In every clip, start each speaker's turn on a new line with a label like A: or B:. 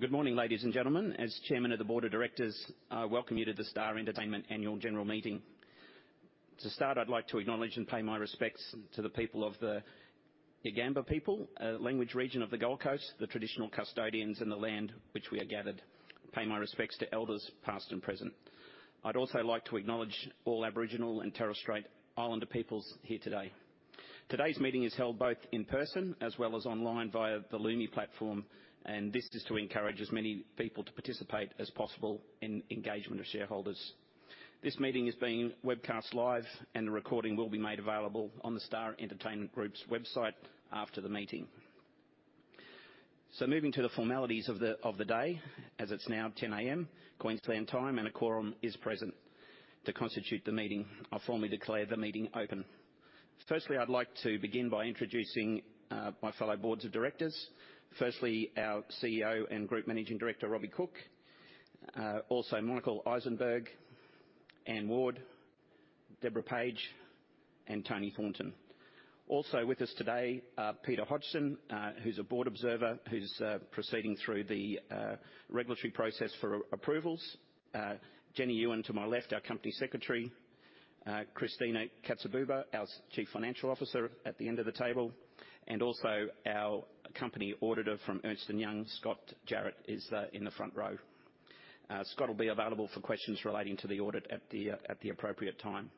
A: Good morning, ladies and gentlemen. As Chairman of the Board of Directors, I welcome you to the Star Entertainment Annual General Meeting. To start, I'd like to acknowledge and pay my respects to the people of the Yugambeh people, language region of the Gold Coast, the traditional custodians in the land which we are gathered. Pay my respects to elders, past and present. I'd also like to acknowledge all Aboriginal and Torres Strait Islander peoples here today. Today's meeting is held both in person as well as online via the Lumi platform, and this is to encourage as many people to participate as possible in engagement of shareholders. This meeting is being webcast live, and a recording will be made available on the Star Entertainment Group's website after the meeting. So moving to the formalities of the day, as it's now 10:00 A.M., Queensland time, and a quorum is present to constitute the meeting, I formally declare the meeting open. Firstly, I'd like to begin by introducing my fellow boards of directors. Firstly, our CEO and Group Managing Director, Robbie Cooke. Also Michael Issenberg, Anne Ward, Deborah Page, Toni Thornton. Also with us today, Peter Hodgson, who's a board observer, who's proceeding through the regulatory process for approvals. Jennie Yuen, to my left, our Company Secretary. Christina Katsibouba, our Chief Financial Officer, at the end of the table, and also our company auditor from Ernst & Young, Scott Jarrett, is in the front row. Scott will be available for questions relating to the audit at the appropriate time.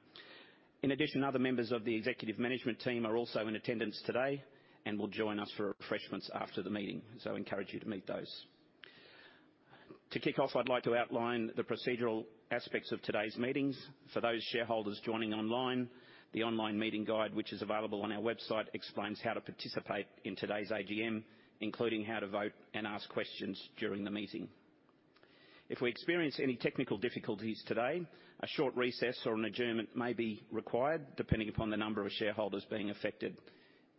A: In addition, other members of the executive management team are also in attendance today and will join us for refreshments after the meeting, so I encourage you to meet those. To kick off, I'd like to outline the procedural aspects of today's meetings. For those shareholders joining online, the online meeting guide, which is available on our website, explains how to participate in today's AGM, including how to vote and ask questions during the meeting. If we experience any technical difficulties today, a short recess or an adjournment may be required, depending upon the number of shareholders being affected.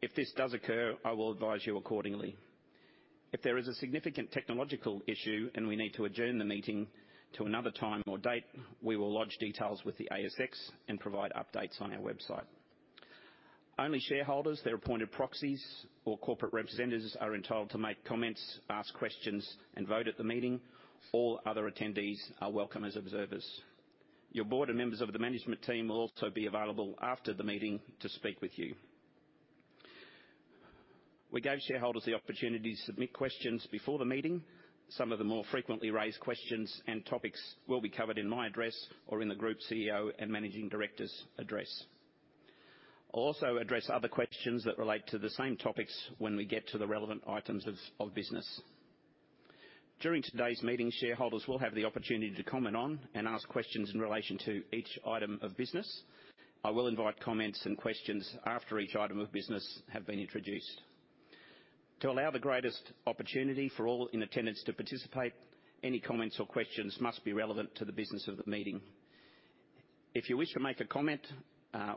A: If this does occur, I will advise you accordingly. If there is a significant technological issue, and we need to adjourn the meeting to another time or date, we will lodge details with the ASX and provide updates on our website. Only shareholders, their appointed proxies, or corporate representatives are entitled to make comments, ask questions, and vote at the meeting. All other attendees are welcome as observers. Your board and members of the management team will also be available after the meeting to speak with you. We gave shareholders the opportunity to submit questions before the meeting. Some of the more frequently raised questions and topics will be covered in my address or in the Group CEO and Managing Director's address. I'll also address other questions that relate to the same topics when we get to the relevant items of business. During today's meeting, shareholders will have the opportunity to comment on and ask questions in relation to each item of business. I will invite comments and questions after each item of business have been introduced. To allow the greatest opportunity for all in attendance to participate, any comments or questions must be relevant to the business of the meeting. If you wish to make a comment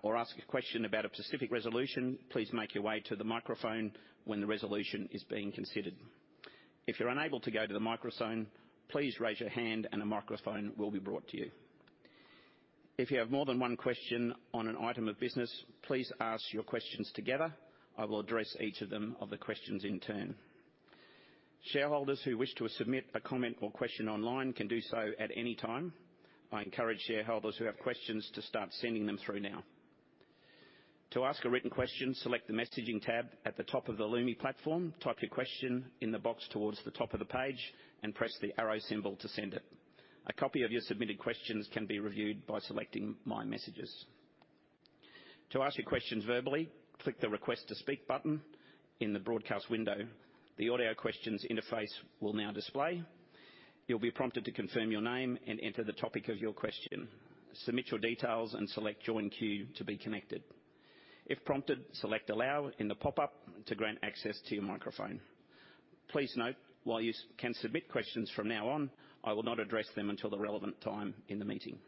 A: or ask a question about a specific resolution, please make your way to the microphone when the resolution is being considered. If you're unable to go to the microphone, please raise your hand, and a microphone will be brought to you. If you have more than one question on an item of business, please ask your questions together. I will address each of them, of the questions in turn. Shareholders who wish to submit a comment or question online can do so at any time. I encourage shareholders who have questions to start sending them through now. To ask a written question, select the Messaging tab at the top of the Lumi platform, type your question in the box towards the top of the page, and press the arrow symbol to send it. A copy of your submitted questions can be reviewed by selecting My Messages. To ask your questions verbally, click the Request to Speak button in the Broadcast window. The Audio Questions interface will now display. You'll be prompted to confirm your name and enter the topic of your question. Submit your details and select Join Queue to be connected. If prompted, select Allow in the pop-up to grant access to your microphone. Please note, while you can submit questions from now on, I will not address them until the relevant time in the meeting.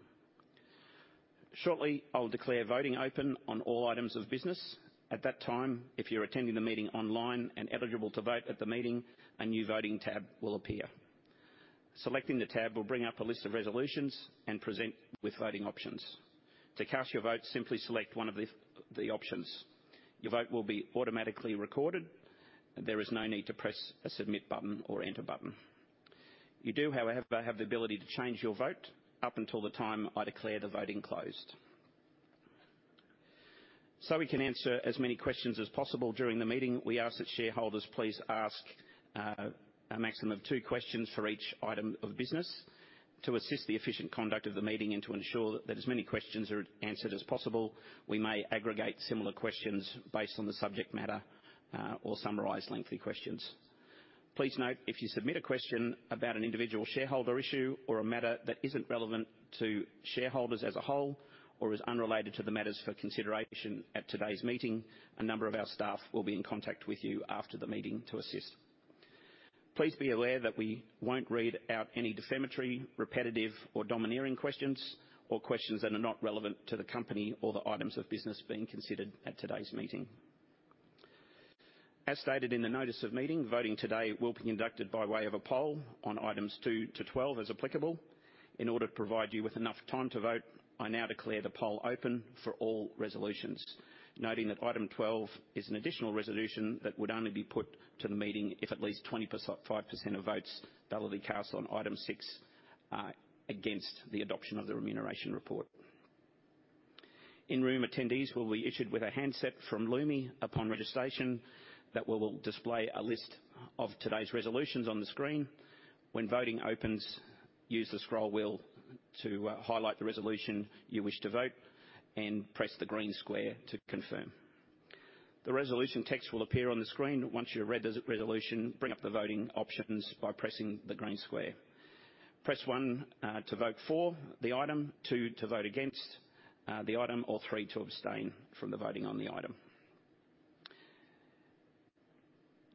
A: Shortly, I will declare voting open on all items of business. At that time, if you're attending the meeting online and eligible to vote at the meeting, a new voting tab will appear. Selecting the tab will bring up a list of resolutions and present with voting options. To cast your vote, simply select one of the options. Your vote will be automatically recorded, and there is no need to press a Submit button or Enter button. You do, however, have the ability to change your vote up until the time I declare the voting closed. So we can answer as many questions as possible during the meeting, we ask that shareholders please ask a maximum of two questions for each item of business. To assist the efficient conduct of the meeting and to ensure that as many questions are answered as possible, we may aggregate similar questions based on the subject matter or summarize lengthy questions. Please note, if you submit a question about an individual shareholder issue or a matter that isn't relevant to shareholders as a whole or is unrelated to the matters for consideration at today's meeting, a number of our staff will be in contact with you after the meeting to assist. Please be aware that we won't read out any defamatory, repetitive, or domineering questions, or questions that are not relevant to the company or the items of business being considered at today's meeting.... As stated in the notice of meeting, voting today will be conducted by way of a poll on items two to 12, as applicable. In order to provide you with enough time to vote, I now declare the poll open for all resolutions, noting that item twelve is an additional resolution that would only be put to the meeting if at least 25% of votes validly cast on item six are against the adoption of the remuneration report. In-room attendees will be issued with a handset from Lumi upon registration that will display a list of today's resolutions on the screen. When voting opens, use the scroll wheel to highlight the resolution you wish to vote, and press the green square to confirm. The resolution text will appear on the screen. Once you read the resolution, bring up the voting options by pressing the green square. Press one to vote for the item, two to vote against the item, or three to abstain from the voting on the item.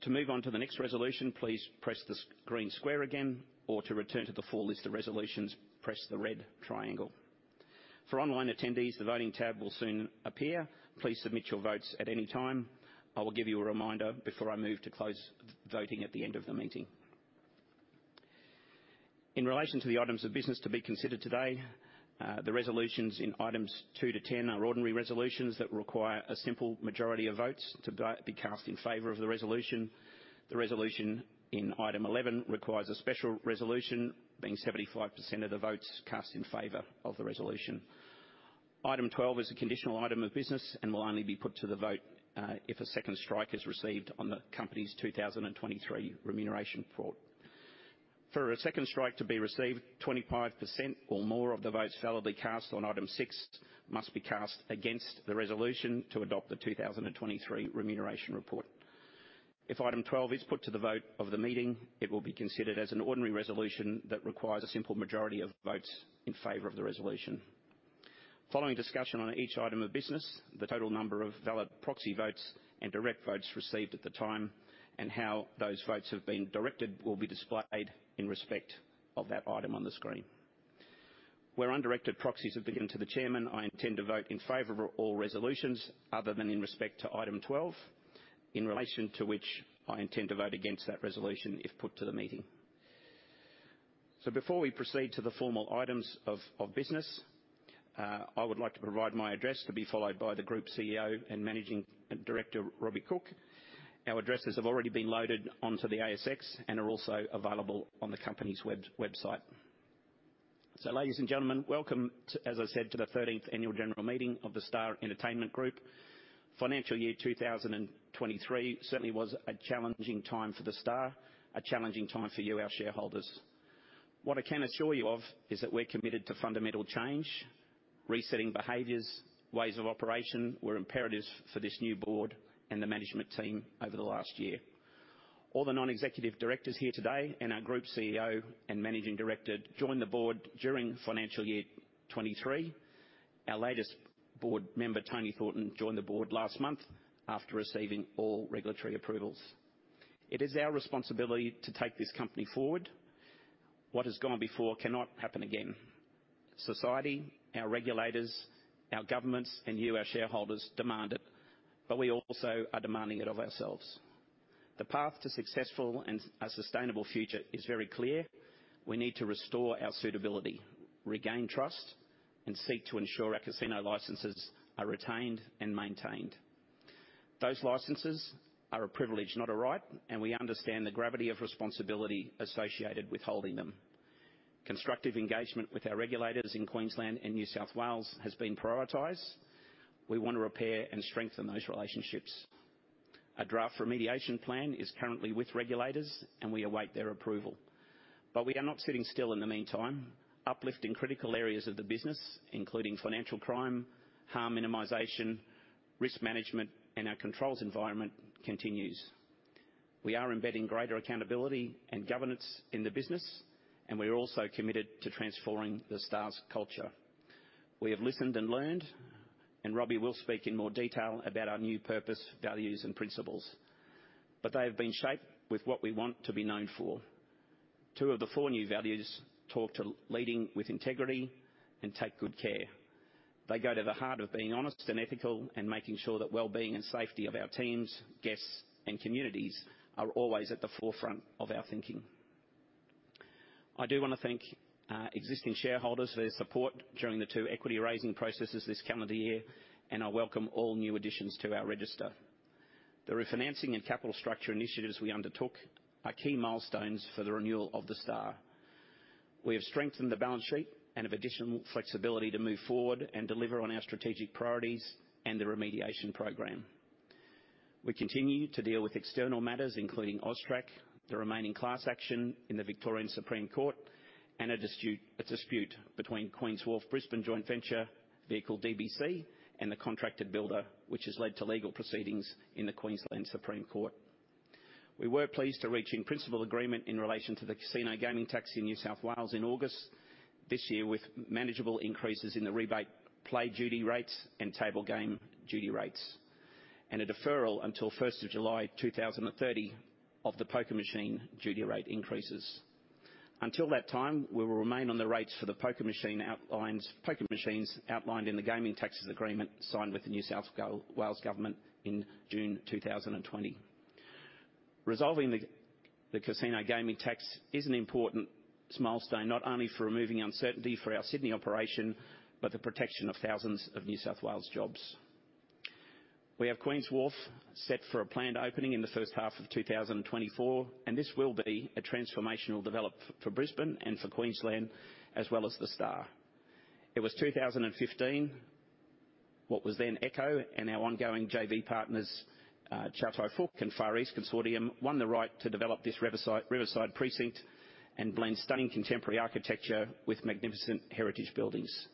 A: To move on to the next resolution, please press this green square again, or to return to the full list of resolutions, press the red triangle. For online attendees, the voting tab will soon appear. Please submit your votes at any time. I will give you a reminder before I move to close voting at the end of the meeting. In relation to the items of business to be considered today, the resolutions in items two-10 are ordinary resolutions that require a simple majority of votes to be cast in favor of the resolution. The resolution in item 11 requires a special resolution, being 75% of the votes cast in favor of the resolution. Item twelve is a conditional item of business and will only be put to the vote if a second strike is received on the company's 2023 remuneration report. For a second strike to be received, 25% or more of the votes validly cast on item six must be cast against the resolution to adopt the 2023 remuneration report. If item twelve is put to the vote of the meeting, it will be considered as an ordinary resolution that requires a simple majority of votes in favor of the resolution. Following discussion on each item of business, the total number of valid proxy votes and direct votes received at the time, and how those votes have been directed, will be displayed in respect of that item on the screen. Where undirected proxies have been given to the Chairman, I intend to vote in favor of all resolutions other than in respect to item 12, in relation to which I intend to vote against that resolution if put to the meeting. Before we proceed to the formal items of business, I would like to provide my address, to be followed by the Group CEO and Managing Director, Robbie Cooke. Our addresses have already been loaded onto the ASX and are also available on the company's website. Ladies and gentlemen, welcome to, as I said, the thirteenth Annual General Meeting of The Star Entertainment Group. Financial year 2023 certainly was a challenging time for The Star, a challenging time for you, our shareholders. What I can assure you of is that we're committed to fundamental change. Resetting behaviors, ways of operation, were imperative for this new board and the management team over the last year. All the Non-Executive Directors here today, and our Group CEO and Managing Director, joined the Board during financial year 2023. Our latest board member, Tony Thornton, joined the Board last month after receiving all regulatory approvals. It is our responsibility to take this company forward. What has gone before cannot happen again. Society, our regulators, our governments, and you, our shareholders, demand it, but we also are demanding it of ourselves. The path to successful and a sustainable future is very clear. We need to restore our suitability, regain trust, and seek to ensure our Casino Licenses are retained and maintained. Those licenses are a privilege, not a right, and we understand the gravity of responsibility associated with holding them. Constructive engagement with our regulators in Queensland and New South Wales has been prioritized. We want to repair and strengthen those relationships. A draft remediation plan is currently with regulators, and we await their approval. We are not sitting still in the meantime. Uplift in critical areas of the business, including financial crime, harm minimization, risk management, and our controls environment, continues. We are embedding greater accountability and governance in the business, and we are also committed to transforming The Star's culture. We have listened and learned, and Robbie will speak in more detail about our new purpose, values, and principles, but they have been shaped with what we want to be known for. Two of the four new values talk to leading with integrity and take good care. They go to the heart of being honest and ethical and making sure that wellbeing and safety of our teams, guests, and communities are always at the forefront of our thinking. I do want to thank existing shareholders for their support during the two equity-raising processes this calendar year, and I welcome all new additions to our register. The refinancing and capital structure initiatives we undertook are key milestones for the renewal of The Star. We have strengthened the balance sheet and have additional flexibility to move forward and deliver on our strategic priorities and the Remediation Program. We continue to deal with external matters, including AUSTRAC, the remaining class action in the Victorian Supreme Court, and a dispute between Queen's Wharf Brisbane joint venture vehicle, DBC, and the contracted builder, which has led to legal proceedings in the Queensland Supreme Court. We were pleased to reach in-principle agreement in relation to the casino gaming tax in New South Wales in August this year, with manageable increases in the rebate play duty rates and table game duty rates, and a deferral until July 1, 2030 of the poker machine duty rate increases. Until that time, we will remain on the rates for the poker machines outlined in the gaming taxes agreement signed with the New South Wales government in June 2020. Resolving the casino gaming tax is an important milestone, not only for removing uncertainty for our Sydney operation, but the protection of thousands of New South Wales jobs. We have Queen's Wharf set for a planned opening in the first half of 2024, and this will be a transformational development for Brisbane and for Queensland, as well as The Star. It was 2015, what was then Echo, and our ongoing JV partners, Chow Tai Fook and Far East Consortium, won the right to develop this riverside, riverside precinct and blend stunning contemporary architecture with magnificent heritage buildings.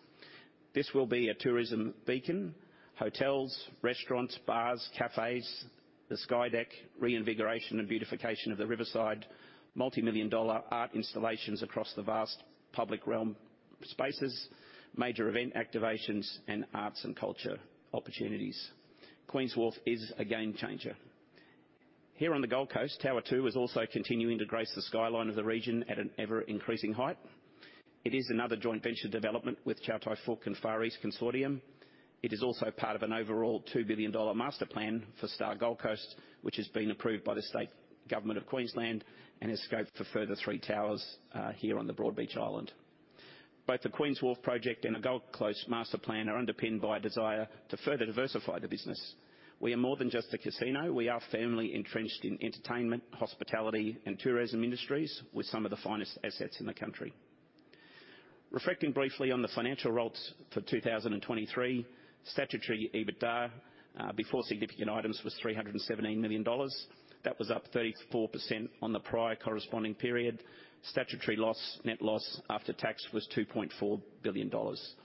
A: This will be a tourism beacon, hotels, restaurants, bars, cafes, the sky deck, reinvigoration and beautification of the riverside, multimillion-dollar art installations across the vast public realm spaces, major event activations, and arts and culture opportunities. Queen's Wharf is a game changer. Here on the Gold Coast, Tower Two is also continuing to grace the skyline of the region at an ever-increasing height. It is another joint venture development with Chow Tai Fook and Far East Consortium. It is also part of an overall 2 billion dollar master plan for Star Gold Coast, which has been approved by the state government of Queensland and has scope for further three towers here on the Broadbeach Island. Both the Queen's Wharf project and the Gold Coast Master plan are underpinned by a desire to further diversify the business. We are more than just a casino, we are firmly entrenched in entertainment, hospitality, and tourism industries, with some of the finest assets in the country. Reflecting briefly on the financial results for 2023, statutory EBITDA before significant items was 317 million dollars. That was up 34% on the prior corresponding period. Statutory loss, net loss after tax was 2.4 billion dollars.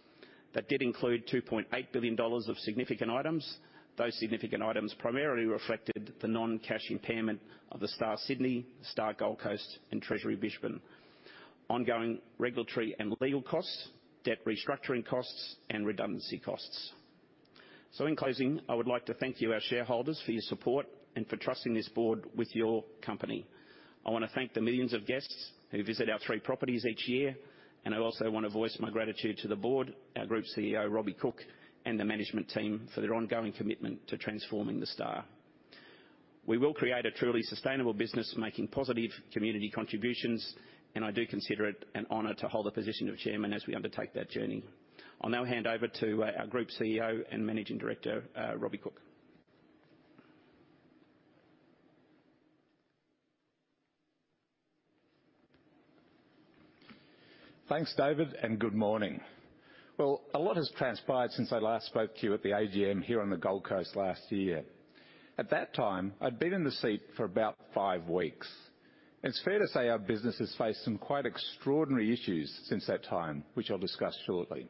A: That did include 2.8 billion dollars of significant items. Those significant items primarily reflected the non-cash impairment of The Star Sydney, The Star Gold Coast, and Treasury Brisbane, ongoing regulatory and legal costs, debt restructuring costs, and redundancy costs. So in closing, I would like to thank you, our shareholders, for your support and for trusting this board with your company. I want to thank the millions of guests who visit our three properties each year, and I also want to voice my gratitude to the Board, our Group CEO, Robbie Cooke, and the management team for their ongoing commitment to transforming The Star. We will create a truly sustainable business, making positive community contributions, and I do consider it an honor to hold the position of Chairman as we undertake that journey. I'll now hand over to our Group CEO and Managing Director, Robbie Cooke.
B: Thanks, David, and good morning. Well, a lot has transpired since I last spoke to you at the AGM here on the Gold Coast last year. At that time, I'd been in the seat for about five weeks. It's fair to say our business has faced some quite extraordinary issues since that time, which I'll discuss shortly.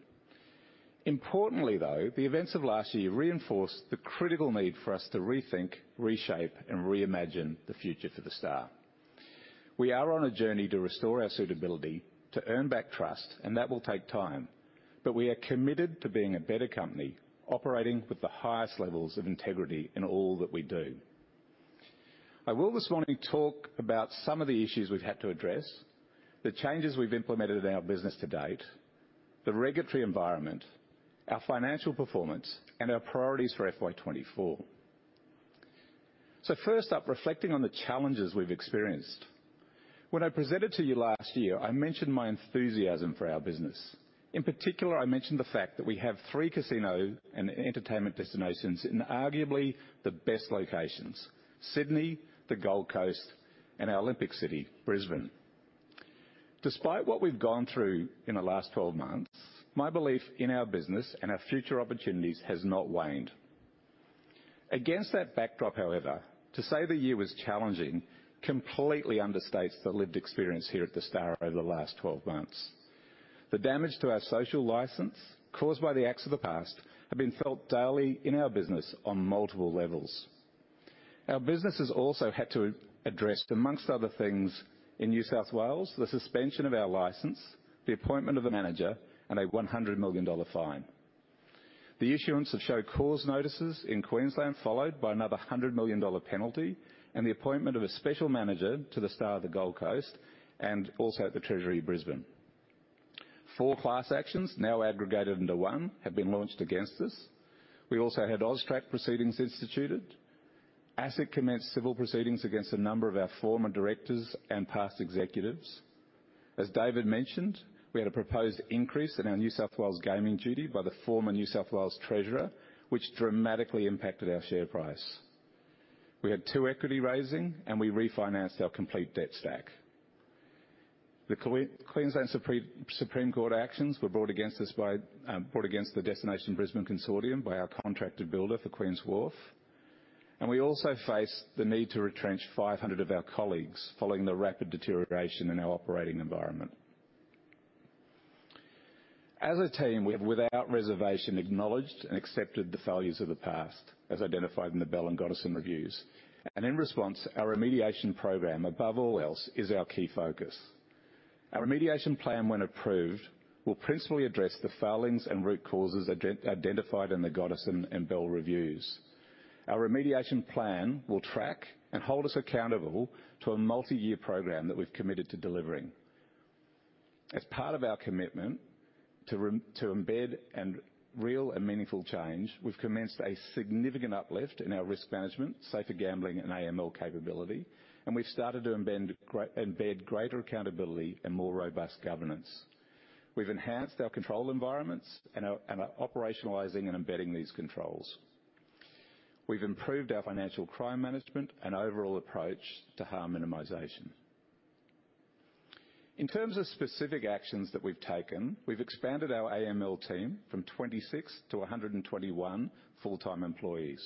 B: Importantly, though, the events of last year reinforced the critical need for us to rethink, reshape, and reimagine the future for The Star. We are on a journey to restore our suitability to earn back trust, and that will take time, but we are committed to being a better company, operating with the highest levels of integrity in all that we do. I will this morning talk about some of the issues we've had to address, the changes we've implemented in our business to date, the regulatory environment, our financial performance, and our priorities for FY 2024. So first up, reflecting on the challenges we've experienced. When I presented to you last year, I mentioned my enthusiasm for our business. In particular, I mentioned the fact that we have three casino and entertainment destinations in arguably the best locations: Sydney, the Gold Coast, and our Olympic City, Brisbane. Despite what we've gone through in the last 12 months, my belief in our business and our future opportunities has not waned. Against that backdrop, however, to say the year was challenging, completely understates the lived experience here at The Star over the last 12 months. The damage to our social license, caused by the acts of the past, have been felt daily in our business on multiple levels. Our business has also had to address, among other things, in New South Wales, the suspension of our license, the appointment of a manager, and an 100 million dollar fine. The issuance of show cause notices in Queensland, followed by another 100 million dollar penalty, and the appointment of a special manager to The Star Gold Coast and also at Treasury Brisbane. Four class actions, now aggregated into one, have been launched against us. We also had AUSTRAC proceedings instituted. ASIC commenced civil proceedings against a number of our former directors and past executives. As David mentioned, we had a proposed increase in our New South Wales gaming duty by the former New South Wales Treasurer, which dramatically impacted our share price. We had two equity raising, and we refinanced our complete debt stack. The Queensland Supreme Court actions were brought against us by, brought against the Destination Brisbane Consortium by our contracted builder for Queen's Wharf, and we also faced the need to retrench 500 of our colleagues following the rapid deterioration in our operating environment. As a team, we have, without reservation, acknowledged and accepted the failures of the past, as identified in the Bell and Gotterson reviews, and in response, our Remediation Program, above all else, is our key focus. Our remediation plan, when approved, will principally address the failings and root causes identified in the Gotterson and Bell reviews. Our remediation plan will track and hold us accountable to a multi-year program that we've committed to delivering. As part of our commitment to embed real and meaningful change, we've commenced a significant uplift in our risk management, safer gambling, and AML capability, and we've started to embed greater accountability and more robust governance. We've enhanced our control environments and are operationalizing and embedding these controls. We've improved our financial crime management and overall approach to harm minimization. In terms of specific actions that we've taken, we've expanded our AML team from 26 to 121 full-time employees.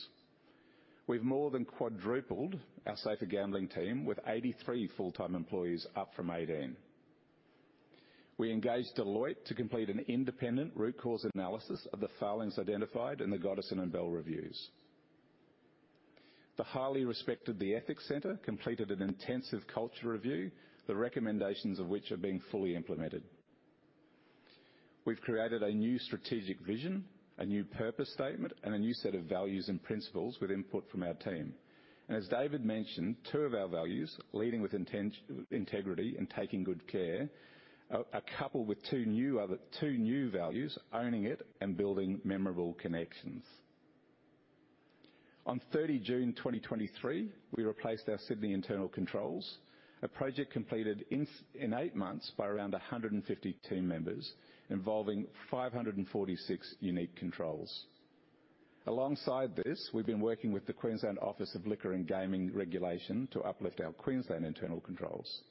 B: We've more than quadrupled our safer gambling team with 83 full-time employees, up from 18. We engaged Deloitte to complete an independent root cause analysis of the failings identified in the Gotterson and Bell reviews. The highly respected The Ethics Centre completed an intensive culture review, the recommendations of which are being fully implemented. We've created a new strategic vision, a new purpose statement, and a new set of values and principles with input from our team. As David mentioned, two of our values, leading with integrity and taking good care, are coupled with two new values, owning it and building memorable connections. On 30 June 2023, we replaced our Sydney internal controls, a project completed in eight months by around 150 team members, involving 546 unique controls. Alongside this, we've been working with the Queensland Office of Liquor and Gaming Regulation to uplift our Queensland internal controls.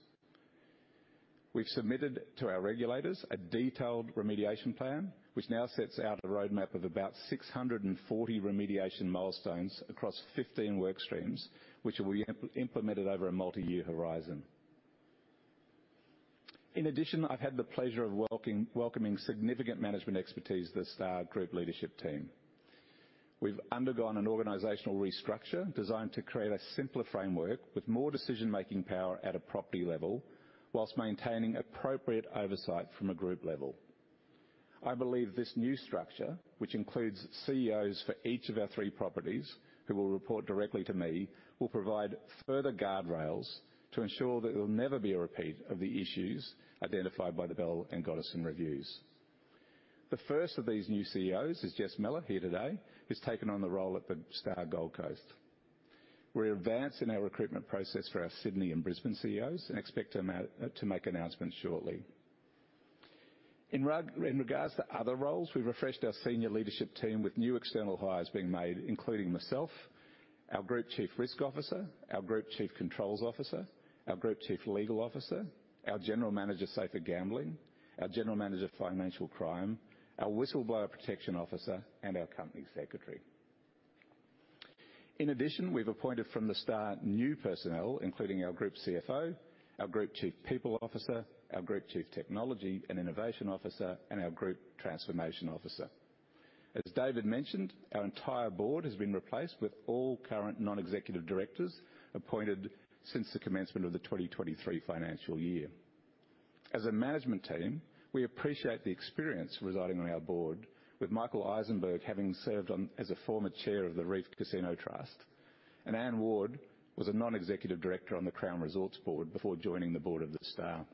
B: We've submitted to our regulators a detailed remediation plan, which now sets out a roadmap of about 640 remediation milestones across 15 work streams, which will be implemented over a multi-year horizon. In addition, I've had the pleasure of welcoming significant management expertise to the Star Group leadership team. We've undergone an organizational restructure designed to create a simpler framework with more decision-making power at a property level, while maintaining appropriate oversight from a group level. I believe this new structure, which includes CEOs for each of our three properties, who will report directly to me, will provide further guardrails to ensure that there will never be a repeat of the issues identified by the Bell and Gotterson reviews. The first of these new CEOs is Jess Mellor, here today, who's taken on the role at The Star Gold Coast. We're advancing our recruitment process for our Sydney and Brisbane CEOs, and expect to announce to make announcements shortly. In regards to other roles, we've refreshed our senior leadership team, with new external hires being made, including myself, our Group Chief Risk Officer, our Group Chief Controls Officer, our Group Chief Legal Officer, our General Manager, Safer Gambling, our General Manager, Financial Crime, our Whistleblower Protection Officer, and our Company Secretary. In addition, we've appointed from the Star, new personnel, including our Group CFO, our Group Chief People Officer, our Group Chief Technology and Innovation Officer, and our Group Transformation Officer. As David mentioned, our entire board has been replaced, with all current Non-Executive Directors appointed since the commencement of the 2023 financial year. As a management team, we appreciate the experience residing on our board, with Michael Issenberg having served on as a former chair of the Reef Casino Trust, and Anne Ward was a Non-Executive Director on the Crown Resorts board before joining the Board of The Star.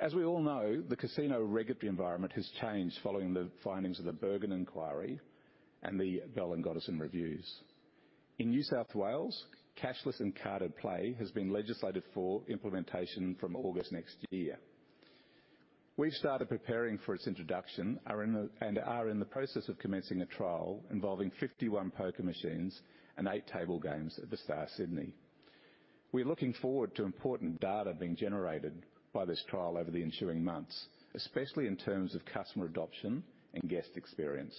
B: As we all know, the casino regulatory environment has changed following the findings of the Bell inquiry and the Bell and Gotterson reviews. In New South Wales, cashless and carded play has been legislated for implementation from August next year. We've started preparing for its introduction, and are in the process of commencing a trial involving 51 poker machines and eight table games at The Star Sydney. We're looking forward to important data being generated by this trial over the ensuing months, especially in terms of customer adoption and guest experience.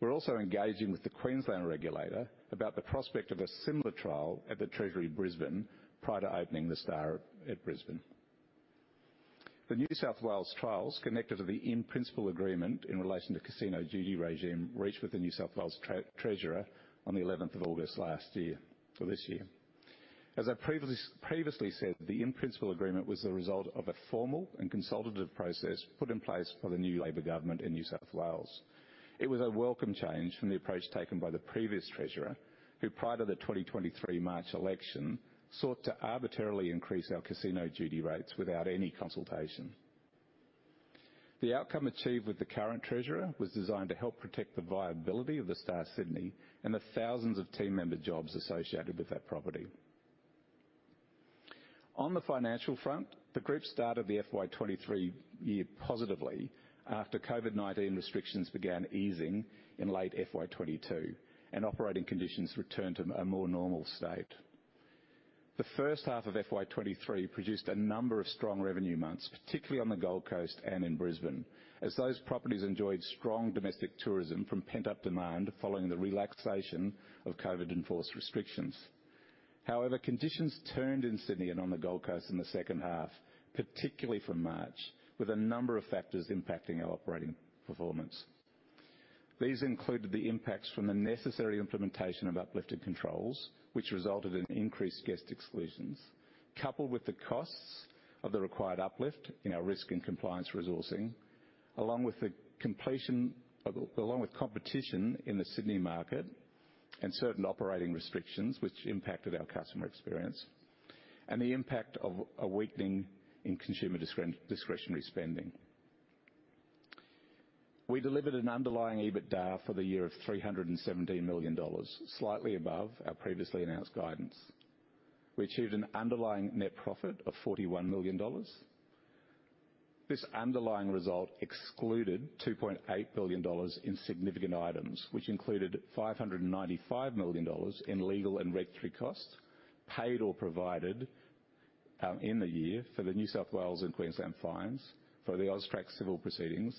B: We're also engaging with the Queensland regulator about the prospect of a similar trial at the Treasury in Brisbane, prior to opening The Star at Brisbane. The New South Wales trials connected to the in-principle agreement in relation to casino duty regime, reached with the New South Wales Treasurer on the 11th of August last year, for this year. As I previously said, the in-principle agreement was the result of a formal and consultative process put in place by the new Labor government in New South Wales. It was a welcome change from the approach taken by the previous treasurer, who, prior to the 2023 March election, sought to arbitrarily increase our casino duty rates without any consultation. The outcome achieved with the current treasurer was designed to help protect the viability of The Star Sydney and the thousands of team member jobs associated with that property. On the financial front, the group started the FY 2023 year positively after COVID-19 restrictions began easing in late FY 2022, and operating conditions returned to a more normal state. The first half of FY 2023 produced a number of strong revenue months, particularly on the Gold Coast and in Brisbane, as those properties enjoyed strong domestic tourism from pent-up demand following the relaxation of COVID-enforced restrictions. However, conditions turned in Sydney and on the Gold Coast in the second half, particularly from March, with a number of factors impacting our operating performance. These included the impacts from the necessary implementation of uplifted controls, which resulted in increased guest exclusions, coupled with the costs of the required uplift in our risk and compliance resourcing, along with competition in the Sydney market. and certain operating restrictions, which impacted our customer experience, and the impact of a weakening in consumer discretionary spending. We delivered an underlying EBITDA for the year of 317 million dollars, slightly above our previously announced guidance. We achieved an underlying net profit of 41 million dollars. This underlying result excluded 2.8 billion dollars in significant items, which included 595 million dollars in legal and regulatory costs, paid or provided, in the year for the New South Wales and Queensland fines, for the AUSTRAC civil proceedings,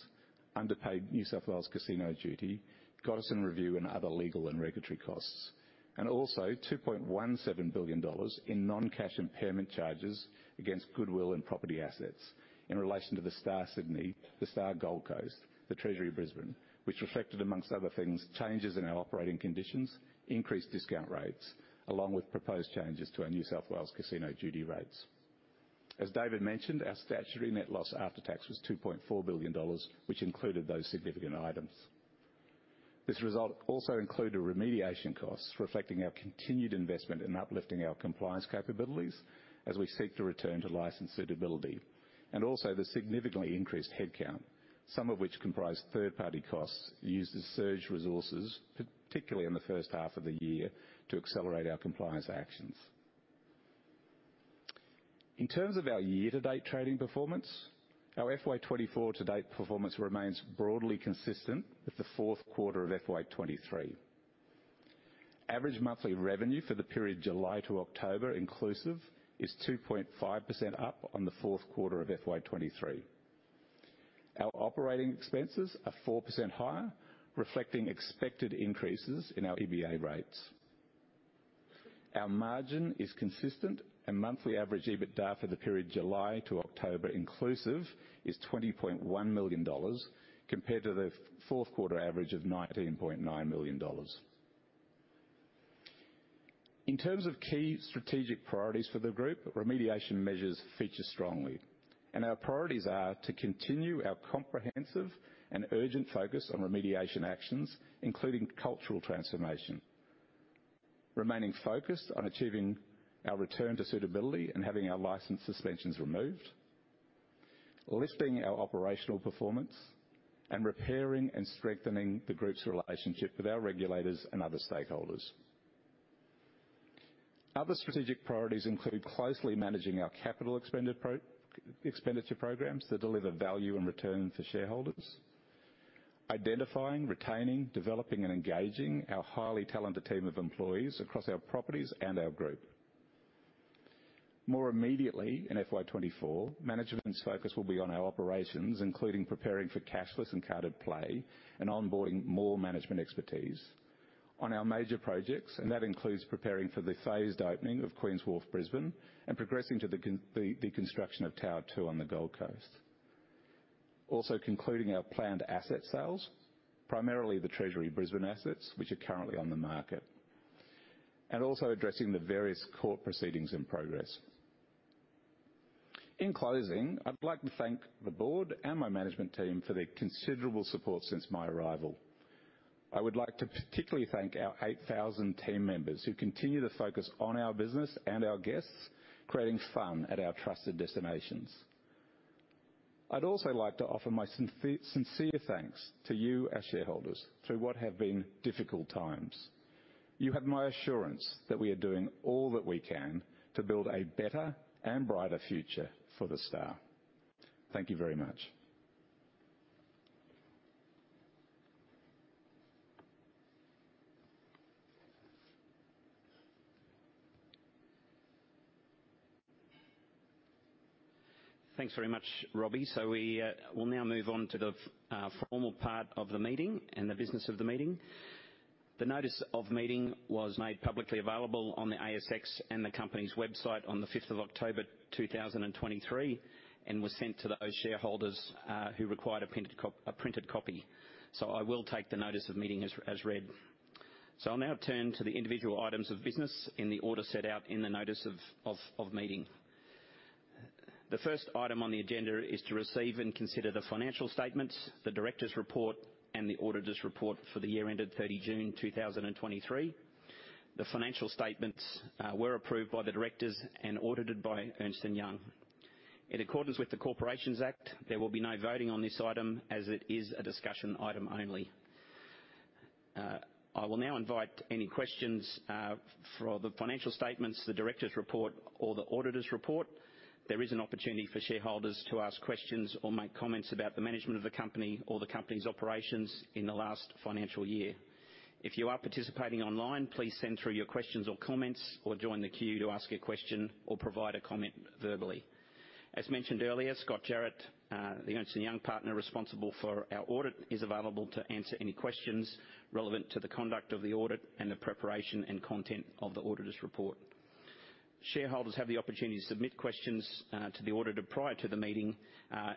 B: underpaid New South Wales Casino duty, Gotterson Review, and other legal and regulatory costs. Also two point one seven billion dollars in non-cash impairment charges against goodwill and property assets in relation to The Star Sydney, The Star Gold Coast, Treasury Brisbane, which reflected, among other things, changes in our operating conditions, increased discount rates, along with proposed changes to our New South Wales casino duty rates. As David mentioned, our statutory net loss after tax was two point four billion dollars, which included those significant items. This result also included remediation costs, reflecting our continued investment in uplifting our compliance capabilities as we seek to return to license suitability, and also the significantly increased headcount, some of which comprised third-party costs used as surge resources, particularly in the first half of the year, to accelerate our compliance actions. In terms of our year-to-date trading performance, our FY 2024 to date performance remains broadly consistent with the fourth quarter of FY 2023. Average monthly revenue for the period July to October, inclusive, is 2.5% up on the fourth quarter of FY 2023. Our operating expenses are 4% higher, reflecting expected increases in our EBA rates. Our margin is consistent, and monthly average EBITDA for the period July to October inclusive, is 20.1 million dollars, compared to the fourth quarter average of 19.9 million dollars. In terms of key strategic priorities for the group, remediation measures feature strongly, and our priorities are to continue our comprehensive and urgent focus on remediation actions, including Cultural Transformation Program. Remaining focused on achieving our return to suitability and having our license suspensions removed, lifting our operational performance, and repairing and strengthening the group's relationship with our regulators and other stakeholders. Other strategic priorities include closely managing our Capital Expenditure programs that deliver value and return to shareholders. Identifying, retaining, developing, and engaging our highly talented team of employees across our properties and our group. More immediately, in FY 2024, management's focus will be on our operations, including preparing for cashless and carded play, and onboarding more management expertise on our major projects, and that includes preparing for the phased opening of Queen's Wharf Brisbane, and progressing to the construction of Tower Two on the Gold Coast. Also concluding our planned asset sales, primarily the Treasury Brisbane assets, which are currently on the market, and also addressing the various court proceedings in progress. In closing, I'd like to thank the Board and my management team for their considerable support since my arrival. I would like to particularly thank our 8,000 team members, who continue to focus on our business and our guests, creating fun at our trusted destinations. I'd also like to offer my sincere thanks to you, our shareholders, through what have been difficult times. You have my assurance that we are doing all that we can to build a better and brighter future for The Star. Thank you very much.
A: Thanks very much, Robbie. So we will now move on to the formal part of the meeting and the business of the meeting. The notice of meeting was made publicly available on the ASX and the company's website on 5th October 2023, and was sent to those shareholders who required a printed copy. So I will take the notice of meeting as read. So I'll now turn to the individual items of business in the order set out in the notice of meeting. The first item on the agenda is to receive and consider the financial statements, the directors' report, and the auditors' report for the year ended 30 June 2023. The financial statements were approved by the directors and audited by Ernst & Young. In accordance with the Corporations Act, there will be no voting on this item as it is a discussion item only. I will now invite any questions for the financial statements, the directors' report, or the auditors' report. There is an opportunity for shareholders to ask questions or make comments about the management of the company or the company's operations in the last financial year. If you are participating online, please send through your questions or comments, or join the queue to ask a question or provide a comment verbally. As mentioned earlier, Scott Jarrett, the Ernst & Young partner responsible for our audit, is available to answer any questions relevant to the conduct of the audit and the preparation and content of the auditors' report. Shareholders have the opportunity to submit questions to the auditor prior to the meeting.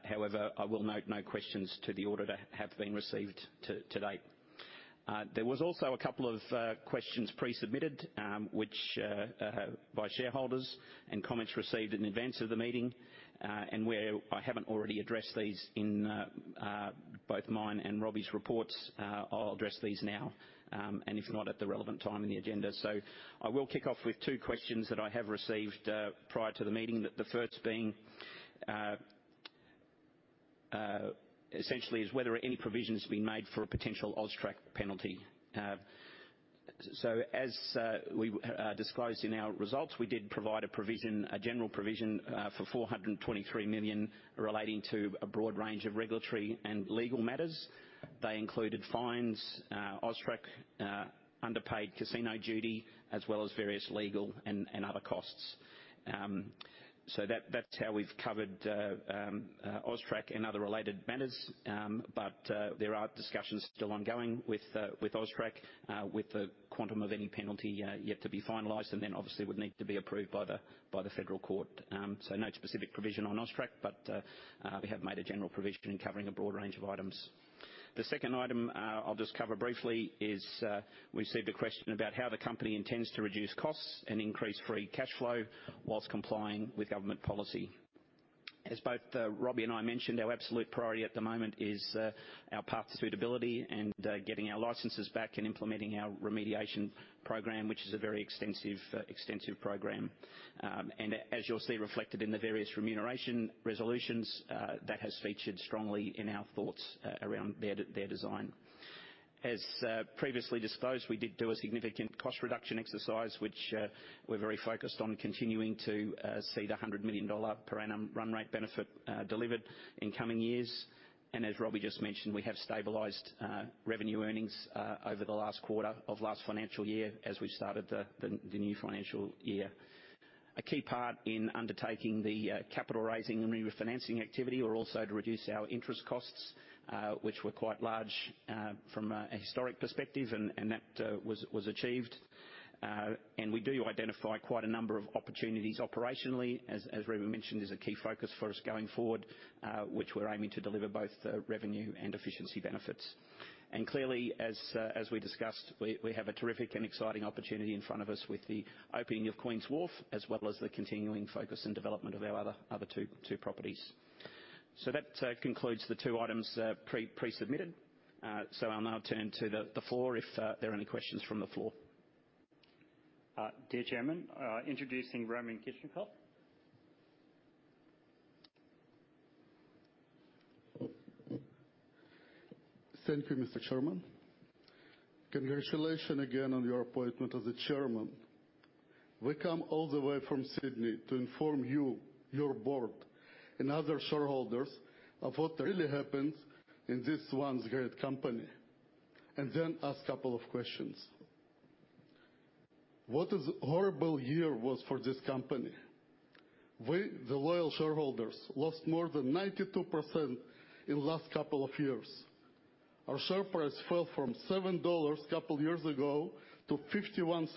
A: However, I will note no questions to the auditor have been received to date. There was also a couple of questions pre-submitted, which by shareholders, and comments received in advance of the meeting. And where I haven't already addressed these in both mine and Robbie's reports, I'll address these now, and if not, at the relevant time in the agenda. So I will kick off with two questions that I have received prior to the meeting. The first being essentially is whether any provision has been made for a potential AUSTRAC penalty. So as we disclosed in our results, we did provide a provision, a general provision, for 423 million relating to a broad range of regulatory and legal matters. They included fines, AUSTRAC, underpaid casino duty, as well as various legal and, and other costs. So that, that's how we've covered, AUSTRAC and other related matters. But, there are discussions still ongoing with, with AUSTRAC, with the quantum of any penalty, yet to be finalized, and then obviously would need to be approved by the, by the federal court. So no specific provision on AUSTRAC, but, we have made a general provision in covering a broad range of items. The second item, I'll just cover briefly, is, we received a question about how the company intends to reduce costs and increase free cash flow whilst complying with government policy. As both Robbie and I mentioned, our absolute priority at the moment is our path to suitability, and getting our licenses back, and implementing our Remediation Program, which is a very extensive program. And as you'll see reflected in the various remuneration resolutions, that has featured strongly in our thoughts around their design. As previously disclosed, we did do a significant cost reduction exercise, which we're very focused on continuing to see the 100 million dollar per annum run rate benefit delivered in coming years. And as Robbie just mentioned, we have stabilized revenue earnings over the last quarter of last financial year as we've started the new financial year. A key part in undertaking the capital raising and refinancing activity were also to reduce our interest costs, which were quite large from a historic perspective, and that was achieved. And we do identify quite a number of opportunities operationally, as Robbie mentioned, is a key focus for us going forward, which we're aiming to deliver both the revenue and efficiency benefits. And clearly, as we discussed, we have a terrific and exciting opportunity in front of us with the opening of Queen's Wharf, as well as the continuing focus and development of our other two properties. So that concludes the two items pre-submitted. So I'll now turn to the floor, if there are any questions from the floor.
C: Dear Chairman, introducing Roman Kishenkov.
D: Thank you, Mr. Chairman. Congratulations again on your appointment as the Chairman. We come all the way from Sydney to inform you, your board, and other shareholders of what really happens in this once great company, and then ask couple of questions. What is horrible year was for this company? We, the loyal shareholders, lost more than 92% in last couple of years. Our share price fell from 7 dollars a couple years ago to 0.51.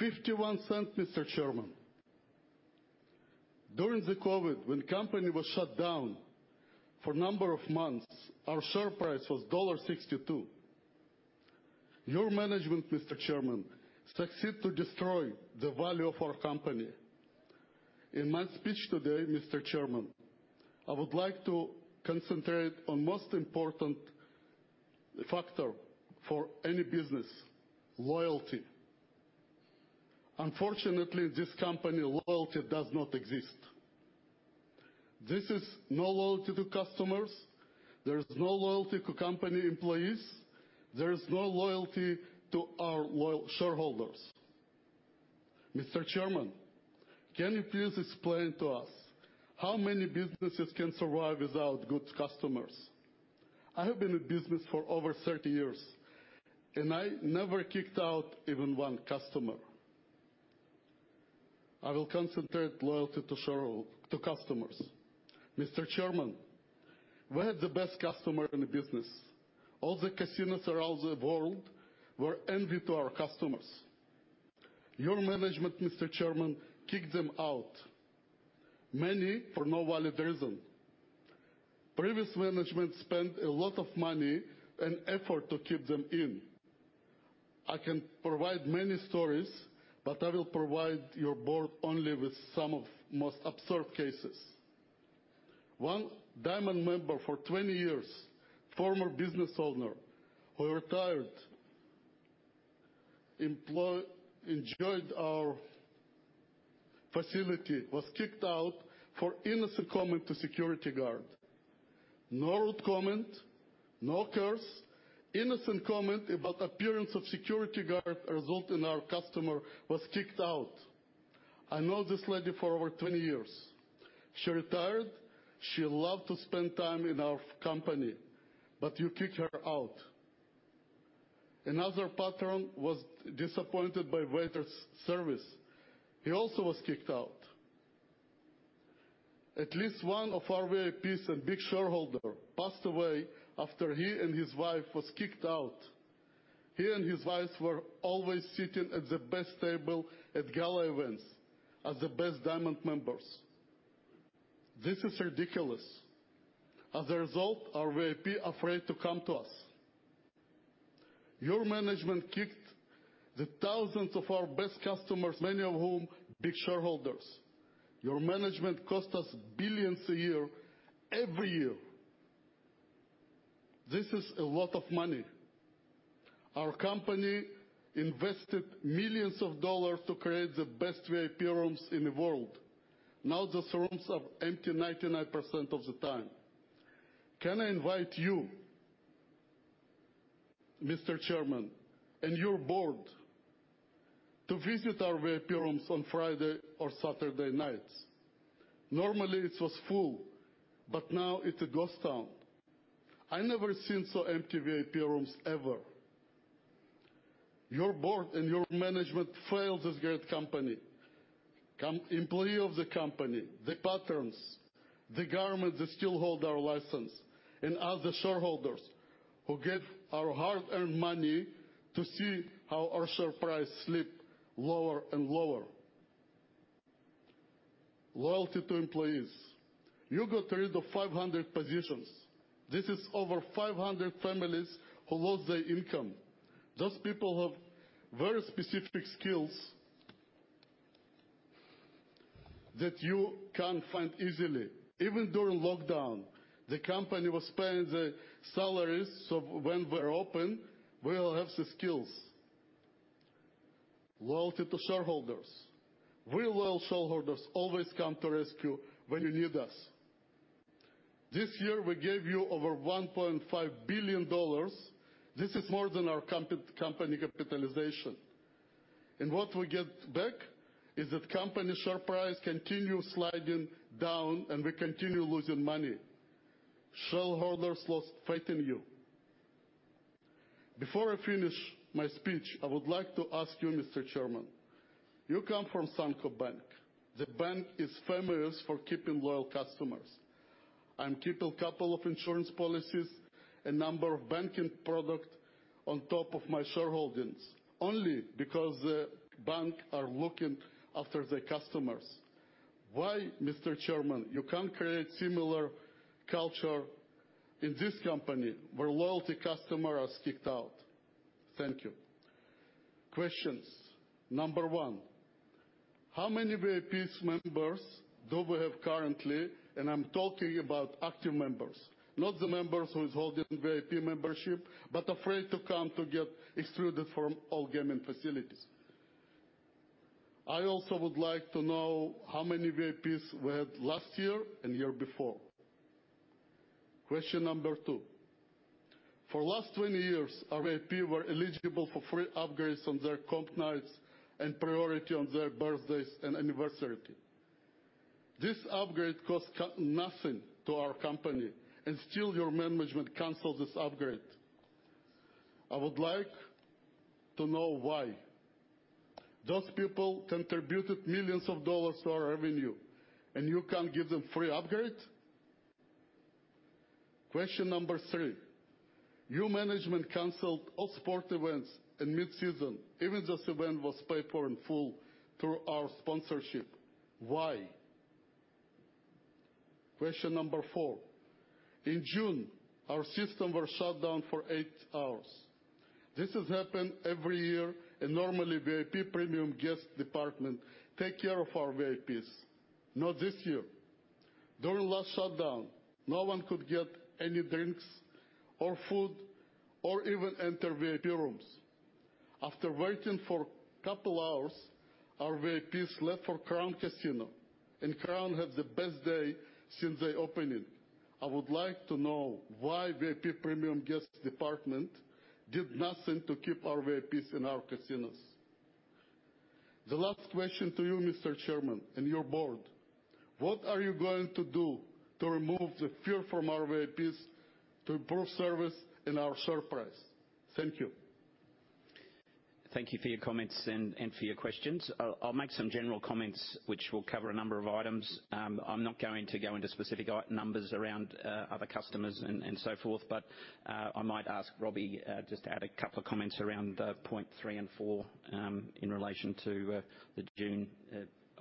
D: 0.51, Mr. Chairman. During the COVID, when company was shut down for a number of months, our share price was dollar 1.62. Your management, Mr. Chairman, succeed to destroy the value of our company. In my speech today, Mr. Chairman, I would like to concentrate on most important factor for any business: loyalty. Unfortunately, in this company, loyalty does not exist. This is no loyalty to customers, there is no loyalty to company employees, there is no loyalty to our loyal shareholders. Mr. Chairman, can you please explain to us how many businesses can survive without good customers? I have been in business for over 30 years, and I never kicked out even 1 customer. I will concentrate loyalty to customers. Mr. Chairman, we had the best customer in the business. All the casinos around the world were envy to our customers. Your management, Mr. Chairman, kicked them out, many for no valid reason. Previous management spent a lot of money and effort to keep them in. I can provide many stories, but I will provide your board only with some of most absurd cases. One diamond member for 20 years, former business owner, who retired, enjoyed our facility, was kicked out for innocent comment to security guard. No rude comment, no curse, innocent comment about appearance of security guard result in our customer was kicked out. I know this lady for over 20 years. She retired. She loved to spend time in our company, but you kicked her out. Another patron was disappointed by waiter's service. He also was kicked out. At least one of our VIPs and big shareholder passed away after he and his wife was kicked out. He and his wife were always sitting at the best table at gala events, as the best diamond members... This is ridiculous! As a result, our VIP afraid to come to us. Your management kicked the thousands of our best customers, many of whom, big shareholders. Your management cost us billions a year, every year. This is a lot of money. Our company invested millions dollars to create the best VIP rooms in the world. Now, those rooms are empty 99% of the time. Can I invite you, Mr. Chairman, and your board, to visit our VIP rooms on Friday or Saturday nights? Normally, it was full, but now it's a ghost town. I never seen so empty VIP rooms, ever. Your board and your management failed this great company, company employee of the company, the patrons, the government that still hold our license, and other shareholders who get our hard-earned money to see how our share price slip lower and lower. Loyalty to employees. You got rid of 500 positions. This is over 500 families who lost their income. Those people have very specific skills that you can't find easily. Even during lockdown, the company was paying the salaries, so when we're open, we'll have the skills. Loyalty to shareholders. We loyal shareholders always come to rescue when you need us. This year, we gave you over 1.5 billion dollars. This is more than our company capitalization. And what we get back is that company share price continue sliding down, and we continue losing money. Shareholders lost faith in you. Before I finish my speech, I would like to ask you, Mr. Chairman, you come from Suncorp Bank. The bank is famous for keeping loyal customers. I'm keeping couple of insurance policies, a number of banking product on top of my shareholdings, only because the bank are looking after their customers. Why, Mr. Chairman, you can't create similar culture in this company, where loyalty customer are kicked out? Thank you. Questions. Number one, how many VIPs members do we have currently? And I'm talking about active members, not the members who is holding VIP membership, but afraid to come to get excluded from all gaming facilities. I also would like to know how many VIPs we had last year and year before. Question number two, for last 20 years, our VIP were eligible for free upgrades on their comp nights and priority on their birthdays and anniversary. This upgrade cost nothing to our company, and still, your management canceled this upgrade. I would like to know why. Those people contributed millions dollars to our revenue, and you can't give them free upgrade? Question number three, your management canceled all sport events in mid-season, even this event was paid for in full through our sponsorship. Why? Question number four, in June, our system were shut down for 8 hours. This has happened every year, and normally, VIP premium guest department take care of our VIPs. Not this year. During last shutdown, no one could get any drinks or food or even enter VIP rooms. After waiting for couple hours, our VIPs left for Crown Casino, and Crown had the best day since they opened it. I would like to know why VIP premium guest department did nothing to keep our VIPs in our casinos. The last question to you, Mr. Chairman, and your board: What are you going to do to remove the fear from our VIPs, to improve service and our share price? Thank you.
A: Thank you for your comments and for your questions. I'll make some general comments, which will cover a number of items. I'm not going to go into specific numbers around other customers and so forth, but I might ask Robbie just to add a couple of comments around point 3 and 4 in relation to the June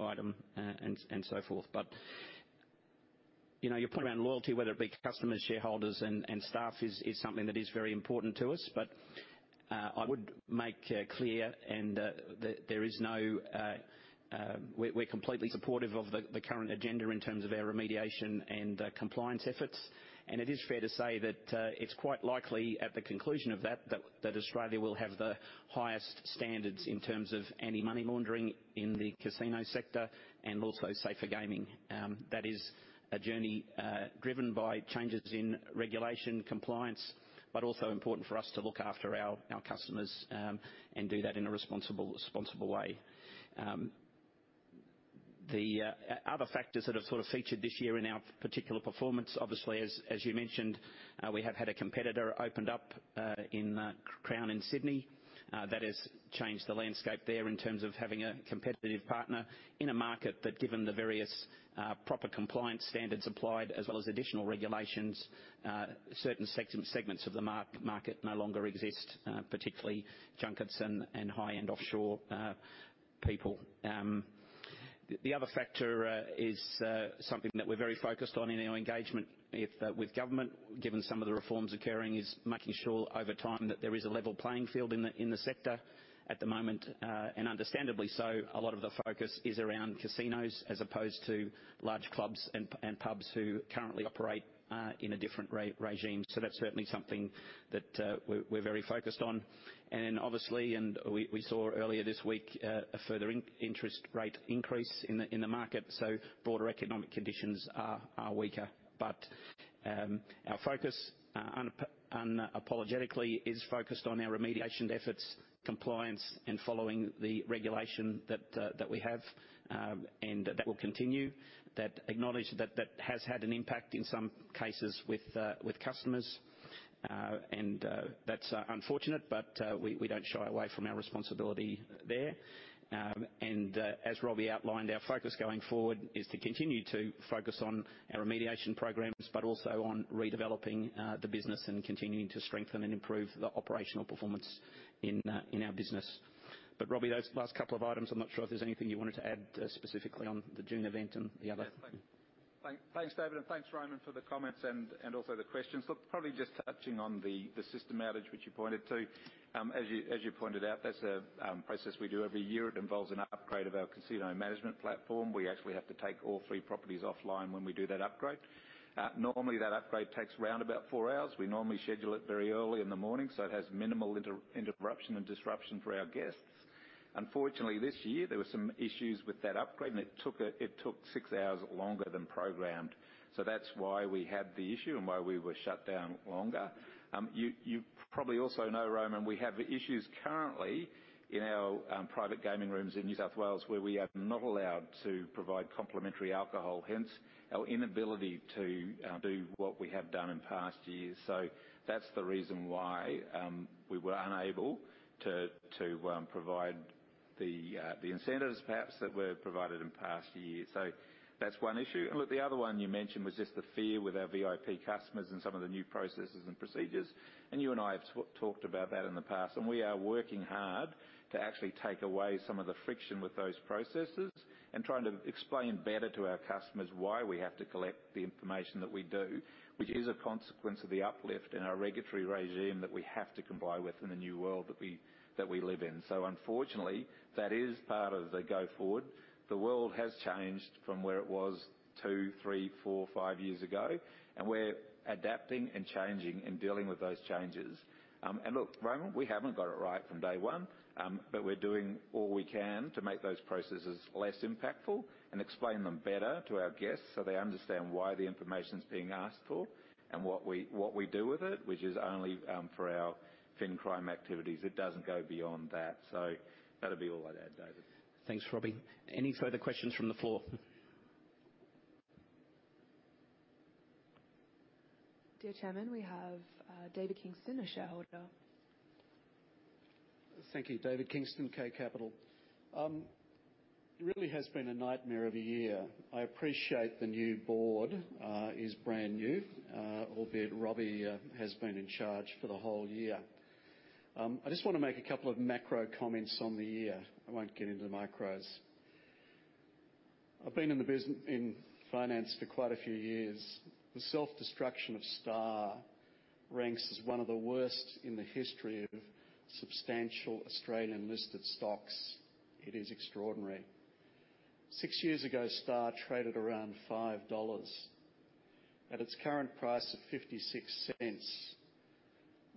A: item and so forth. But you know, your point around loyalty, whether it be customers, shareholders, and staff, is something that is very important to us. But I would make clear that there is no... We're completely supportive of the current agenda in terms of our remediation and compliance efforts. And it is fair to say that, it's quite likely, at the conclusion of that, that Australia will have the highest standards in terms of any money laundering in the casino sector and also safer gaming. That is a journey, driven by changes in regulation compliance, but also important for us to look after our, our customers, and do that in a responsible, responsible way. The other factors that have sort of featured this year in our particular performance, obviously, as you mentioned, we have had a competitor opened up, in Crown in Sydney. That has changed the landscape there in terms of having a competitive partner in a market that, given the various, proper compliance standards applied, as well as additional regulations, certain segments of the market no longer exist, particularly junkets and high-end offshore people. The other factor is something that we're very focused on in our engagement with government, given some of the reforms occurring, is making sure over time that there is a level playing field in the sector at the moment. And understandably so, a lot of the focus is around casinos as opposed to large clubs and pubs who currently operate in a different regime. So that's certainly something that we're very focused on. Obviously, we saw earlier this week a further interest rate increase in the market, so broader economic conditions are weaker. But our focus unapologetically is focused on our remediation efforts, compliance, and following the regulation that we have, and that will continue. That acknowledge that that has had an impact in some cases with customers, and that's unfortunate, but we don't shy away from our responsibility there. And as Robbie outlined, our focus going forward is to continue to focus on our Remediation Programs, but also on redeveloping the business and continuing to strengthen and improve the operational performance in our business. But Robbie, those last couple of items, I'm not sure if there's anything you wanted to add, specifically on the June event and the other?
B: Yes, thanks, David, and thanks, Roman, for the comments and also the questions. Look, probably just touching on the system outage which you pointed to. As you pointed out, that's a process we do every year. It involves an upgrade of our casino management platform. We actually have to take all three properties offline when we do that upgrade. Normally, that upgrade takes around about four hours. We normally schedule it very early in the morning, so it has minimal interruption and disruption for our guests. Unfortunately, this year, there were some issues with that upgrade, and it took six hours longer than programmed. So that's why we had the issue and why we were shut down longer. You probably also know, Roman, we have issues currently in our private gaming rooms in New South Wales, where we are not allowed to provide complimentary alcohol, hence our inability to do what we have done in past years. So that's the reason why we were unable to provide the incentives perhaps that were provided in past years. So that's one issue. And look, the other one you mentioned was just the fear with our VIP customers and some of the new processes and procedures. You and I have talked about that in the past, and we are working hard to actually take away some of the friction with those processes and trying to explain better to our customers why we have to collect the information that we do, which is a consequence of the uplift in our regulatory regime that we have to comply with in the new world that we live in. Unfortunately, that is part of the go forward. The world has changed from where it was 2, 3, 4, 5 years ago, and we're adapting and changing and dealing with those changes. And look, Roman, we haven't got it right from day one, but we're doing all we can to make those processes less impactful and explain them better to our guests so they understand why the information's being asked for and what we, what we do with it, which is only for our fin crime activities. It doesn't go beyond that. So that'll be all I'd add, David.
A: Thanks, Robbie. Any further questions from the floor?
C: Dear Chairman, we have David Kingston, a shareholder.
E: Thank you. David Kingston, K Capital. It really has been a nightmare of a year. I appreciate the new board is brand new, albeit Robbie has been in charge for the whole year. I just want to make a couple of macro comments on the year. I won't get into the micros. I've been in finance for quite a few years. The self-destruction of Star ranks as one of the worst in the history of substantial Australian-listed stocks. It is extraordinary. Six years ago, Star traded around 5 dollars. At its current price of 0.56,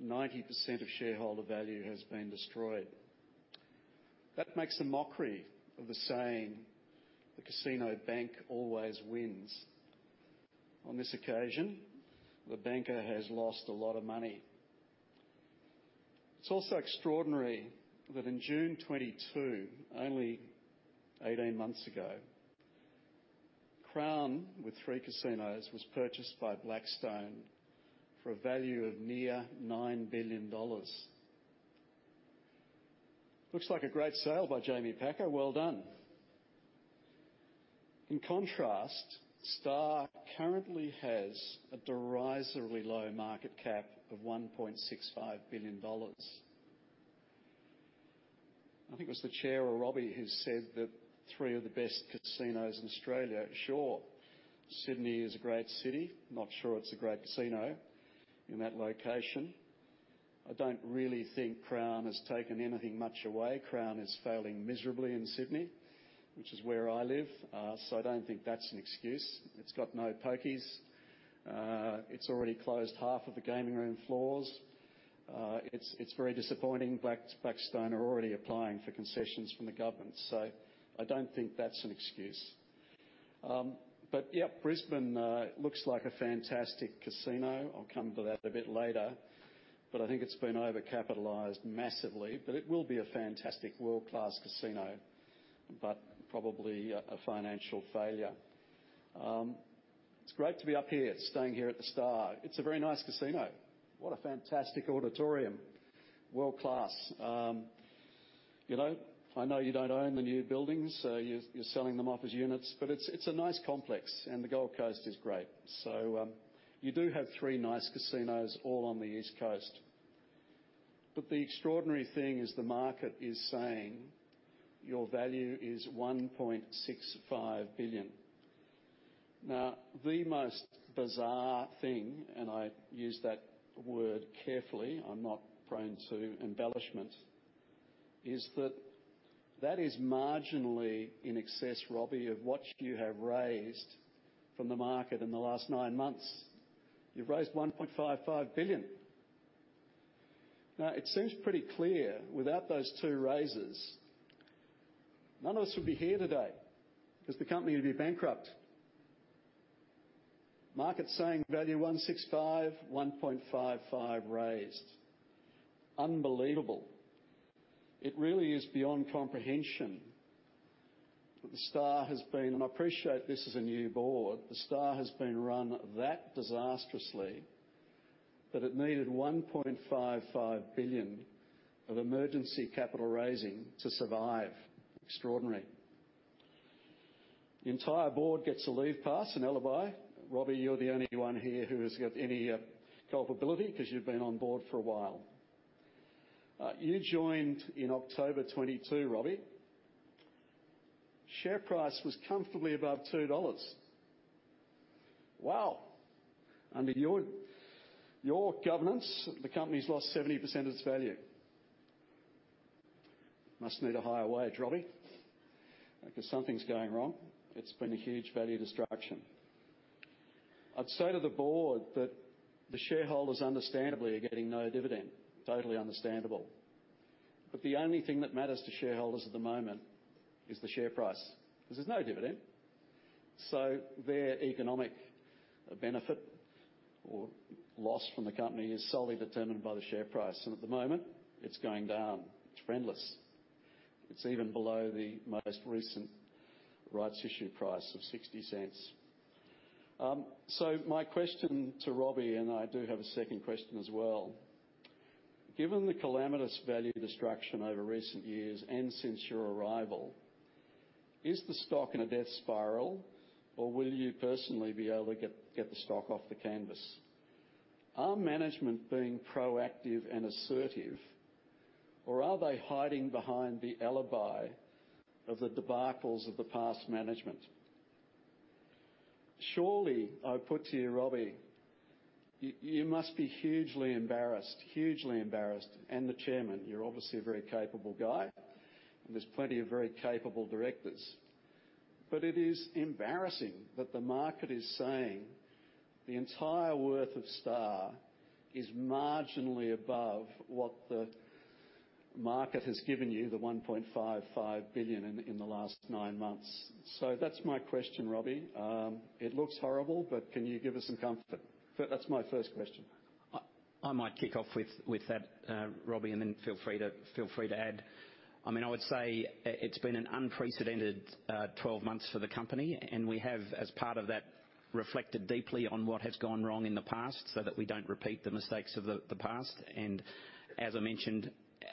E: 90% of shareholder value has been destroyed. That makes a mockery of the saying, "The casino bank always wins." On this occasion, the banker has lost a lot of money. It's also extraordinary that in June 2022, only eighteen months ago, Crown, with three casinos, was purchased by Blackstone for a value of near 9 billion dollars. Looks like a great sale by Jamie Packer. Well done! In contrast, Star currently has a derisorily low market cap of 1.65 billion dollars. I think it was the chair or Robbie who said that three of the best casinos in Australia. Sure, Sydney is a great city, not sure it's a great casino in that location. I don't really think Crown has taken anything much away. Crown is failing miserably in Sydney, which is where I live. So I don't think that's an excuse. It's got no pokies. It's already closed half of the gaming room floors. It's very disappointing. Blackstone are already applying for concessions from the government, so I don't think that's an excuse. But yeah, Brisbane looks like a fantastic casino. I'll come to that a bit later, but I think it's been overcapitalized massively. But it will be a fantastic world-class casino, but probably a financial failure. It's great to be up here, staying here at the Star. It's a very nice casino. What a fantastic auditorium! World-class. You know, I know you don't own the new buildings, so you're selling them off as units, but it's a nice complex, and the Gold Coast is great. So, you do have three nice casinos all on the East Coast. But the extraordinary thing is, the market is saying your value is 1.65 billion. Now, the most bizarre thing, and I use that word carefully, I'm not prone to embellishment, is that that is marginally in excess, Robbie, of what you have raised from the market in the last 9 months. You've raised 1.55 billion. Now, it seems pretty clear, without those 2 raises, none of us would be here today because the company would be bankrupt. Market's saying value 165 million, 1.55 billion raised. Unbelievable. It really is beyond comprehension that The Star has been. And I appreciate this is a new board. The Star has been run that disastrously that it needed 1.55 billion of emergency capital raising to survive. Extraordinary. The entire board gets a leave pass, an alibi. Robbie, you're the only one here who has got any culpability, because you've been on board for a while. You joined in October 2022, Robbie. Share price was comfortably above 2 dollars. Wow! Under your governance, the company's lost 70% of its value. Must need a higher wage, Robbie, because something's going wrong. It's been a huge value destruction. I'd say to the Board that the shareholders, understandably, are getting no dividend. Totally understandable. But the only thing that matters to shareholders at the moment is the share price, because there's no dividend. So their economic benefit or loss from the company is solely determined by the share price, and at the moment, it's going down. It's friendless. It's even below the most recent rights issue price of 0.60. So my question to Robbie, and I do have a second question as well: Given the calamitous value destruction over recent years and since your arrival, is the stock in a death spiral, or will you personally be able to get the stock off the canvas? Are management being proactive and assertive, or are they hiding behind the alibi of the debacles of the past management? Surely, I put to you, Robbie, you must be hugely embarrassed, hugely embarrassed. And the Chairman, you're obviously a very capable guy, and there's plenty of very capable directors, but it is embarrassing that the market is saying the entire worth of Star is marginally above what the market has given you, the 1.55 billion in the last nine months. So that's my question, Robbie. It looks horrible, but can you give us some comfort? That's my first question.
A: I might kick off with that, Robbie, and then feel free to add. I mean, I would say it's been an unprecedented 12 months for the company, and we have, as part of that, reflected deeply on what has gone wrong in the past so that we don't repeat the mistakes of the past. And as I mentioned,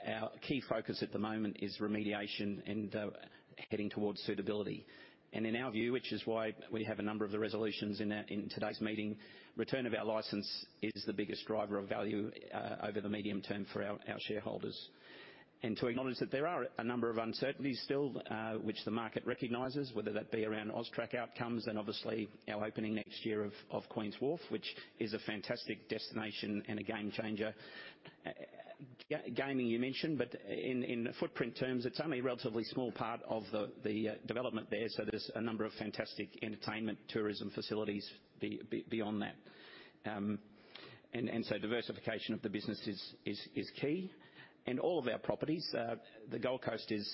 A: our key focus at the moment is remediation and heading towards suitability. And in our view, which is why we have a number of the resolutions in today's meeting, return of our license is the biggest driver of value over the medium term for our shareholders. And to acknowledge that there are a number of uncertainties still, which the market recognizes, whether that be around AUSTRAC outcomes and obviously our opening next year of Queen's Wharf, which is a fantastic destination and a game changer. Gaming, you mentioned, but in footprint terms, it's only a relatively small part of the development there, so there's a number of fantastic entertainment tourism facilities beyond that. And so diversification of the business is key. And all of our properties, the Gold Coast is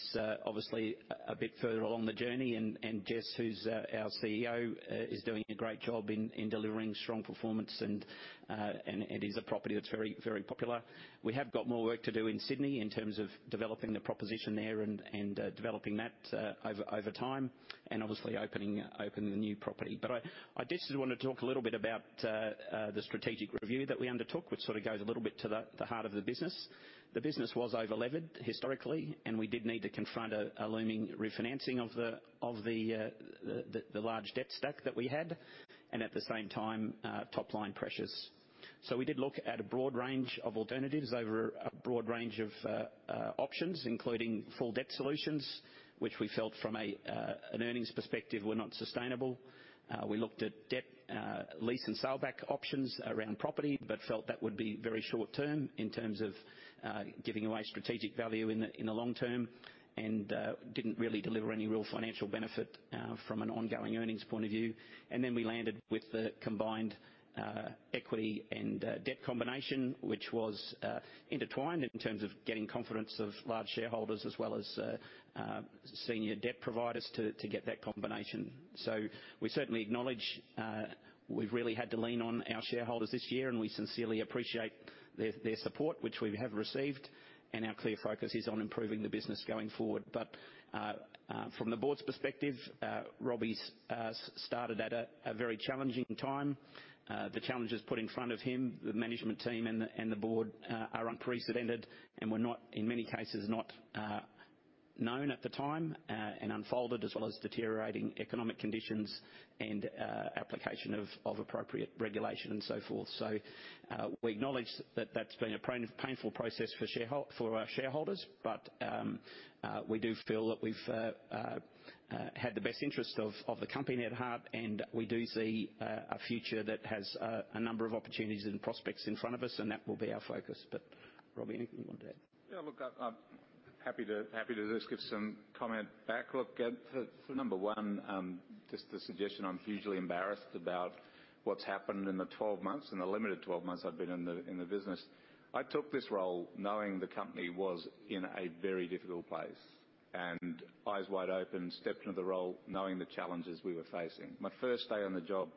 A: obviously a bit further along the journey, and Jess, who's our CEO, is doing a great job in delivering strong performance, and it is a property that's very, very popular. We have got more work to do in Sydney in terms of developing the proposition there and developing that over time, and obviously opening the new property. But I just did want to talk a little bit about the strategic review that we undertook, which sort of goes a little bit to the heart of the business. The business was overleveraged historically, and we did need to confront a looming refinancing of the large debt stack that we had, and at the same time top-line pressures. So we did look at a broad range of alternatives over a broad range of options, including full debt solutions, which we felt from an earnings perspective were not sustainable. We looked at debt, lease and saleback options around property, but felt that would be very short term in terms of giving away strategic value in the long term, and didn't really deliver any real financial benefit from an ongoing earnings point of view. And then we landed with the combined equity and debt combination, which was intertwined in terms of getting confidence of large shareholders as well as senior debt providers to get that combination. So we certainly acknowledge we've really had to lean on our shareholders this year, and we sincerely appreciate their support, which we have received, and our clear focus is on improving the business going forward. But from the Board's perspective, Robbie's started at a very challenging time. The challenges put in front of him, the management team, and the Board, are unprecedented and were not, in many cases, known at the time, and unfolded, as well as deteriorating economic conditions and application of appropriate regulation, and so forth. So, we acknowledge that that's been a painful process for our shareholders, but we do feel that we've had the best interest of the company at heart, and we do see a future that has a number of opportunities and prospects in front of us, and that will be our focus. But Robbie, anything you want to add?
B: Yeah, look, I'm happy to just give some comment back. Look, so number one, just the suggestion, I'm hugely embarrassed about what's happened in the 12 months, in the limited 12 months I've been in the business. I took this role knowing the company was in a very difficult place, and eyes wide open, stepped into the role knowing the challenges we were facing. My first day on the job,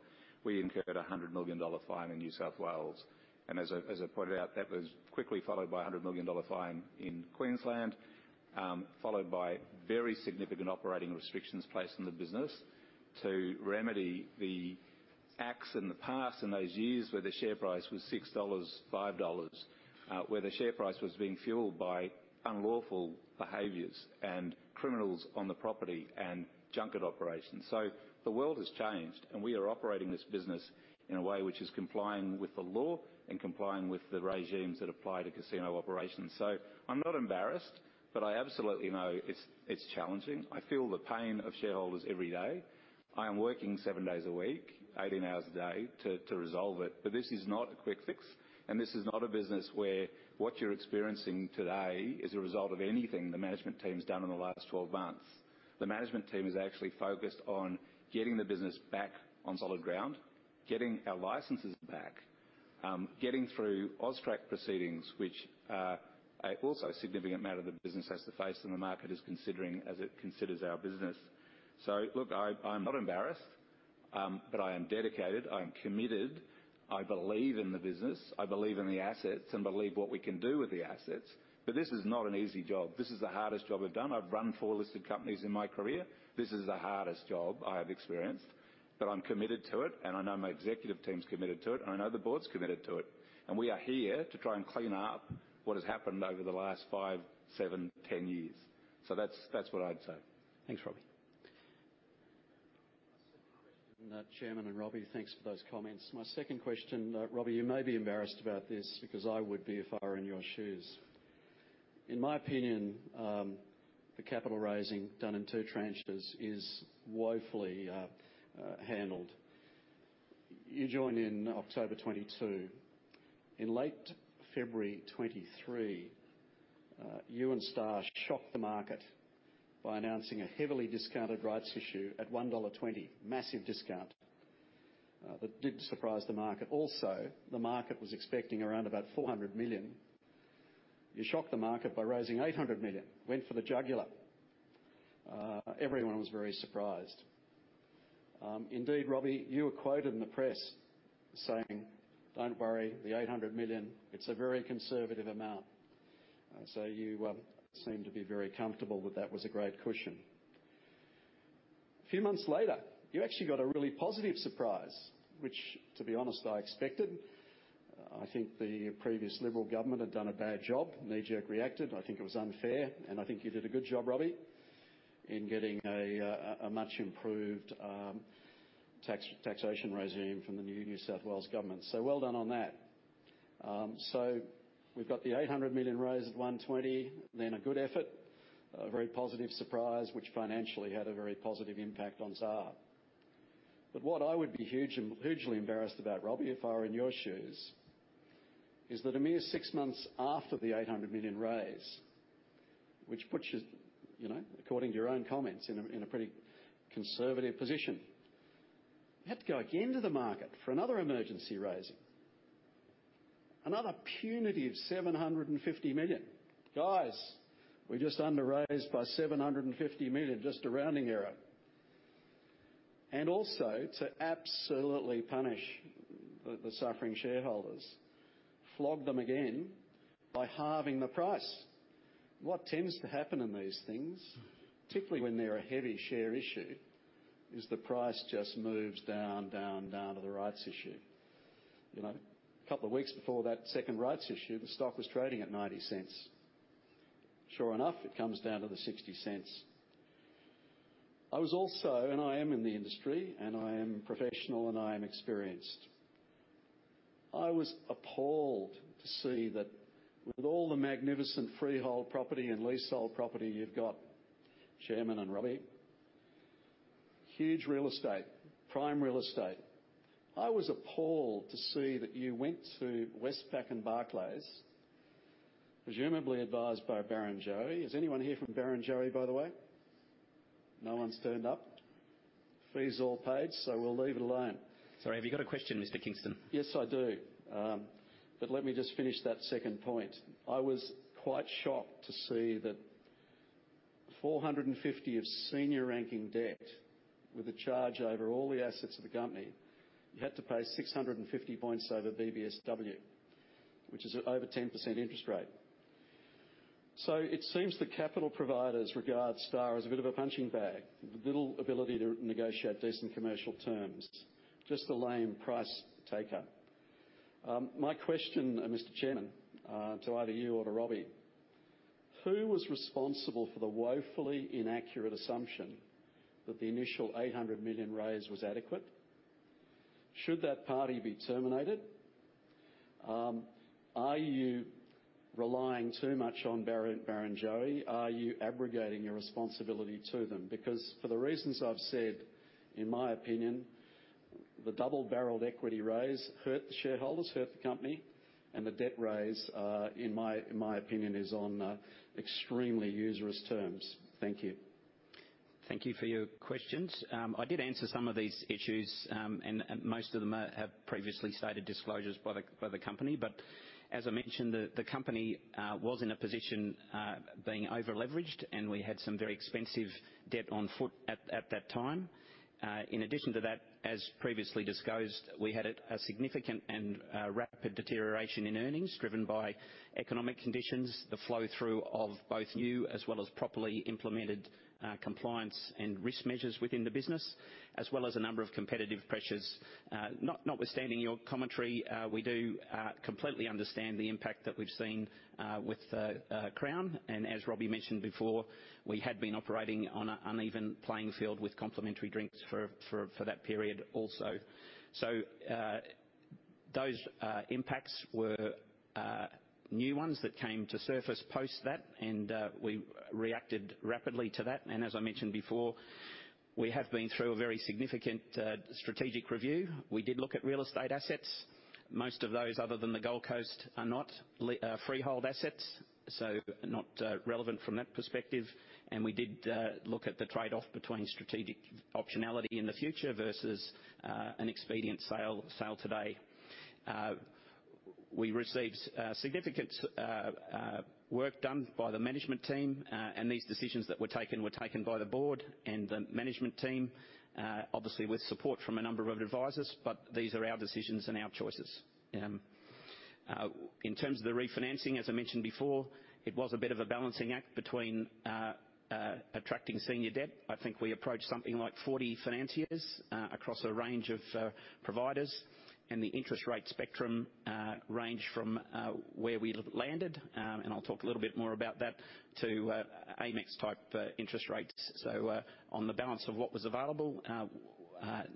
B: we incurred a 100 million dollar fine in New South Wales, and as I pointed out, that was quickly followed by a 100 million dollar fine in Queensland. Followed by very significant operating restrictions placed on the business to remedy the acts in the past, in those years, where the share price was 6 dollars, 5 dollars, where the share price was being fueled by unlawful behaviors and criminals on the property and junket operations. So the world has changed, and we are operating this business in a way which is complying with the law and complying with the regimes that apply to casino operations. So I'm not embarrassed, but I absolutely know it's challenging. I feel the pain of shareholders every day. I am working seven days a week, 18 hours a day, to resolve it. But this is not a quick fix, and this is not a business where what you're experiencing today is a result of anything the management team's done in the last 12 months. The management team is actually focused on getting the business back on solid ground, getting our licenses back, getting through AUSTRAC proceedings, which are also a significant matter the business has to face, and the market is considering as it considers our business. So look, I, I'm not embarrassed, but I am dedicated, I am committed. I believe in the business, I believe in the assets, and believe what we can do with the assets. But this is not an easy job. This is the hardest job I've done. I've run 4 listed companies in my career. This is the hardest job I have experienced, but I'm committed to it, and I know my executive team's committed to it, and I know the Board's committed to it. We are here to try and clean up what has happened over the last five, seven, 10 years. So that's, that's what I'd say.
A: Thanks, Robbie.
E: Chairman and Robbie, thanks for those comments. My second question, Robbie, you may be embarrassed about this, because I would be if I were in your shoes. In my opinion, the capital raising done in two tranches is woefully handled. You joined in October 2022. In late February 2023, you and Star shocked the market by announcing a heavily discounted rights issue at 1.20 dollar. Massive discount. That did surprise the market. Also, the market was expecting around about 400 million. You shocked the market by raising 800 million, went for the jugular. Everyone was very surprised. Indeed, Robbie, you were quoted in the press saying, "Don't worry, the 800 million, it's a very conservative amount." So you seemed to be very comfortable that that was a great cushion. A few months later, you actually got a really positive surprise, which, to be honest, I expected. I think the previous Liberal government had done a bad job, knee-jerk reacted. I think it was unfair, and I think you did a good job, Robbie, in getting a much improved taxation regime from the new New South Wales government. So well done on that. So we've got the 800 million raised at 1.20, then a good effort, a very positive surprise, which financially had a very positive impact on Star. But what I would be huge, hugely embarrassed about, Robbie, if I were in your shoes, is that a mere six months after the 800 million raise, which puts you, you know, according to your own comments, in a, in a pretty conservative position, you had to go again to the market for another emergency raising, another punitive 750 million. Guys, we just under raised by 750 million, just a rounding error. And also, to absolutely punish the, the suffering shareholders, flog them again by halving the price. What tends to happen in these things, particularly when they're a heavy share issue, is the price just moves down, down, down to the rights issue. You know, a couple of weeks before that second rights issue, the stock was trading at 0.90. Sure enough, it comes down to the 0.60. I was also, and I am in the industry, and I am professional, and I am experienced. I was appalled to see that with all the magnificent freehold property and leasehold property you've got, Chairman and Robbie, huge real estate, prime real estate. I was appalled to see that you went to Westpac and Barclays, presumably advised by Barrenjoey. Is anyone here from Barrenjoey, by the way? No one's turned up. Fee's all paid, so we'll leave it alone.
A: Sorry, have you got a question, Mr. Kingston?
E: Yes, I do. But let me just finish that second point. I was quite shocked to see that 450 of senior ranking debt, with a charge over all the assets of the company, you had to pay 650 points over BBSW, which is over 10% interest rate. So it seems the capital providers regard Star as a bit of a punching bag, with little ability to negotiate decent commercial terms, just a lame price taker. My question, Mr. Chairman, to either you or to Robbie, who was responsible for the woefully inaccurate assumption that the initial 800 million raise was adequate? Should that party be terminated? Are you relying too much on Barrenjoey? Are you abrogating your responsibility to them? Because for the reasons I've said, in my opinion, the double-barreled equity raise hurt the shareholders, hurt the company, and the debt raise, in my, in my opinion, is on extremely usurious terms. Thank you.
A: Thank you for your questions. I did answer some of these issues, and most of them are have previously stated disclosures by the company. But as I mentioned, the company was in a position being over-leveraged, and we had some very expensive debt on foot at that time. In addition to that, as previously disclosed, we had a significant and rapid deterioration in earnings, driven by economic conditions, the flow-through of both new as well as properly implemented compliance and risk measures within the business, as well as a number of competitive pressures. Not notwithstanding your commentary, we do completely understand the impact that we've seen with Crown. And as Robbie mentioned before, we had been operating on an uneven playing field with complimentary drinks for that period also. So, those impacts were new ones that came to surface post that, and we reacted rapidly to that. As I mentioned before, we have been through a very significant strategic review. We did look at real estate assets. Most of those, other than the Gold Coast, are not freehold assets, so not relevant from that perspective. We did look at the trade-off between strategic optionality in the future versus an expedient sale, sale today. We received significant work done by the management team. These decisions that were taken were taken by the Board and the management team, obviously with support from a number of advisors, but these are our decisions and our choices. In terms of the refinancing, as I mentioned before, it was a bit of a balancing act between attracting senior debt. I think we approached something like 40 financiers across a range of providers. And the interest rate spectrum ranged from where we landed, and I'll talk a little bit more about that, to AMEX-type interest rates. So, on the balance of what was available,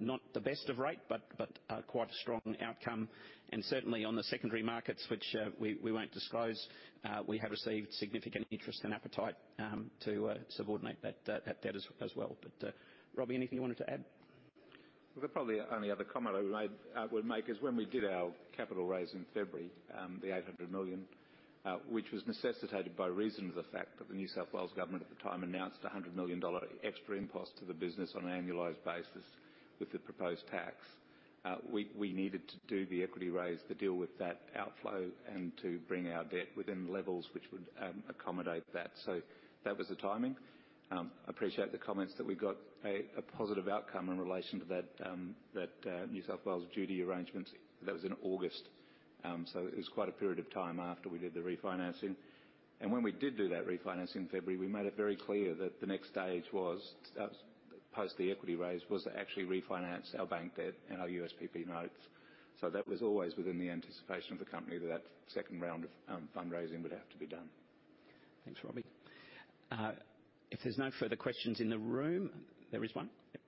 A: not the best of rate, but quite a strong outcome. And certainly, on the secondary markets, which we won't disclose, we have received significant interest and appetite to subordinate that debt as well. But, Robbie, anything you wanted to add?
B: Well, the probably only other comment I would make, I would make is when we did our capital raise in February, the 800 million, which was necessitated by reason of the fact that the New South Wales government at the time announced a 100 million dollar extra impost to the business on an annualized basis with the proposed tax. We, we needed to do the equity raise to deal with that outflow and to bring our debt within levels which would, accommodate that. So that was the timing. Appreciate the comments that we got a, a positive outcome in relation to that, that, New South Wales duty arrangements. That was in August. So it was quite a period of time after we did the refinancing. When we did do that refinance in February, we made it very clear that the next stage was, post the equity raise, was to actually refinance our bank debt and our USPP notes. That was always within the anticipation of the company, that that second round of fundraising would have to be done.
A: Thanks, Robbie. If there's no further questions in the room... There is one? Yep.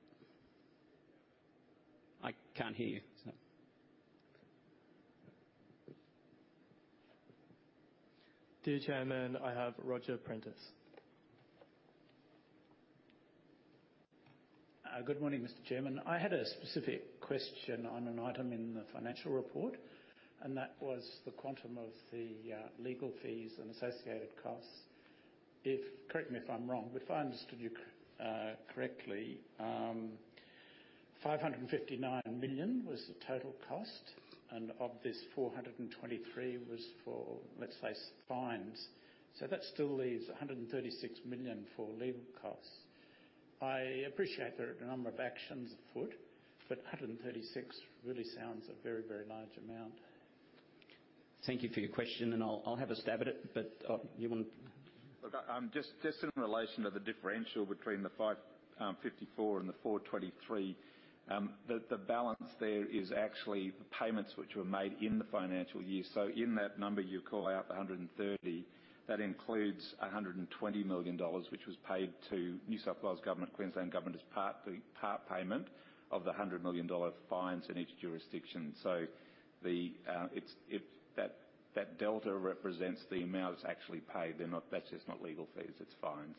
A: I can't hear you, so.
C: Dear Chairman, I have Roger Prentice.
E: Good morning, Mr. Chairman. I had a specific question on an item in the financial report, and that was the quantum of the legal fees and associated costs. If, correct me if I'm wrong, but if I understood you correctly, 559 million was the total cost, and of this, 423 million was for, let's say, fines. So that still leaves 136 million for legal costs. I appreciate there are a number of actions afoot, but 136 million really sounds a very, very large amount.
A: Thank you for your question, and I'll have a stab at it. But, you want-
B: Look, just, just in relation to the differential between the 554 and the 423, the balance there is actually the payments which were made in the financial year. So in that number, you call out the 130, that includes 120 million dollars, which was paid to New South Wales Government, Queensland Government, as part payment of the 100 million dollar fines in each jurisdiction. So, that delta represents the amounts actually paid. They're not, that's just not legal fees, it's fines.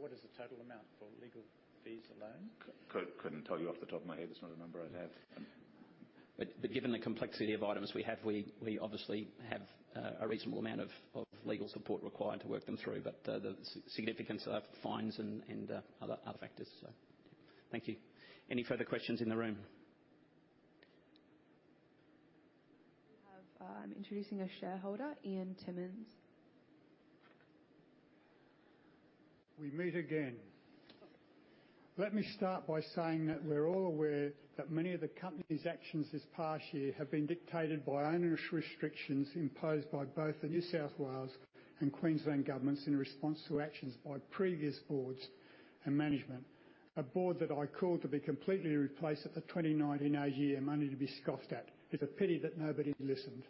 E: What is the total amount for legal fees alone?
B: Couldn't tell you off the top of my head. It's not a number I have.
A: Given the complexity of items we have, we obviously have a reasonable amount of legal support required to work them through. The significance of fines and other factors, so thank you. Any further questions in the room?
C: I have, I'm introducing a shareholder, Ian Timmons.
F: We meet again. Let me start by saying that we're all aware that many of the company's actions this past year have been dictated by onerous restrictions imposed by both the New South Wales and Queensland governments in response to actions by previous boards and management. A board that I called to be completely replaced at the 2019 AGM, only to be scoffed at. It's a pity that nobody listened...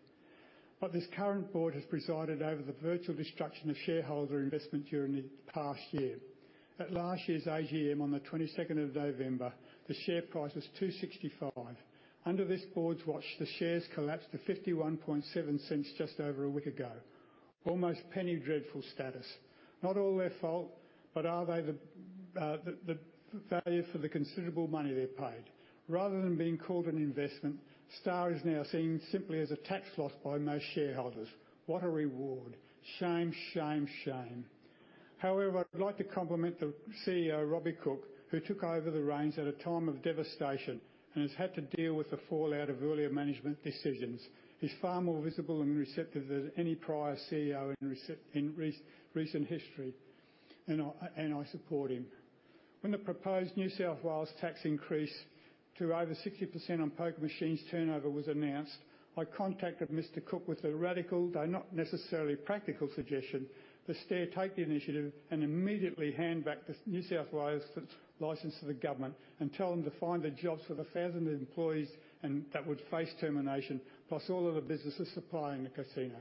F: But this current board has presided over the virtual destruction of shareholder investment during the past year. At last year's AGM on the 22nd of November, the share price was 2.65. Under this board's watch, the shares collapsed to 0.517 just over a week ago. Almost penny dreadful status. Not all their fault, but are they the value for the considerable money they're paid? Rather than being called an investment, Star is now seen simply as a tax loss by most shareholders. What a reward. Shame, shame, shame. However, I'd like to compliment the CEO, Robbie Cooke, who took over the reins at a time of devastation and has had to deal with the fallout of earlier management decisions. He's far more visible and receptive than any prior CEO in recent history, and I, and I support him. When the proposed New South Wales tax increase to over 60% on poker machines turnover was announced, I contacted Mr. Cooke with a radical, though not necessarily practical suggestion, that Star take the initiative and immediately hand back the New South Wales license to the government and tell them to find the jobs for the 1,000 employees and that would face termination, plus all of the businesses supplying the casino.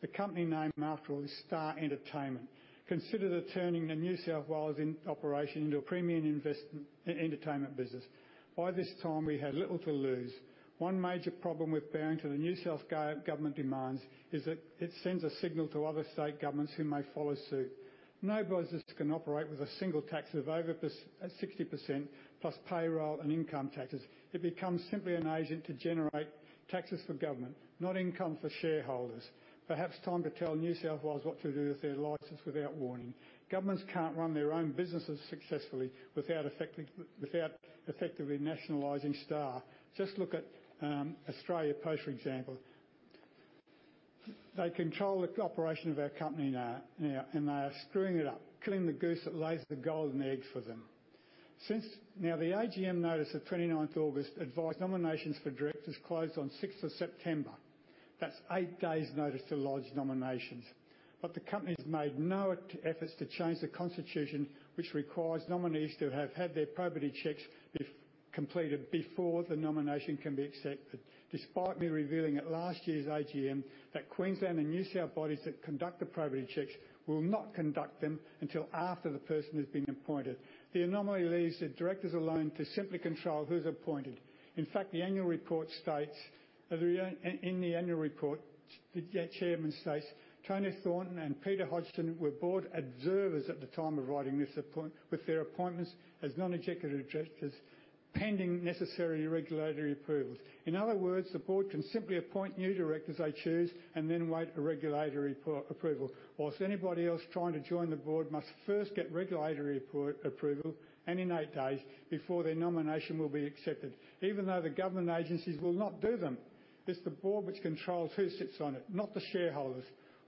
F: The company name, after all, is Star Entertainment. Consider turning the New South Wales operation into a premium investment-entertainment business. By this time, we had little to lose. One major problem with bowing to the New South Wales government demands is that it sends a signal to other state governments who may follow suit. No business can operate with a single tax of over 60%, plus payroll and income taxes. It becomes simply an agent to generate taxes for government, not income for shareholders. Perhaps time to tell New South Wales what to do with their license without warning. Governments can't run their own businesses successfully without affecting, without effectively nationalizing Star. Just look at Australia Post, for example. They control the operation of our company now, now, and they are screwing it up, killing the goose that lays the golden eggs for them. Since... Now, the AGM notice of 29th August advised nominations for directors closed on 6th of September. That's eight days notice to lodge nominations, but the company's made no efforts to change the constitution, which requires nominees to have had their probity checks be completed before the nomination can be accepted, despite me revealing at last year's AGM that Queensland and New South Wales bodies that conduct the probity checks will not conduct them until after the person has been appointed. The anomaly leaves the directors alone to simply control who's appointed. In fact, the annual report states, in the annual report, the Chairman states, "Tony Thornton and Peter Hodgson were board observers at the time of writing this, with their appointments as Non-Executive Directors, pending necessary regulatory approvals." In other words, the Board can simply appoint new directors they choose and then wait for regulatory approval, whilst anybody else trying to join the Board must first get regulatory approval, and in eight days, before their nomination will be accepted, even though the government agencies will not do them. It's the Board which controls who sits on it, not the shareholders.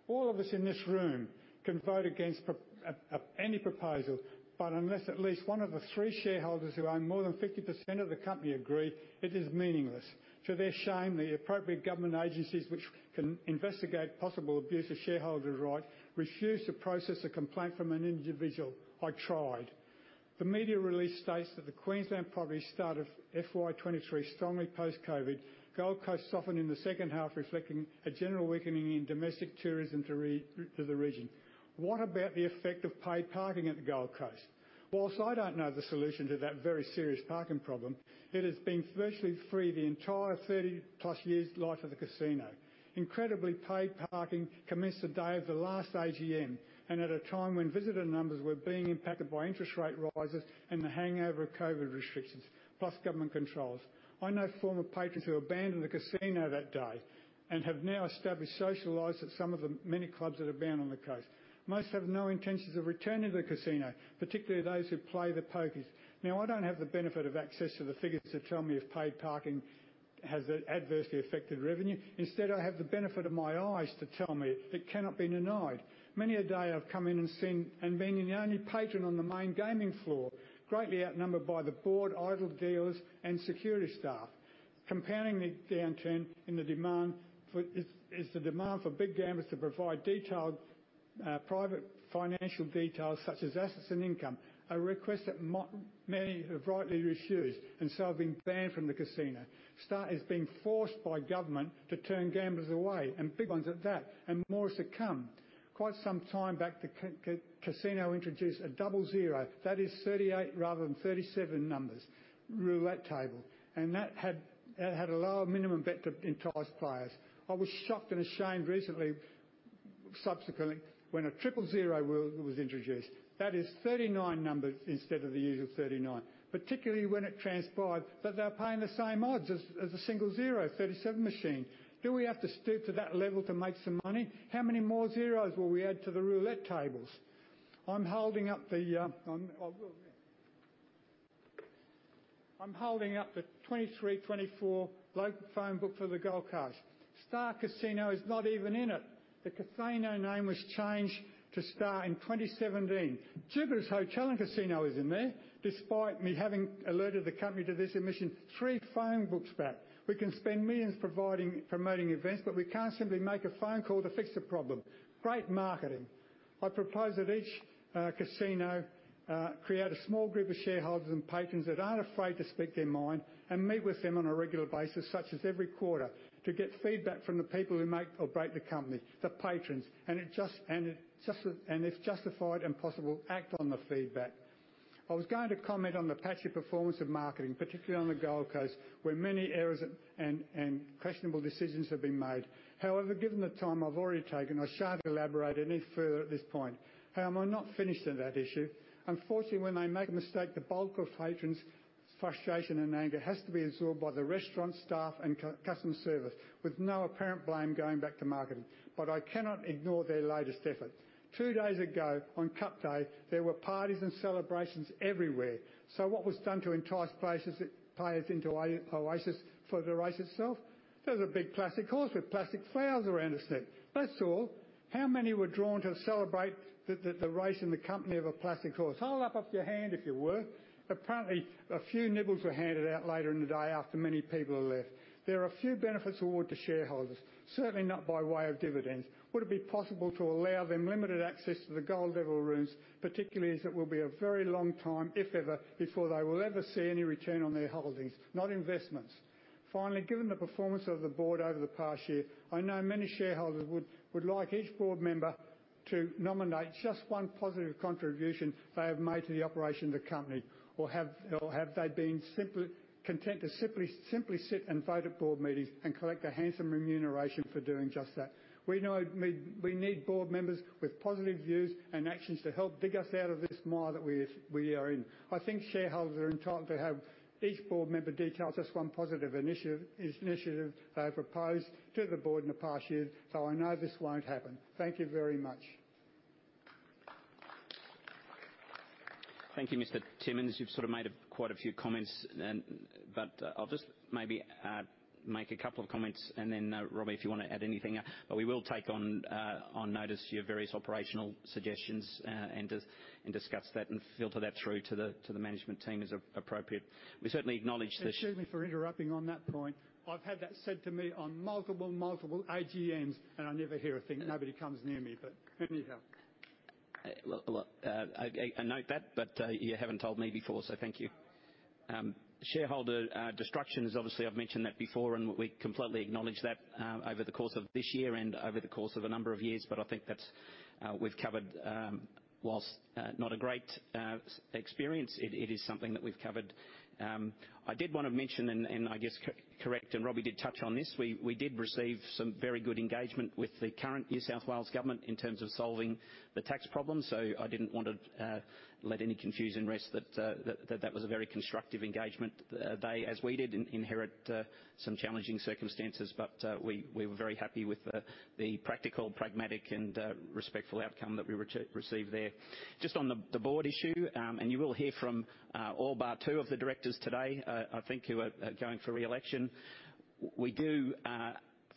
F: All of us in this room can vote against any proposal, but unless at least one of the three shareholders who own more than 50% of the company agree, it is meaningless. To their shame, the appropriate government agencies, which can investigate possible abuse of shareholder right, refuse to process a complaint from an individual. I tried. The media release states that the Queensland property start of FY 2023, strongly post-COVID. Gold Coast softened in the second half, reflecting a general weakening in domestic tourism to the region. What about the effect of paid parking at the Gold Coast? While I don't know the solution to that very serious parking problem, it has been virtually free the entire 30+ years life of the casino. Incredibly, paid parking commenced the day of the last AGM, and at a time when visitor numbers were being impacted by interest rate rises and the hangover of COVID restrictions, plus government controls. I know former patrons who abandoned the casino that day and have now established social lives at some of the many clubs that have been on the Coast. Most have no intentions of returning to the casino, particularly those who play the pokies. Now, I don't have the benefit of access to the figures to tell me if paid parking has adversely affected revenue. Instead, I have the benefit of my eyes to tell me. It cannot be denied. Many a day I've come in and seen, and been the only patron on the main gaming floor, greatly outnumbered by the bored, idle dealers and security staff. Compounding the downturn in the demand for... is the demand for big gamblers to provide detailed, private financial details, such as assets and income, a request that many have rightly refused, and so have been banned from the casino. Star is being forced by government to turn gamblers away, and big ones at that, and more is to come. Quite some time back, the casino introduced a double zero, that is 38 rather than 37 numbers, roulette table, and that had a lower minimum bet to entice players. I was shocked and ashamed recently, subsequently, when a triple zero wheel was introduced. That is 39 numbers instead of the usual 39, particularly when it transpired that they're paying the same odds as a single zero, 37 machine. Do we have to stoop to that level to make some money? How many more zeros will we add to the roulette tables? I'm holding up the 2023-2024 local phone book for the Gold Coast. Star Casino is not even in it. The casino name was changed to Star in 2017. Jupiters Hotel & Casino is in there, despite me having alerted the company to this omission three phone books back. We can spend millions providing, promoting events, but we can't simply make a phone call to fix the problem. Great marketing!... I propose that each casino create a small group of shareholders and patrons that aren't afraid to speak their mind, and meet with them on a regular basis, such as every quarter, to get feedback from the people who make or break the company, the patrons, and if justified and possible, act on the feedback. I was going to comment on the patchy performance of marketing, particularly on the Gold Coast, where many errors and questionable decisions have been made. However, given the time I've already taken, I shan't elaborate any further at this point. However, I'm not finished on that issue. Unfortunately, when they make a mistake, the bulk of patrons' frustration and anger has to be absorbed by the restaurant staff and customer service, with no apparent blame going back to marketing. But I cannot ignore their latest effort. Two days ago, on Cup Day, there were parties and celebrations everywhere. So what was done to entice players into Oasis for the race itself? There was a big plastic horse with plastic flowers around its neck. That's all. How many were drawn to celebrate the race in the company of a plastic horse? Hold up your hand if you were. Apparently, a few nibbles were handed out later in the day after many people had left. There are a few benefits awarded to shareholders, certainly not by way of dividends. Would it be possible to allow them limited access to the Gold Level rooms, particularly as it will be a very long time, if ever, before they will ever see any return on their holdings, not investments? Finally, given the performance of the Board over the past year, I know many shareholders would like each board member to nominate just one positive contribution they have made to the operation of the company, or have they been simply content to simply sit and vote at board meetings and collect a handsome remuneration for doing just that? We need board members with positive views and actions to help dig us out of this mire that we are in. I think shareholders are entitled to have each board member detail just one positive initiative they have proposed to the Board in the past year, though I know this won't happen. Thank you very much.
A: Thank you, Mr. Timmins. You've sort of made quite a few comments, but I'll just maybe make a couple of comments, and then Robbie, if you wanna add anything. But we will take on notice your various operational suggestions, and discuss that, and filter that through to the management team as appropriate. We certainly acknowledge this-
F: Excuse me for interrupting on that point. I've had that said to me on multiple, multiple AGMs, and I never hear a thing.
A: Yeah.
F: Nobody comes near me, but anyhow.
A: Look, look, I note that, but you haven't told me before, so thank you. Shareholder destruction is obviously, I've mentioned that before, and we completely acknowledge that, over the course of this year and over the course of a number of years. But I think that's, we've covered, whilst not a great experience, it is something that we've covered. I did wanna mention, and I guess correct, and Robbie did touch on this, we did receive some very good engagement with the current New South Wales government in terms of solving the tax problem. So I didn't want to let any confusion rest that, that was a very constructive engagement. They, as we did, inherit some challenging circumstances, but we were very happy with the practical, pragmatic, and respectful outcome that we received there. Just on the Board issue, and you will hear from all bar two of the directors today, I think, who are going for re-election. We do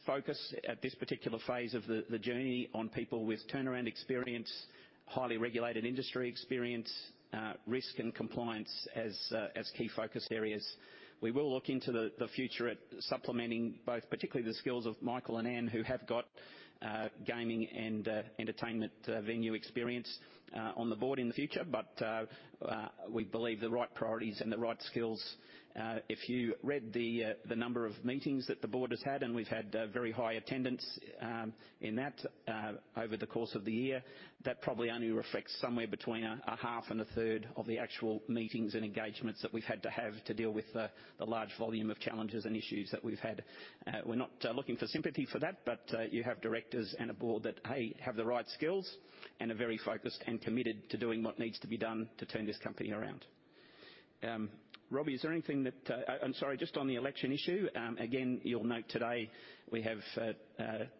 A: focus at this particular phase of the journey on people with turnaround experience, highly regulated industry experience, risk and compliance as key focus areas. We will look into the future at supplementing both, particularly the skills of Michael and Anne, who have got gaming and entertainment venue experience on the Board in the future. But, we believe the right priorities and the right skills, if you read the number of meetings that the Board has had, and we've had very high attendance in that over the course of the year, that probably only reflects somewhere between a half and a third of the actual meetings and engagements that we've had to have to deal with the large volume of challenges and issues that we've had. We're not looking for sympathy for that, but you have directors and a board that, A, have the right skills and are very focused and committed to doing what needs to be done to turn this company around. Robbie, is there anything that... I'm sorry, just on the election issue, again, you'll note today, we have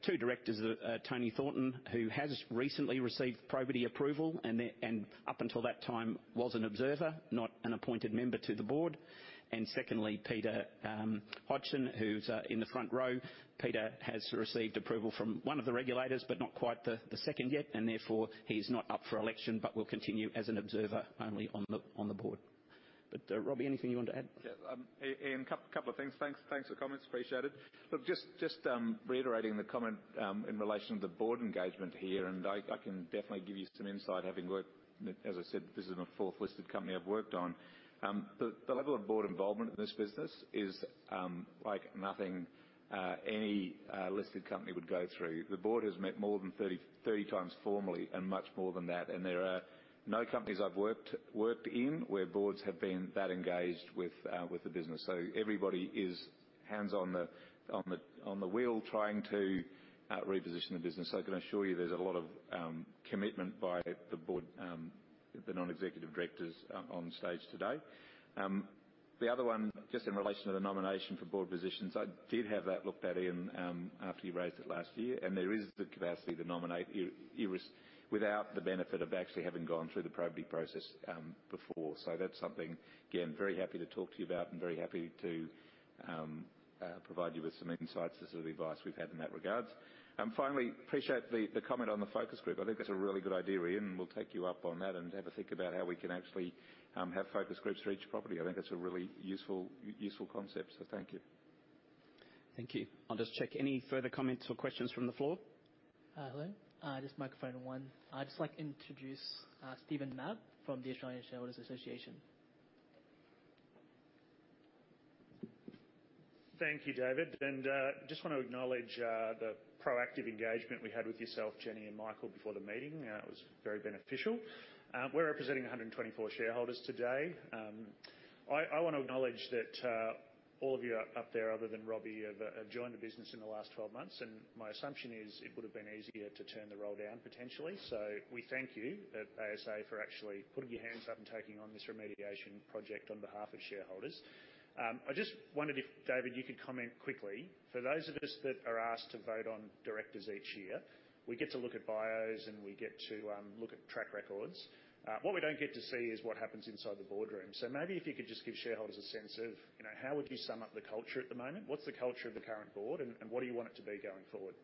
A: two directors, Tony Thornton, who has recently received Probity Approval, and up until that time, was an observer, not an appointed member to the Board. And secondly, Peter Hodgson, who's in the front row. Peter has received approval from one of the regulators, but not quite the second yet, and therefore, he's not up for election, but will continue as an observer only on the Board. But, Robbie, anything you want to add?
B: Yeah, Ian, a couple of things. Thanks for the comments. Appreciate it. Look, just reiterating the comment in relation to the Board engagement here, and I can definitely give you some insight, having worked, as I said, this is the fourth listed company I've worked on. The level of board involvement in this business is like nothing any listed company would go through. the Board has met more than 30 times formally, and much more than that, and there are no companies I've worked in where boards have been that engaged with the business. So everybody is hands on the wheel, trying to reposition the business. So I can assure you, there's a lot of commitment by the Board, the Non-Executive Directors on stage today. The other one, just in relation to the nomination for board positions, I did have that looked at, Ian, after you raised it last year, and there is the capacity to nominate irrespective without the benefit of actually having gone through the probity process, before. So that's something, again, very happy to talk to you about and very happy to provide you with some insights as to the advice we've had in that regards. And finally, appreciate the comment on the focus group. I think that's a really good idea, Ian, and we'll take you up on that and have a think about how we can actually have focus groups for each property. I think that's a really useful concept, so thank you.
A: Thank you. I'll just check any further comments or questions from the floor?
C: Hello, just microphone one. I'd just like to introduce Steve McCann from the Australian Shareholders Association.
G: Thank you, David, and just want to acknowledge the proactive engagement we had with yourself, Jenny, and Michael before the meeting. It was very beneficial. We're representing 124 shareholders today. I wanna acknowledge that all of you up there, other than Robbie, have joined the business in the last 12 months, and my assumption is it would've been easier to turn the role down potentially. So we thank you at ASA for actually putting your hands up and taking on this remediation project on behalf of shareholders. I just wondered if, David, you could comment quickly. For those of us that are asked to vote on directors each year, we get to look at bios, and we get to look at track records. What we don't get to see is what happens inside the Boardroom. So maybe if you could just give shareholders a sense of, you know, how would you sum up the culture at the moment? What's the culture of the current board, and what do you want it to be going forward?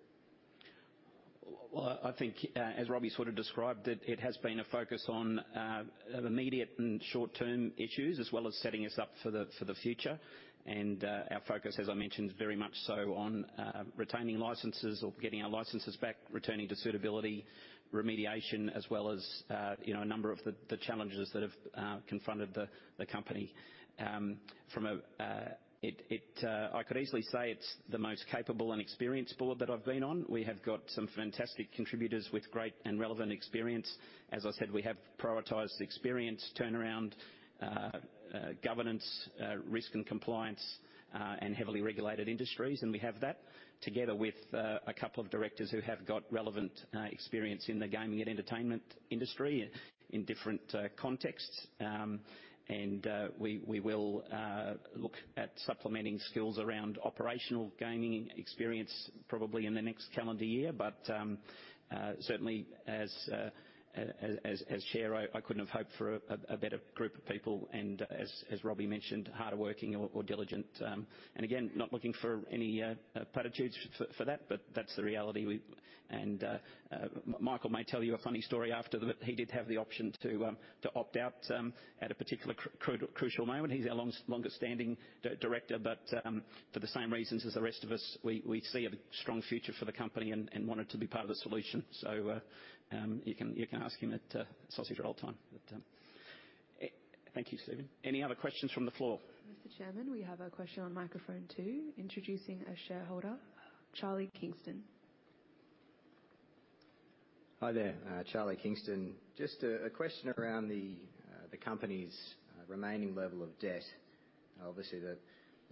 A: Well, I think, as Robbie sort of described it, it has been a focus on immediate and short-term issues, as well as setting us up for the future. And our focus, as I mentioned, is very much so on retaining licenses or getting our licenses back, returning to suitability, remediation, as well as, you know, a number of the challenges that have confronted the company. I could easily say it's the most capable and experienced board that I've been on. We have got some fantastic contributors with great and relevant experience. As I said, we have prioritized experience, turnaround, governance, risk and compliance, and heavily regulated industries. We have that together with a couple of directors who have got relevant experience in the gaming and entertainment industry in different contexts. We will look at supplementing skills around operational gaming experience, probably in the next calendar year. But certainly, as chair, I couldn't have hoped for a better group of people, and as Robbie mentioned, hardworking or diligent. And again, not looking for any platitudes for that, but that's the reality we... And Michael may tell you a funny story after that, he did have the option to opt out at a particular crucial moment. He's our longest-standing director, but for the same reasons as the rest of us, we see a strong future for the company and wanted to be part of the solution. So, you can ask him at sausage roll time. But, thank you, Steven. Any other questions from the floor?
C: Mr. Chairman, we have a question on microphone two. Introducing our shareholder, Charlie Kingston.
H: Hi there, Charlie Kingston. Just a question around the company's remaining level of debt. Obviously, the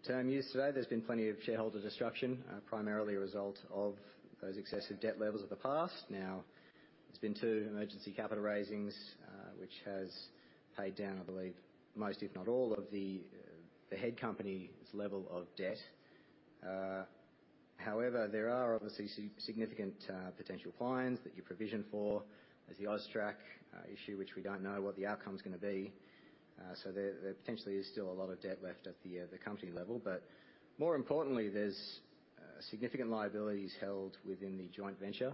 H: term used today, there's been plenty of shareholder disruption, primarily a result of those excessive debt levels of the past. Now, there's been two emergency capital raisings, which has paid down, I believe, most, if not all, of the head company's level of debt. However, there are obviously significant potential fines that you provisioned for. There's the AUSTRAC issue, which we don't know what the outcome's gonna be. So there potentially is still a lot of debt left at the company level. But more importantly, there's significant liabilities held within the joint venture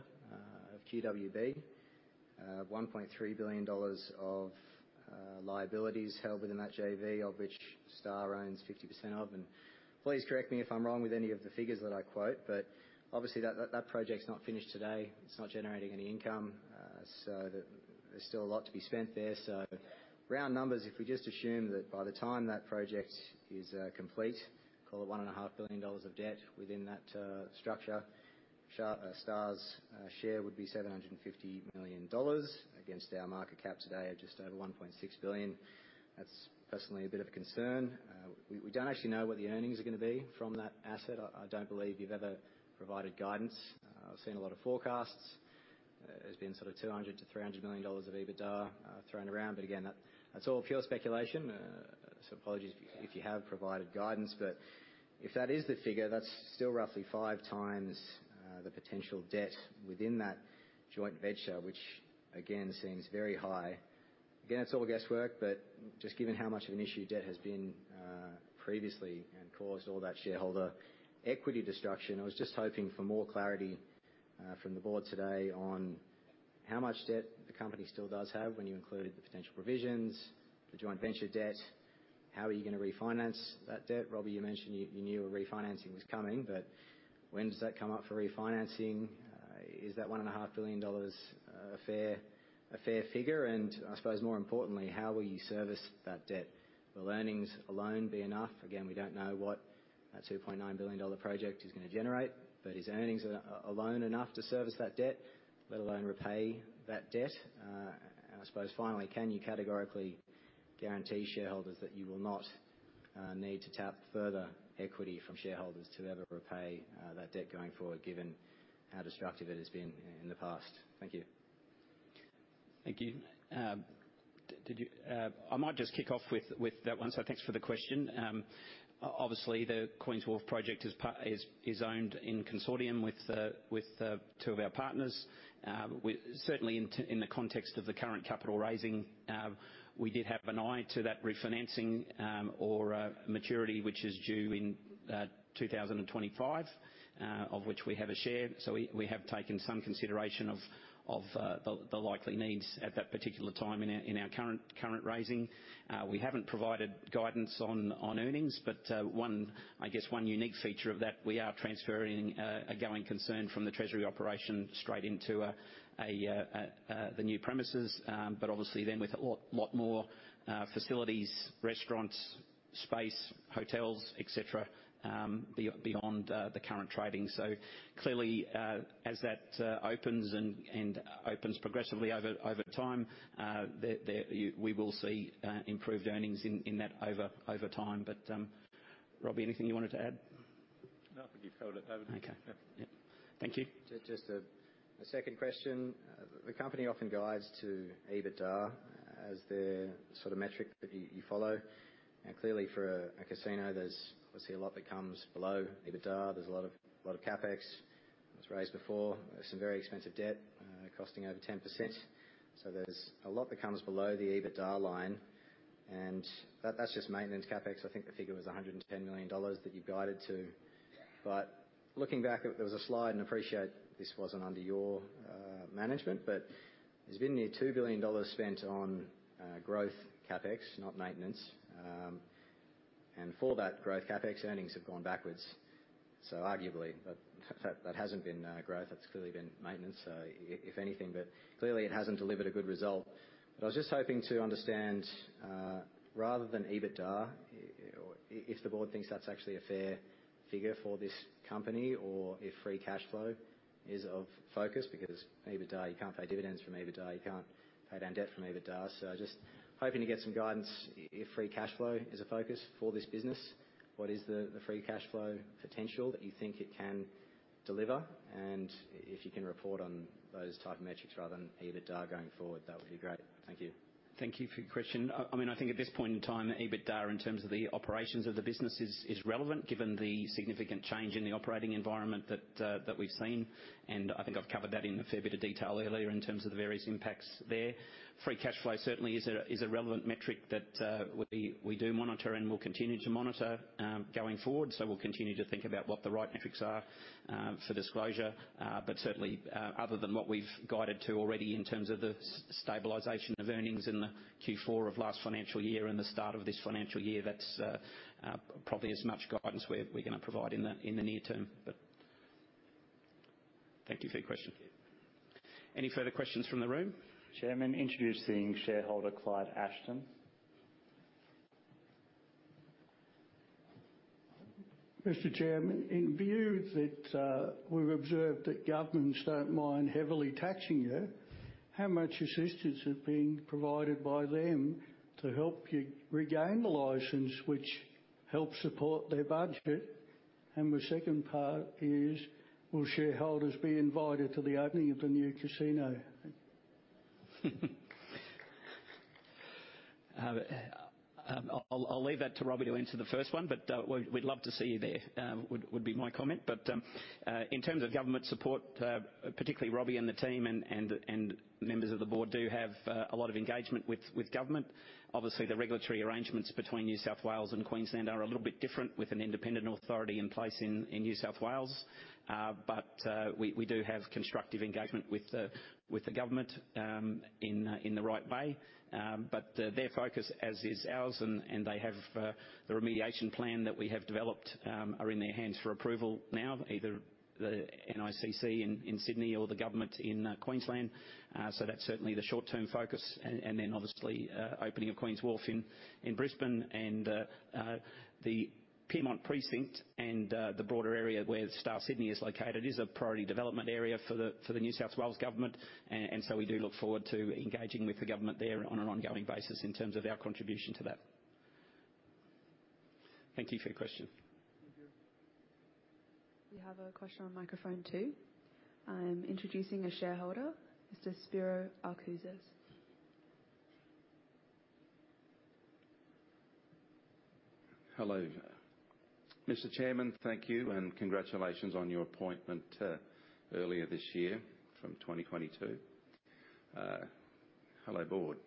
H: of QWB. 1.3 billion dollars of liabilities held within that JV, of which Star owns 50% of. And please correct me if I'm wrong with any of the figures that I quote, but obviously that project's not finished today. It's not generating any income, so there's still a lot to be spent there. So round numbers, if we just assume that by the time that project is complete, call it 1.5 billion dollars of debt within that structure, Star's share would be 750 million dollars against our market cap today at just over 1.6 billion. That's personally a bit of a concern. We don't actually know what the earnings are gonna be from that asset. I don't believe you've ever provided guidance. I've seen a lot of forecasts. It's been sort of 200 million-300 million dollars of EBITDA thrown around, but again, that's all pure speculation. So apologies if you have provided guidance, but if that is the figure, that's still roughly five times the potential debt within that joint venture, which again, seems very high. Again, it's all guesswork, but just given how much of an issue debt has been previously and caused all that shareholder equity destruction, I was just hoping for more clarity from the Board today on how much debt the company still does have when you included the potential provisions, the joint venture debt. How are you gonna refinance that debt? Robbie, you mentioned you knew a refinancing was coming, but when does that come up for refinancing? Is that 1.5 billion dollars a fair figure? I suppose more importantly, how will you service that debt? Will earnings alone be enough? Again, we don't know what a 2.9 billion dollar project is gonna generate, but is earnings alone enough to service that debt, let alone repay that debt? And I suppose finally, can you categorically guarantee shareholders that you will not need to tap further equity from shareholders to be able to repay that debt going forward, given how destructive it has been in the past? Thank you.
A: Thank you. I might just kick off with that one. So thanks for the question. Obviously, the Queen's Wharf project is owned in consortium with two of our partners. Certainly in the context of the current capital raising, we did have an eye to that refinancing or maturity, which is due in 2025, of which we have a share. So we have taken some consideration of the likely needs at that particular time in our current raising. We haven't provided guidance on earnings, but one, I guess, unique feature of that, we are transferring a going concern from the Treasury operation straight into the new premises. But obviously then with a lot, lot more facilities, restaurants, space, hotels, et cetera, beyond the current trading. So clearly, as that opens and opens progressively over time, we will see improved earnings in that over time. But, Robbie, anything you wanted to add?
B: No, I think you've covered it, David.
A: Okay.
H: Yeah.
A: Yeah. Thank you.
H: Just, just, a second question. The company often guides to EBITDA as the sort of metric that you follow, and clearly for a casino, there's obviously a lot that comes below EBITDA. There's a lot of CapEx that was raised before. There's some very expensive debt costing over 10%. So there's a lot that comes below the EBITDA line, and that's just maintenance CapEx. I think the figure was 110 million dollars that you guided to. But looking back, there was a slide, and I appreciate this wasn't under your management, but there's been nearly 2 billion dollars spent on growth CapEx, not maintenance. And for that growth CapEx, earnings have gone backwards. So arguably, that hasn't been growth. That's clearly been maintenance, if anything, but clearly it hasn't delivered a good result. But I was just hoping to understand, rather than EBITDA, if the Board thinks that's actually a fair figure for this company, or if free cash flow is of focus, because EBITDA, you can't pay dividends from EBITDA, you can't pay down debt from EBITDA. So I just hoping to get some guidance, if free cash flow is a focus for this business, what is the free cash flow potential that you think it can deliver? And if you can report on those type of metrics rather than EBITDA going forward, that would be great. Thank you.
A: Thank you for your question. I mean, I think at this point in time, EBITDA, in terms of the operations of the business, is relevant, given the significant change in the operating environment that we've seen, and I think I've covered that in a fair bit of detail earlier in terms of the various impacts there. Free cash flow certainly is a relevant metric that we do monitor and will continue to monitor, going forward. So we'll continue to think about what the right metrics are, for disclosure. But certainly, other than what we've guided to already in terms of the stabilization of earnings in the Q4 of last financial year and the start of this financial year, that's probably as much guidance we're gonna provide in the near term. Thank you for your question. Any further questions from the room?
C: Chairman, introducing shareholder, Clyde Ashton.
I: Mr. Chairman, in view that we've observed that governments don't mind heavily taxing you, how much assistance have been provided by them to help you regain the license, which helps support their budget? And the second part is, will shareholders be invited to the opening of the new casino?
A: I'll leave that to Robbie to answer the first one, but we'd love to see you there, would be my comment. But in terms of government support, particularly Robbie and the team and members of the Board do have a lot of engagement with government. Obviously, the regulatory arrangements between New South Wales and Queensland are a little bit different, with an independent authority in place in New South Wales. But we do have constructive engagement with the government in the right way. But their focus, as is ours, and they have the remediation plan that we have developed are in their hands for approval now, either the NICC in Sydney or the government in Queensland. So that's certainly the short-term focus. And then obviously, opening of Queen's Wharf in Brisbane, and the Pyrmont Precinct and the broader area where Star Sydney is located, is a priority development area for the New South Wales government. And so we do look forward to engaging with the government there on an ongoing basis in terms of our contribution to that. Thank you for your question.
I: Thank you.
C: We have a question on microphone two. I'm introducing a shareholder, Mr. Spiro Alcozas.
J: Hello. Mr. Chairman, thank you, and congratulations on your appointment earlier this year, from 2022. Hello, board.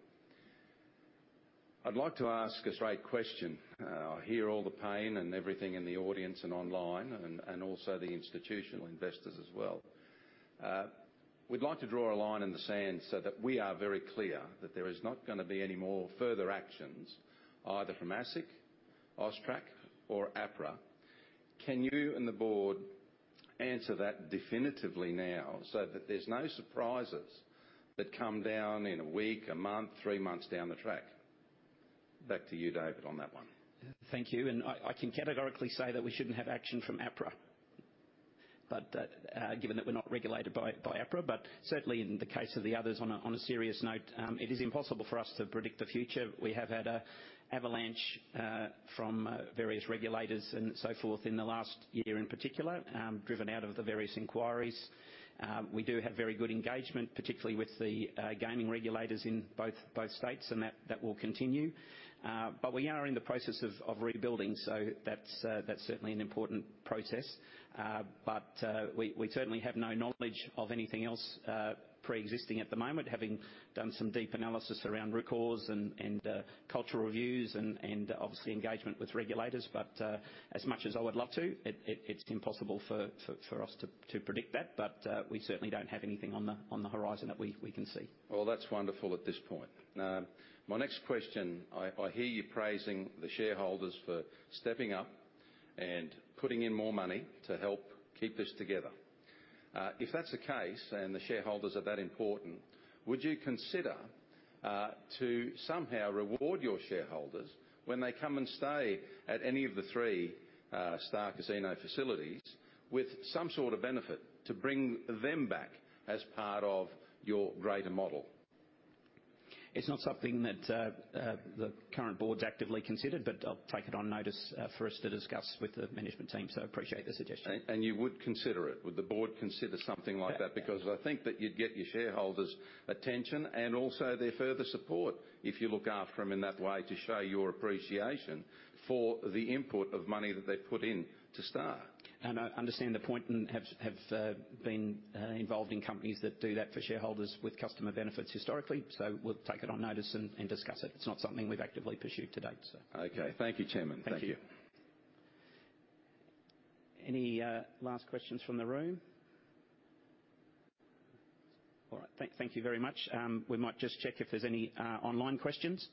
J: I'd like to ask a straight question. I hear all the pain and everything in the audience and online and, and also the institutional investors as well. We'd like to draw a line in the sand so that we are very clear that there is not gonna be any more further actions, either from ASIC, AUSTRAC or APRA. Can you and the Board answer that definitively now, so that there's no surprises that come down in a week, a month, three months down the track? Back to you, David, on that one.
A: Thank you, and I can categorically say that we shouldn't have action from APRA, but given that we're not regulated by APRA. But certainly, in the case of the others, on a serious note, it is impossible for us to predict the future. We have had an avalanche from various regulators and so forth in the last year, in particular, driven out of the various inquiries. We do have very good engagement, particularly with the gaming regulators in both states, and that will continue. But we are in the process of rebuilding, so that's certainly an important process. But we certainly have no knowledge of anything else pre-existing at the moment, having done some deep analysis around root cause and cultural reviews and obviously engagement with regulators. But as much as I would love to, it's impossible for us to predict that. But we certainly don't have anything on the horizon that we can see.
J: Well, that's wonderful at this point. My next question, I hear you praising the shareholders for stepping up and putting in more money to help keep this together. If that's the case, and the shareholders are that important, would you consider to somehow reward your shareholders when they come and stay at any of the three Star Casino facilities with some sort of benefit to bring them back as part of your greater model?
A: It's not something that the current board's actively considered, but I'll take it on notice for us to discuss with the management team, so appreciate the suggestion.
J: And you would consider it? Would the Board consider something like that?
A: Yeah.
J: Because I think that you'd get your shareholders' attention and also their further support if you look after them in that way to show your appreciation for the input of money that they've put in to Star.
A: I understand the point and have been involved in companies that do that for shareholders with customer benefits historically, so we'll take it on notice and discuss it. It's not something we've actively pursued to date, so.
J: Okay, thank you, Chairman.
A: Thank you.
J: Thank you.
A: Any last questions from the room? All right. Thank, thank you very much. We might just check if there's any online questions.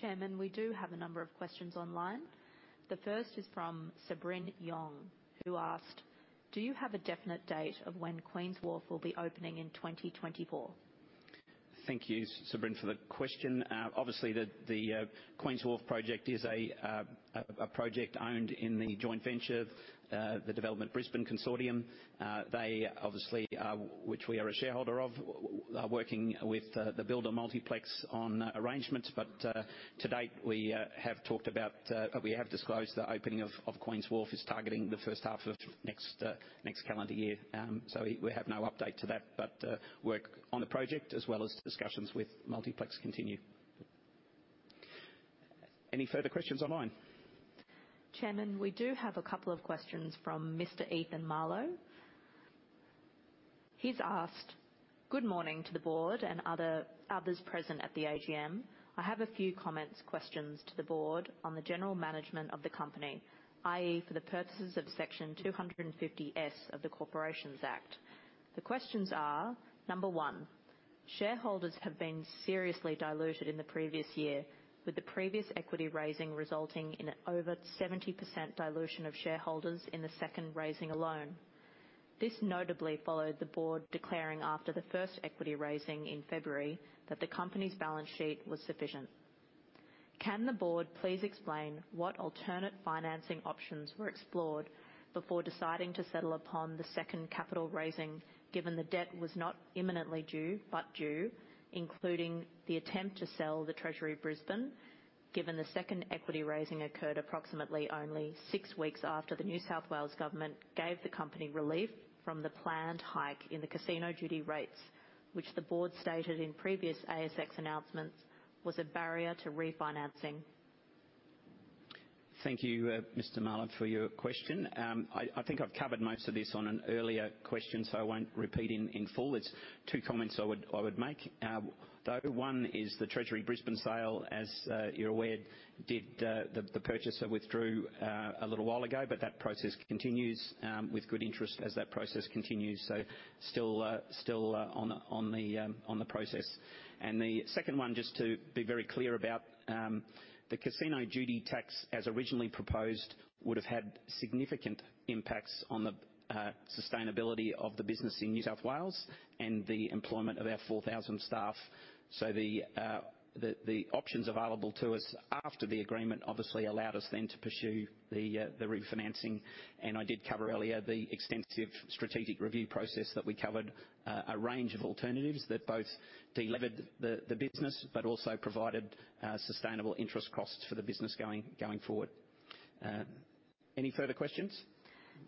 C: Chairman, we do have a number of questions online. The first is from Sabrin Yong, who asked: Do you have a definite date of when Queen's Wharf will be opening in 2024?
A: Thank you, Sabrin, for the question. Obviously, the Queen's Wharf project is a project owned in the joint venture, the Destination Brisbane Consortium. They obviously are, which we are a shareholder of, working with the builder, Multiplex, on arrangements, but to date, we have talked about, we have disclosed the opening of Queen's Wharf is targeting the first half of next calendar year. So we have no update to that, but work on the project as well as discussions with Multiplex continue. Any further questions online?
C: Chairman, we do have a couple of questions from Mr Ethan Marlowe. He's asked: Good morning to the Board and other, others present at the AGM. I have a few comments, questions to the Board on the general management of the company, i.e., for the purposes of Section 250S of the Corporations Act. The questions are, number one, shareholders have been seriously diluted in the previous year, with the previous equity raising resulting in an over 70% dilution of shareholders in the second raising alone. This notably followed the Board declaring after the first equity raising in February that the company's balance sheet was sufficient. Can the Board please explain what alternate financing options were explored before deciding to settle upon the second capital raising, given the debt was not imminently due, but due, including the attempt to sell Treasury Brisbane, given the second equity raising occurred approximately only six weeks after the New South Wales government gave the company relief from the planned hike in the casino duty rates, which the Board stated in previous ASX announcements, was a barrier to refinancing?
A: Thank you, Mr. Marlowe, for your question. I think I've covered most of this on an earlier question, so I won't repeat in full. It's two comments I would make, though. One is the Treasury Brisbane sale, as you're aware, the purchaser withdrew a little while ago, but that process continues with good interest as that process continues, so still on the process. And the second one, just to be very clear about, the casino duty tax, as originally proposed, would have had significant impacts on the sustainability of the business in New South Wales and the employment of our 4,000 staff. So the options available to us after the agreement obviously allowed us then to pursue the refinancing, and I did cover earlier the extensive strategic review process that we covered a range of alternatives that both delevered the business, but also provided sustainable interest costs for the business going forward. Any further questions?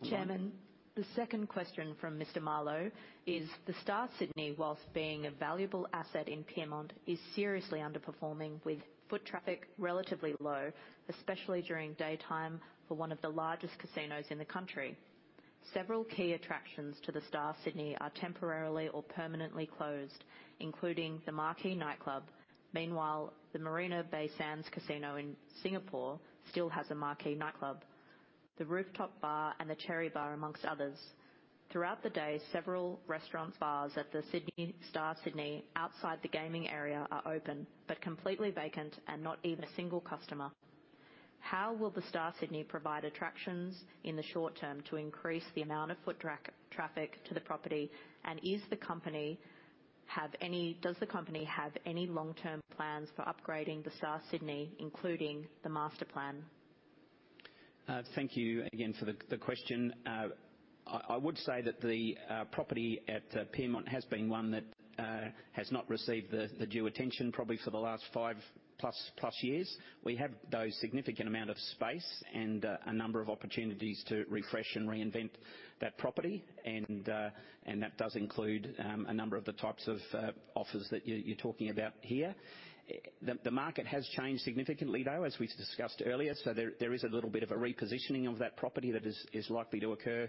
A: Online-
C: Chairman, the second question from Mr. Marlowe is: The Star Sydney, while being a valuable asset in Pyrmont, is seriously underperforming, with foot traffic relatively low, especially during daytime, for one of the largest casinos in the country. Several key attractions to the Star Sydney are temporarily or permanently closed, including the Marquee Nightclub. Meanwhile, the Marina Bay Sands Casino in Singapore still has a Marquee Nightclub, the Rooftop Bar, and the Cherry Bar, among others. Throughout the day, several restaurants, bars at the Star Sydney, outside the gaming area are open but completely vacant and not even a single customer. How will the Star Sydney provide attractions in the short term to increase the amount of foot traffic to the property? And does the company have any long-term plans for upgrading the Star Sydney, including the master plan?
A: Thank you again for the question. I would say that the property at Pyrmont has been one that has not received the due attention, probably for the last five-plus years. We have, though, a significant amount of space and a number of opportunities to refresh and reinvent that property, and that does include a number of the types of offers that you're talking about here. The market has changed significantly, though, as we've discussed earlier, so there is a little bit of a repositioning of that property that is likely to occur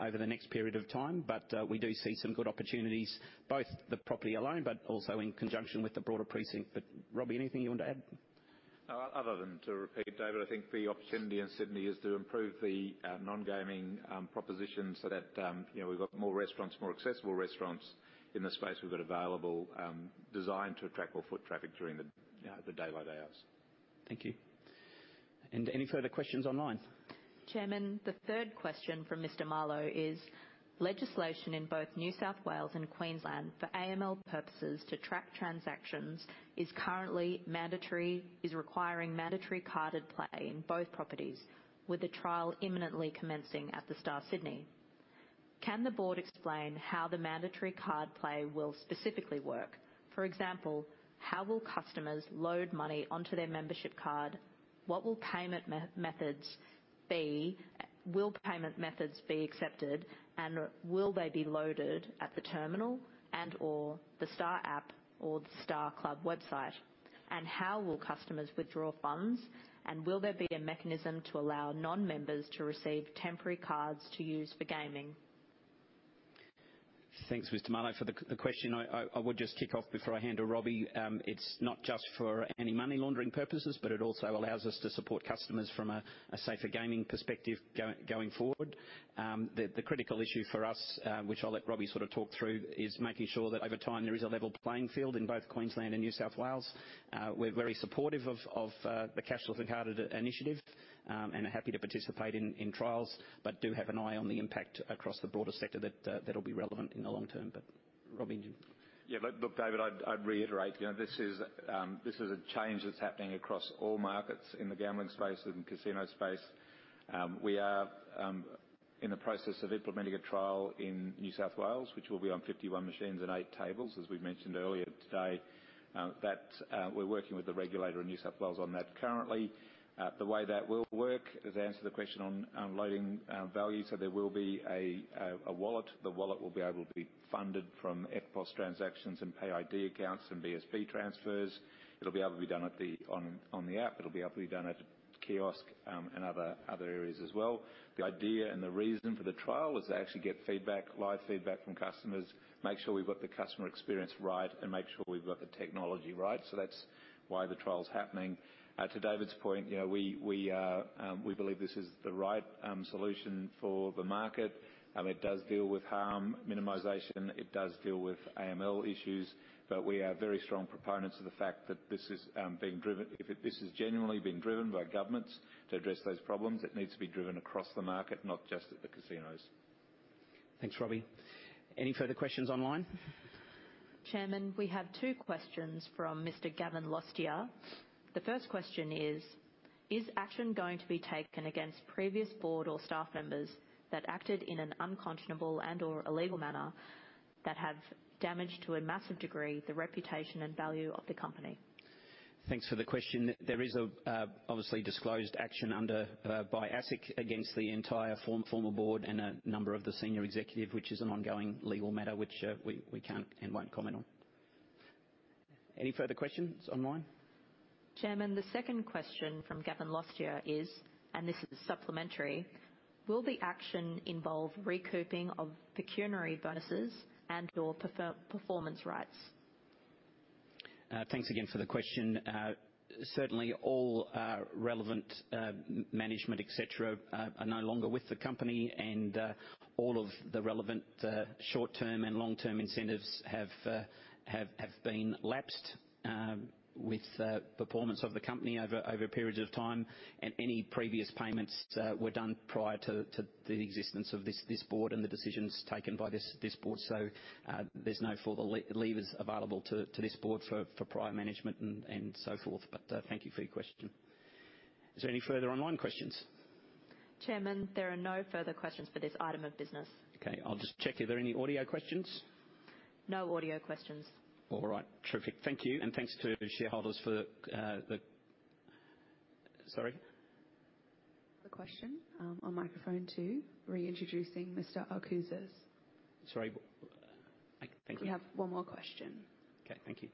A: over the next period of time. But we do see some good opportunities, both the property alone, but also in conjunction with the broader precinct. But Robbie, anything you want to add?
B: Other than to repeat, David, I think the opportunity in Sydney is to improve the non-gaming proposition so that, you know, we've got more restaurants, more accessible restaurants in the space we've got available, designed to attract more foot traffic during the day-by-day hours.
A: Thank you... Any further questions online?
C: Chairman, the third question from Mr. Marlow is: legislation in both New South Wales and Queensland for AML purposes to track transactions is currently mandatory, requiring mandatory carded play in both properties, with the trial imminently commencing at The Star Sydney. Can the Board explain how the mandatory carded play will specifically work? For example, how will customers load money onto their membership card? What will payment methods be? Will payment methods be accepted, and will they be loaded at the terminal and or the Star app or the Star Club website? And how will customers withdraw funds, and will there be a mechanism to allow non-members to receive temporary cards to use for gaming?
A: Thanks, Mr. Marlow, for the question. I would just kick off before I hand to Robbie. It's not just for any money laundering purposes, but it also allows us to support customers from a safer gaming perspective going forward. The critical issue for us, which I'll let Robbie sort of talk through, is making sure that over time there is a level playing field in both Queensland and New South Wales. We're very supportive of the cashless and carded initiative, and are happy to participate in trials, but do have an eye on the impact across the broader sector that that'll be relevant in the long term. But Robbie?
B: Yeah, look, look, David, I'd, I'd reiterate, you know, this is a change that's happening across all markets in the gambling space and casino space. We are in the process of implementing a trial in New South Wales, which will be on 51 machines and 8 tables, as we've mentioned earlier today. That we're working with the regulator in New South Wales on that currently. The way that will work is to answer the question on loading value, so there will be a wallet. The wallet will be able to be funded from EFTPOS transactions, and PayID accounts, and BSB transfers. It'll be able to be done on the app. It'll be able to be done at a kiosk, and other areas as well. The idea and the reason for the trial is to actually get feedback, live feedback from customers, make sure we've got the customer experience right, and make sure we've got the technology right. So that's why the trial's happening. To David's point, you know, we believe this is the right solution for the market. It does deal with Harm Minimization, it does deal with AML issues, but we are very strong proponents of the fact that this is being driven. If this is genuinely being driven by governments to address those problems, it needs to be driven across the market, not just at the casinos.
A: Thanks, Robbie. Any further questions online?
C: Chairman, we have two questions from Mr. Gavin Lostia. The first question is: Is action going to be taken against previous board or staff members that acted in an unconscionable and/or illegal manner that have damaged, to a massive degree, the reputation and value of the company?
A: Thanks for the question. There is, obviously, a disclosed action undertaken by ASIC against the entire former board and a number of the senior executives, which is an ongoing legal matter, which we can't and won't comment on. Any further questions online?
C: Chairman, the second question from Gavin Lostia is, and this is supplementary: Will the action involve recouping of pecuniary bonuses and/or performance rights?
A: Thanks again for the question. Certainly all relevant management, et cetera, are no longer with the company, and all of the relevant short-term and long-term incentives have been lapsed with the performance of the company over a period of time. Any previous payments were done prior to the existence of this board and the decisions taken by this board. So, there's no further levers available to this board for prior management and so forth. Thank you for your question. Is there any further online questions?
C: Chairman, there are no further questions for this item of business.
A: Okay, I'll just check, are there any audio questions?
C: No audio questions.
A: All right. Terrific. Thank you, and thanks to shareholders for... Sorry?
C: The question on microphone two, reintroducing Mr. Alcozas.
A: Sorry, thank you.
C: We have one more question.
A: Okay, thank you.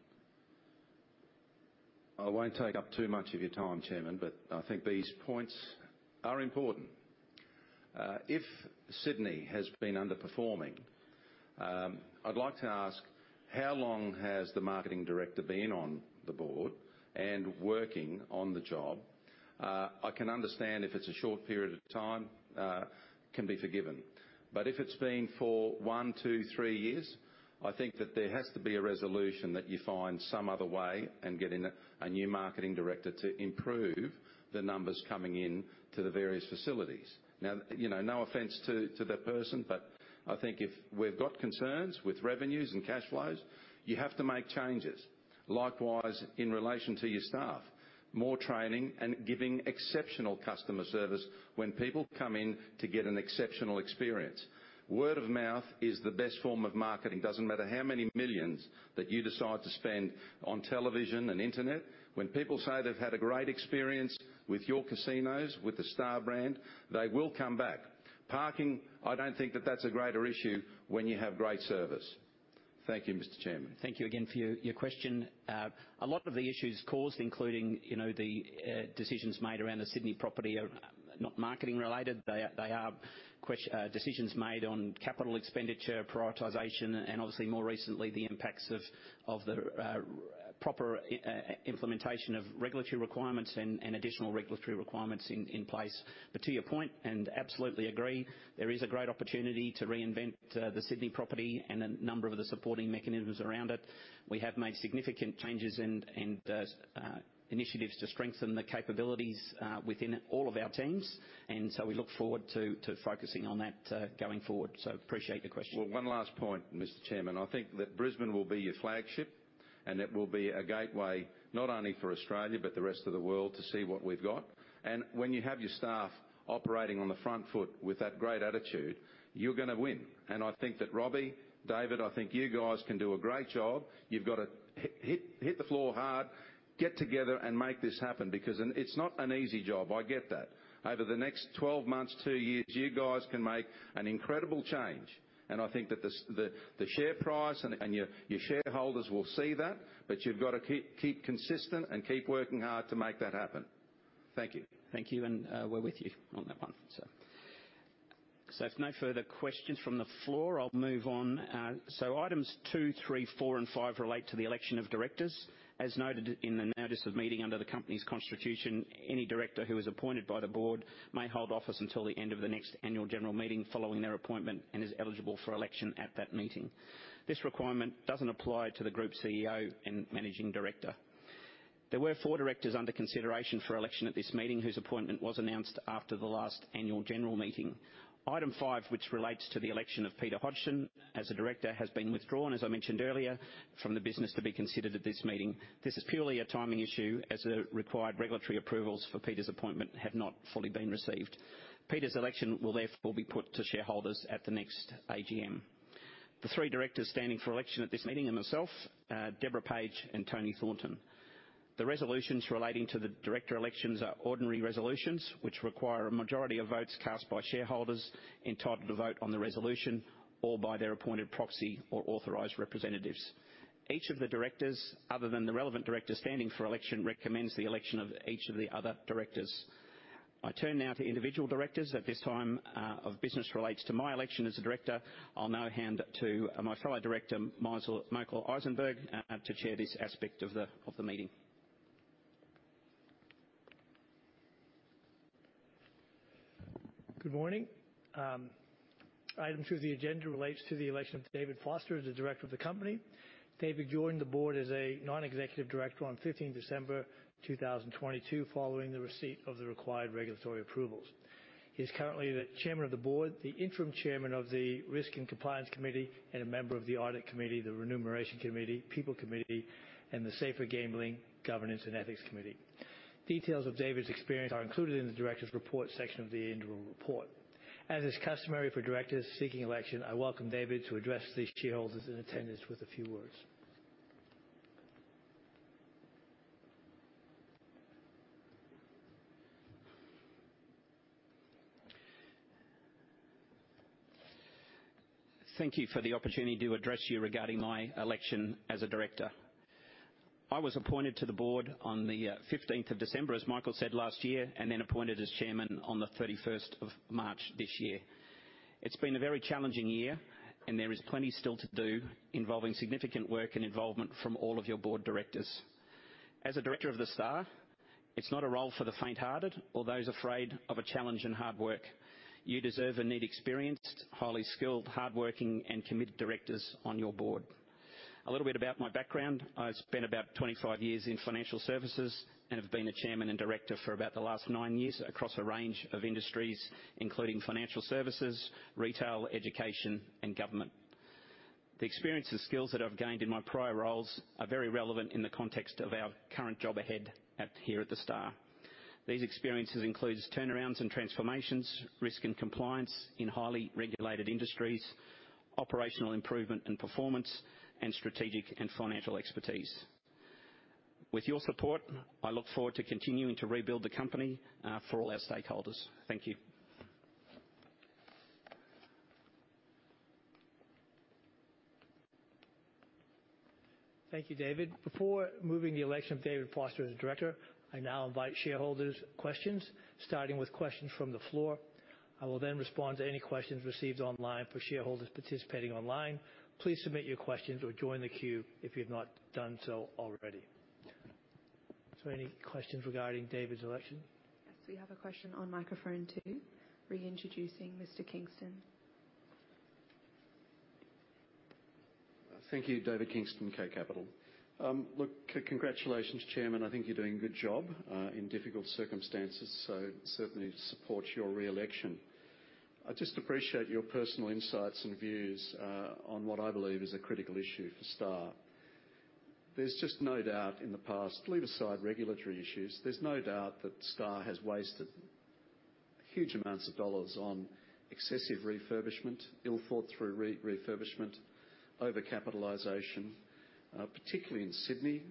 J: I won't take up too much of your time, Chairman, but I think these points are important. If Sydney has been underperforming, I'd like to ask, how long has the marketing director been on the Board and working on the job? I can understand if it's a short period of time, can be forgiven, but if it's been for one, two, three years, I think that there has to be a resolution that you find some other way and get in a, a new marketing director to improve the numbers coming in to the various facilities. Now, you know, no offense to, to that person, but I think if we've got concerns with revenues and cash flows, you have to make changes. Likewise, in relation to your staff, more training and giving exceptional customer service when people come in to get an exceptional experience. Word of mouth is the best form of marketing. Doesn't matter how many millions that you decide to spend on television and internet, when people say they've had a great experience with your casinos, with the Star brand, they will come back. Parking, I don't think that that's a greater issue when you have great service. Thank you, Mr. Chairman.
A: Thank you again for your, your question. A lot of the issues caused, including, you know, the, decisions made around the Sydney property are, not marketing related. They are, they are decisions made on Capital Expenditure, prioritization, and obviously more recently, the impacts of, of the, proper implementation of regulatory requirements and, and additional regulatory requirements in, in place. But to your point, and absolutely agree, there is a great opportunity to reinvent, the Sydney property and a number of the supporting mechanisms around it. We have made significant changes and, and, initiatives to strengthen the capabilities, within all of our teams, and so we look forward to, to focusing on that, going forward. So appreciate the question.
J: Well, one last point, Mr. Chairman. I think that Brisbane will be your flagship... and it will be a gateway, not only for Australia, but the rest of the world to see what we've got. And when you have your staff operating on the front foot with that great attitude, you're gonna win. And I think that Robbie, David, I think you guys can do a great job. You've got to hit the floor hard, get together, and make this happen, because it's not an easy job, I get that. Over the next 12 months, two years, you guys can make an incredible change, and I think that the, the share price and your shareholders will see that, but you've got to keep consistent and keep working hard to make that happen. Thank you.
A: Thank you, and, we're with you on that one, so. So if no further questions from the floor, I'll move on. So items two, three, four, and five relate to the election of directors. As noted in the notice of meeting under the company's constitution, any director who is appointed by the Board may hold office until the end of the next Annual General Meeting following their appointment and is eligible for election at that meeting. This requirement doesn't apply to the Group CEO and Managing Director. There were four directors under consideration for election at this meeting, whose appointment was announced after the last Annual General Meeting. Item 5, which relates to the election of Peter Hodgson as a director, has been withdrawn, as I mentioned earlier, from the business to be considered at this meeting. This is purely a timing issue, as the required regulatory approvals for Peter's appointment have not fully been received. Peter's election will therefore be put to shareholders at the next AGM. The three directors standing for election at this meeting are myself, Deborah Page, and Tony Thornton. The resolutions relating to the director elections are ordinary resolutions, which require a majority of votes cast by shareholders entitled to vote on the resolution or by their appointed proxy or authorized representatives. Each of the directors, other than the relevant director standing for election, recommends the election of each of the other directors. I turn now to individual directors. At this time of business relates to my election as a director. I'll now hand to my fellow director, Michael Issenberg, to chair this aspect of the meeting.
K: Good morning. Item two of the agenda relates to the election of David Foster as a director of the company. David joined the Board as a Non-Executive Director on 15th December 2022, following the receipt of the required regulatory approvals. He is currently the Chairman of the Board, the interim Chairman of the Risk and Compliance Committee, and a member of the Audit Committee, the Remuneration Committee, People Committee, and the Safer Gambling, Governance, and Ethics Committee. Details of David's experience are included in the directors' report section of the annual report. As is customary for directors seeking election, I welcome David to address the shareholders in attendance with a few words.
A: Thank you for the opportunity to address you regarding my election as a director. I was appointed to the Board on the 15th of December, as Michael said, last year, and then appointed as Chairman on the 31st of March this year. It's been a very challenging year, and there is plenty still to do, involving significant work and involvement from all of your board directors. As a director of The Star, it's not a role for the faint-hearted or those afraid of a challenge and hard work. You deserve and need experienced, highly skilled, hardworking, and committed directors on your board. A little bit about my background. I've spent about 25 years in financial services and have been a Chairman and director for about the last 9 years across a range of industries, including financial services, retail, education, and government. The experience and skills that I've gained in my prior roles are very relevant in the context of our current job ahead at, here at The Star. These experiences includes turnarounds and transformations, risk and compliance in highly regulated industries, operational improvement and performance, and strategic and financial expertise. With your support, I look forward to continuing to rebuild the company, for all our stakeholders. Thank you.
K: Thank you, David. Before moving the election of David Foster as director, I now invite shareholders' questions, starting with questions from the floor. I will then respond to any questions received online. For shareholders participating online, please submit your questions or join the queue if you've not done so already. Any questions regarding David's election?
C: Yes, we have a question on microphone two. Reintroducing Mr. Kingston.
E: Thank you. David Kingston, Kay Capital. Look, congratulations, Chairman, I think you're doing a good job in difficult circumstances, so certainly support your re-election. I'd just appreciate your personal insights and views on what I believe is a critical issue for Star. There's just no doubt in the past, leave aside regulatory issues, there's no doubt that Star has wasted huge amounts of AUD on excessive refurbishment, ill-thought-through refurbishment, overcapitalization, particularly in Sydney,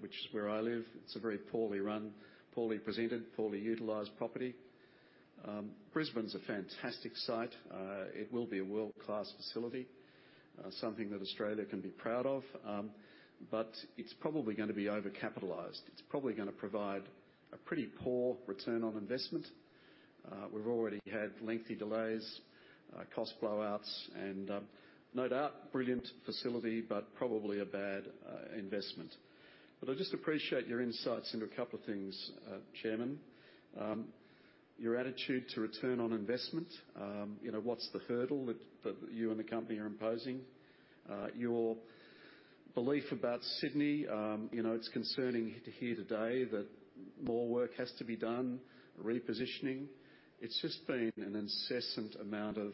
E: which is where I live. It's a very poorly run, poorly presented, poorly utilized property. Brisbane's a fantastic site. It will be a world-class facility, something that Australia can be proud of, but it's probably gonna be overcapitalized. It's probably gonna provide a pretty poor return on investment. We've already had lengthy delays, cost blowouts, and, no doubt, brilliant facility, but probably a bad investment. But I'd just appreciate your insights into a couple of things, Chairman. Your attitude to return on investment. You know, what's the hurdle that you and the company are imposing? Your belief about Sydney. You know, it's concerning to hear today that more work has to be done, repositioning. It's just been an incessant amount of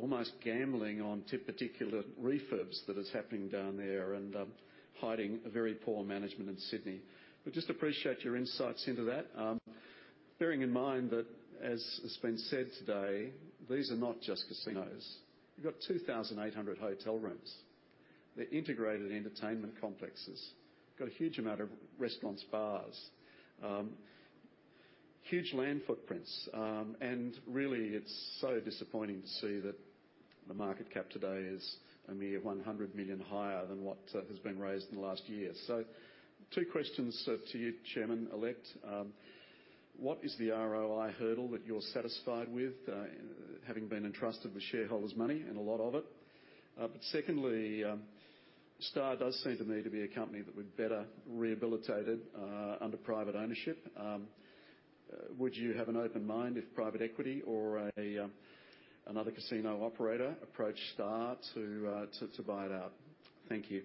E: almost gambling on particular refurbs that is happening down there, and, hiding a very poor management in Sydney. We just appreciate your insights into that. Bearing in mind that, as has been said today, these are not just casinos. You've got 2,800 hotel rooms. They're integrated entertainment complexes. Got a huge amount of restaurants, bars, huge land footprints. And really, it's so disappointing to see that the market cap today is a mere 100 million higher than what has been raised in the last year. two questions to you, Chairman-elect. What is the ROI hurdle that you're satisfied with, having been entrusted with shareholders' money, and a lot of it? But secondly, Star does seem to me to be a company that would better rehabilitated under private ownership. Would you have an open mind if private equity or another casino operator approached Star to buy it out? Thank you.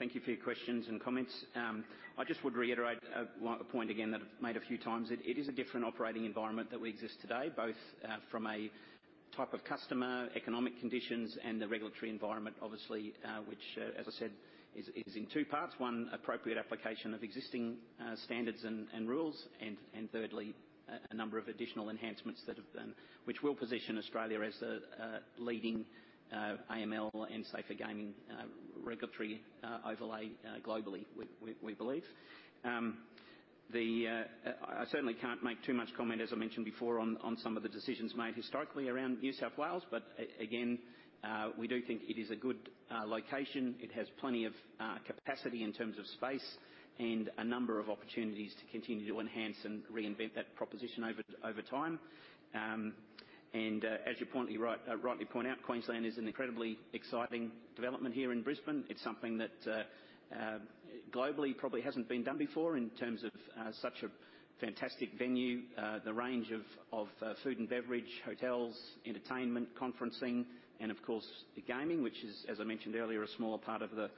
A: Thank you for your questions. Thank you for your questions and comments. I just would reiterate one point again, that I've made a few times. It is a different operating environment that we exist today, both from a type of customer, economic conditions, and the regulatory environment, obviously, which, as I said, is in two parts. One, appropriate application of existing standards and rules, and thirdly, a number of additional enhancements that have been, which will position Australia as a leading AML and safer gaming regulatory overlay globally, we believe. I certainly can't make too much comment, as I mentioned before, on some of the decisions made historically around New South Wales, but again, we do think it is a good location. It has plenty of capacity in terms of space and a number of opportunities to continue to enhance and reinvent that proposition over time. And as you rightly point out, Queensland is an incredibly exciting development here in Brisbane. It's something that globally probably hasn't been done before in terms of such a fantastic venue. The range of food and beverage, hotels, entertainment, conferencing, and of course, the gaming, which is, as I mentioned earlier, a smaller part of the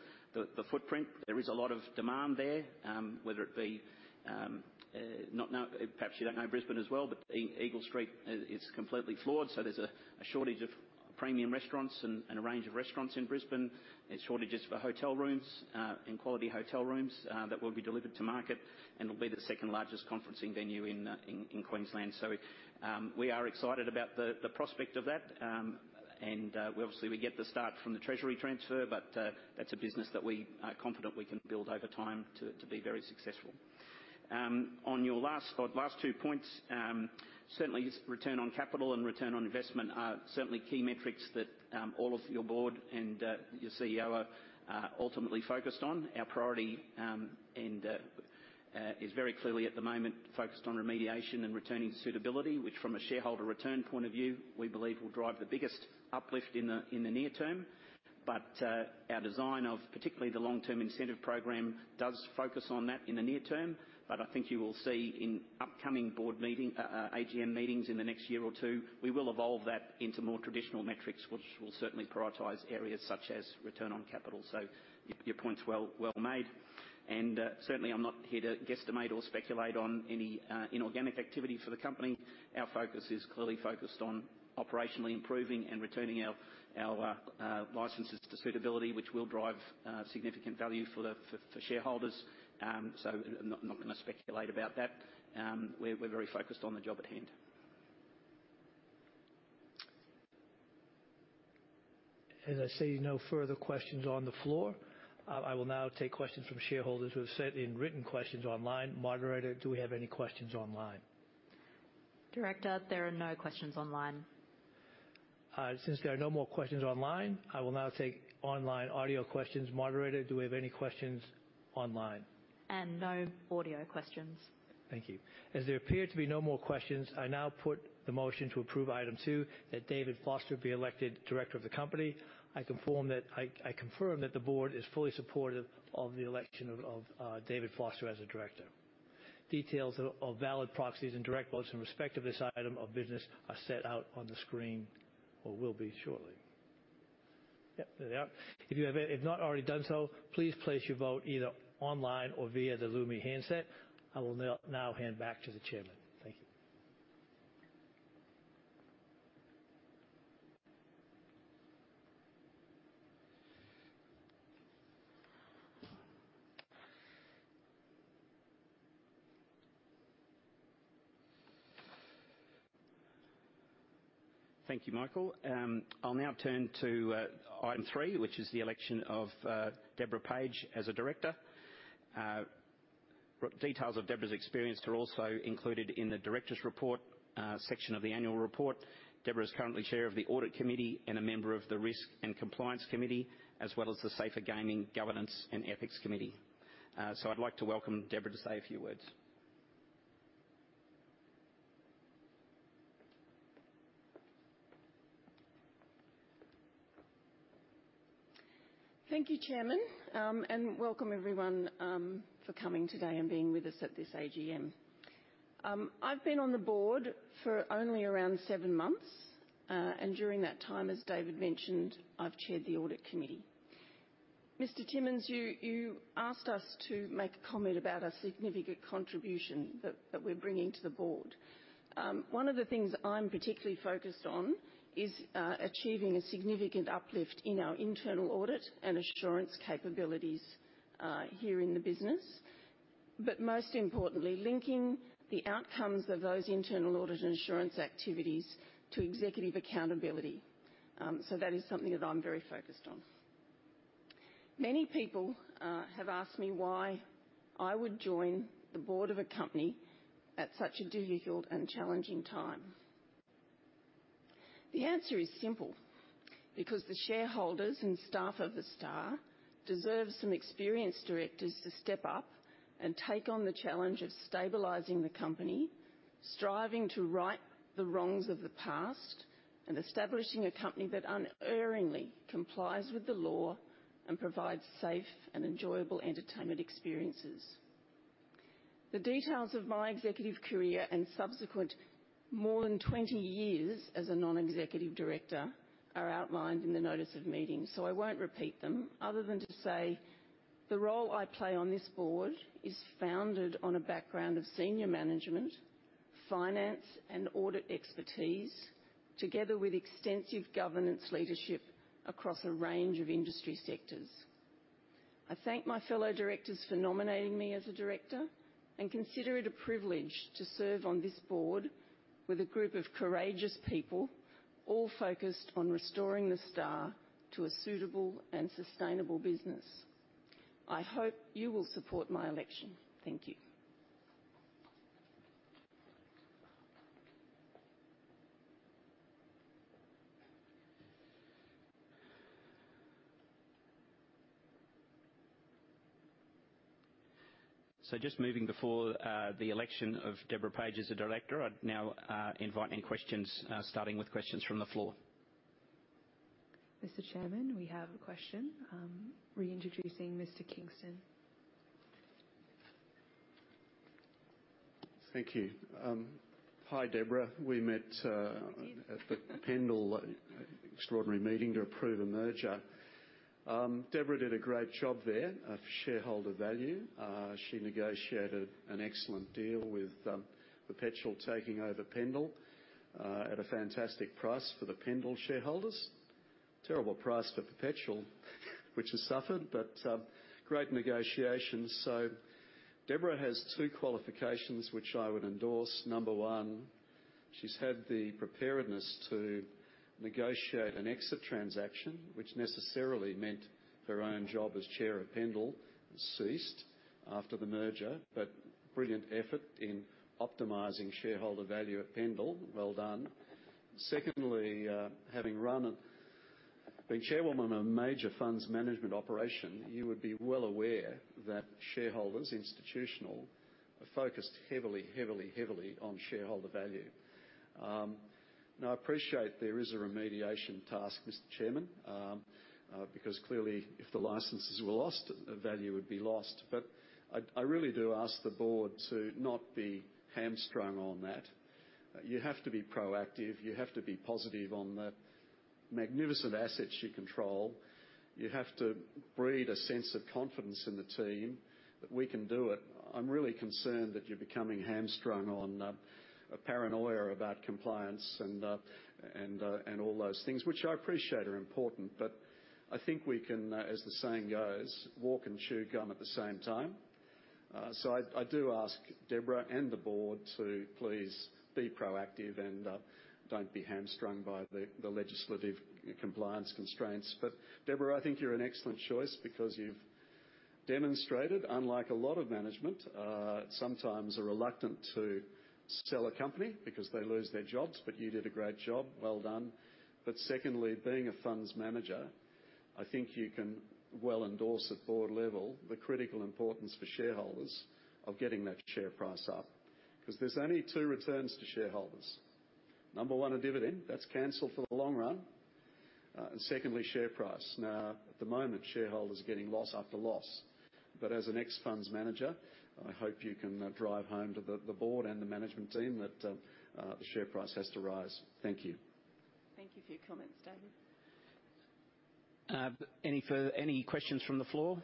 A: footprint. There is a lot of demand there, whether it be, perhaps you don't know Brisbane as well, but Eagle Street is completely floored, so there's a shortage of premium restaurants and a range of restaurants in Brisbane, and shortages for hotel rooms and quality hotel rooms that will be delivered to market, and it'll be the second-largest conferencing venue in Queensland. So, we are excited about the prospect of that. Obviously, we get the start from the Treasury transfer, but that's a business that we are confident we can build over time to be very successful. On your last two points, certainly return on capital and return on investment are certainly key metrics that all of your board and your CEO are ultimately focused on. Our priority is very clearly, at the moment, focused on remediation and returning to suitability, which from a shareholder return point of view, we believe will drive the biggest uplift in the near term. But our design of particularly the long-term incentive program does focus on that in the near term, but I think you will see in upcoming board meeting, AGM meetings in the next year or two, we will evolve that into more traditional metrics, which will certainly prioritize areas such as return on capital. So your point's well made, and certainly, I'm not here to guesstimate or speculate on any inorganic activity for the company. Our focus is clearly focused on operationally improving and returning our licenses to suitability, which will drive significant value for the shareholders. So I'm not gonna speculate about that. We're very focused on the job at hand.
E: As I see, no further questions on the floor. I will now take questions from shareholders who have sent in written questions online. Moderator, do we have any questions online?
C: Director, there are no questions online.
E: Since there are no more questions online, I will now take online audio questions. Moderator, do we have any questions online?
C: No audio questions.
K: Thank you. As there appear to be no more questions, I now put the motion to approve Item two, that David Foster be elected director of the company. I confirm that the Board is fully supportive of the election of David Foster as a director. Details of valid proxies and direct votes in respect of this item of business are set out on the screen or will be shortly. Yep, there they are. If you've not already done so, please place your vote either online or via the Lumi handset. I will now hand back to the Chairman. Thank you.
A: Thank you, Michael. I'll now turn to item three, which is the election of Deborah Page as a director. Details of Deborah's experience are also included in the directors' report section of the annual report. Deborah is currently Chair of the Audit Committee and a member of the Risk and Compliance Committee, as well as the Safer Gaming, Governance, and Ethics Committee. So I'd like to welcome Deborah to say a few words.
L: Thank you, Chairman. And welcome, everyone, for coming today and being with us at this AGM. I've been on the Board for only around seven months, and during that time, as David mentioned, I've chaired the Audit Committee. Mr. Timmons, you asked us to make a comment about a significant contribution that we're bringing to the Board. One of the things I'm particularly focused on is achieving a significant uplift in our internal audit and assurance capabilities here in the business. But most importantly, linking the outcomes of those internal audit and assurance activities to executive accountability. So that is something that I'm very focused on. Many people have asked me why I would join the Board of a company at such a difficult and challenging time. The answer is simple: because the shareholders and staff of The Star deserve some experienced directors to step up and take on the challenge of stabilizing the company, striving to right the wrongs of the past, and establishing a company that unerringly complies with the law and provides safe and enjoyable entertainment experiences. The details of my executive career and subsequent more than 20 years as a Non-Executive Director are outlined in the notice of meeting, so I won't repeat them, other than to say, the role I play on this board is founded on a background of senior management, finance, and audit expertise, together with extensive governance leadership across a range of industry sectors. I thank my fellow directors for nominating me as a director, and consider it a privilege to serve on this board with a group of courageous people, all focused on restoring The Star to a suitable and sustainable business. I hope you will support my election. Thank you.
A: So, just moving before the election of Deborah Page as a director, I'd now invite any questions, starting with questions from the floor.
C: Mr. Chairman, we have a question. Reintroducing Mr. Kingston.
E: Thank you. Hi, Deborah. We met,
L: Hi
E: At the Pendal extraordinary meeting to approve a merger. Deborah did a great job there of shareholder value. She negotiated an excellent deal with, Perpetual taking over Pendal, at a fantastic price for the Pendal shareholders. Terrible price for Perpetual, which has suffered, but, great negotiations. So Deborah has two qualifications which I would endorse. Number one, she's had the preparedness to negotiate an exit transaction, which necessarily meant her own job as chair of Pendal ceased after the merger, but brilliant effort in optimizing shareholder value at Pendal. Well done. Secondly, having run a, been chairwoman of major funds management operation, you would be well aware that shareholders, institutional, are focused heavily, heavily, heavily on shareholder value. Now, I appreciate there is a remediation task, Mr. Chairman, because clearly, if the licenses were lost, value would be lost. But I'd, I really do ask the Board to not be hamstrung on that. You have to be proactive. You have to be positive on the magnificent assets you control. You have to breed a sense of confidence in the team that we can do it. I'm really concerned that you're becoming hamstrung on a paranoia about compliance and, and, and all those things, which I appreciate are important, but I think we can, as the saying goes, walk and chew gum at the same time. So I, I do ask Deborah and the Board to please be proactive and, don't be hamstrung by the, the legislative compliance constraints. But Deborah, I think you're an excellent choice because you've demonstrated, unlike a lot of management, sometimes are reluctant to sell a company because they lose their jobs, but you did a great job. Well done. But secondly, being a funds manager, I think you can well endorse at board level the critical importance for shareholders of getting that share price up, 'cause there's only two returns to shareholders. Number one, a dividend, that's canceled for the long run. And secondly, share price. Now, at the moment, shareholders are getting loss after loss. But as an ex-funds manager, I hope you can drive home to the Board and the management team that the share price has to rise. Thank you.
L: Thank you for your comments, David.
A: Any further questions from the floor?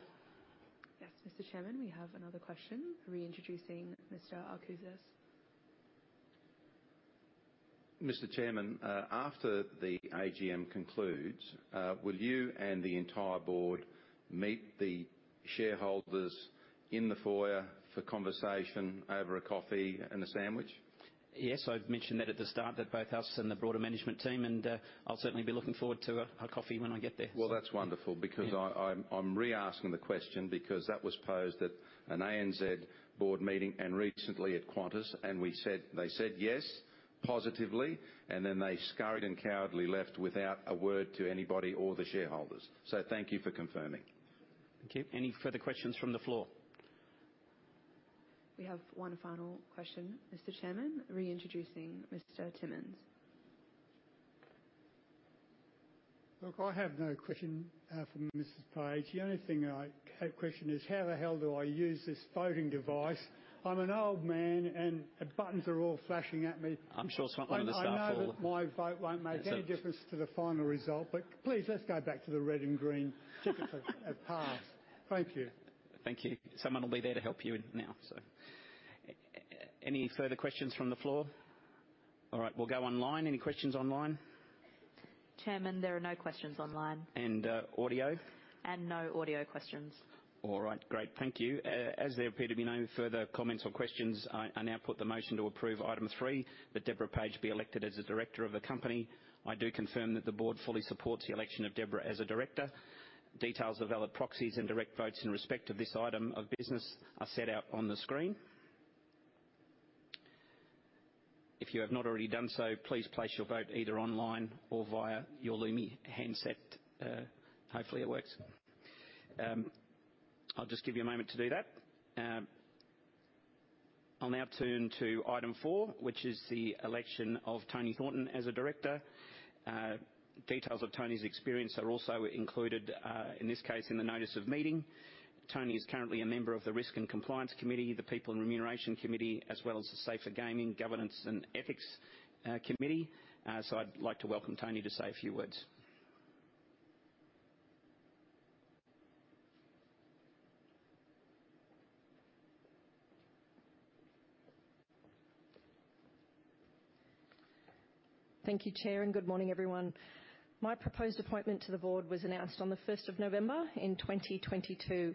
C: Yes, Mr. Chairman, we have another question. Reintroducing Mr. Alcozas.
J: Mr. Chairman, after the AGM concludes, will you and the entire board meet the shareholders in the foyer for conversation over a coffee and a sandwich?
A: Yes, I've mentioned that at the start, that both us and the broader management team, and I'll certainly be looking forward to a coffee when I get there.
J: Well, that's wonderful.
A: Yeah.
J: Because I'm reasking the question because that was posed at an ANZ board meeting and recently at Qantas, and we said... They said yes, positively, and then they scurried and cowardly left without a word to anybody or the shareholders. So thank you for confirming.
A: Thank you. Any further questions from the floor?
C: We have one final question, Mr. Chairman. Reintroducing Mr. Timmons.
F: Look, I have no question for Mrs. Page. The only thing I have question is: how the hell do I use this voting device? I'm an old man, and the buttons are all flashing at me.
A: I'm sure someone on the staff will-
F: I know that my vote won't make any difference-
A: Yeah.
F: To the final result, but please, let's go back to the red and green tickets at pass. Thank you.
A: Thank you. Someone will be there to help you now. So, any further questions from the floor? All right, we'll go online. Any questions online?
C: Chairman, there are no questions online.
A: Audio?
C: No audio questions.
A: All right, great. Thank you. As there appear to be no further comments or questions, I now put the motion to approve item 3, that Deborah Page be elected as a director of the company. I do confirm that the Board fully supports the election of Deborah as a director. Details of valid proxies and direct votes in respect to this item of business are set out on the screen. If you have not already done so, please place your vote either online or via your Lumi handset. Hopefully it works. I'll just give you a moment to do that. I'll now turn to item 4, which is the election of Toni Thornton as a director. Details of Toni's experience are also included, in this case, in the notice of meeting. Toni is currently a member of the Risk and Compliance Committee, the People and Remuneration Committee, as well as the Safer Gaming, Governance, and Ethics Committee. I'd like to welcome Toni to say a few words.
M: Thank you, Chair, and good morning, everyone. My proposed appointment to the Board was announced on the first of November in twenty twenty-two.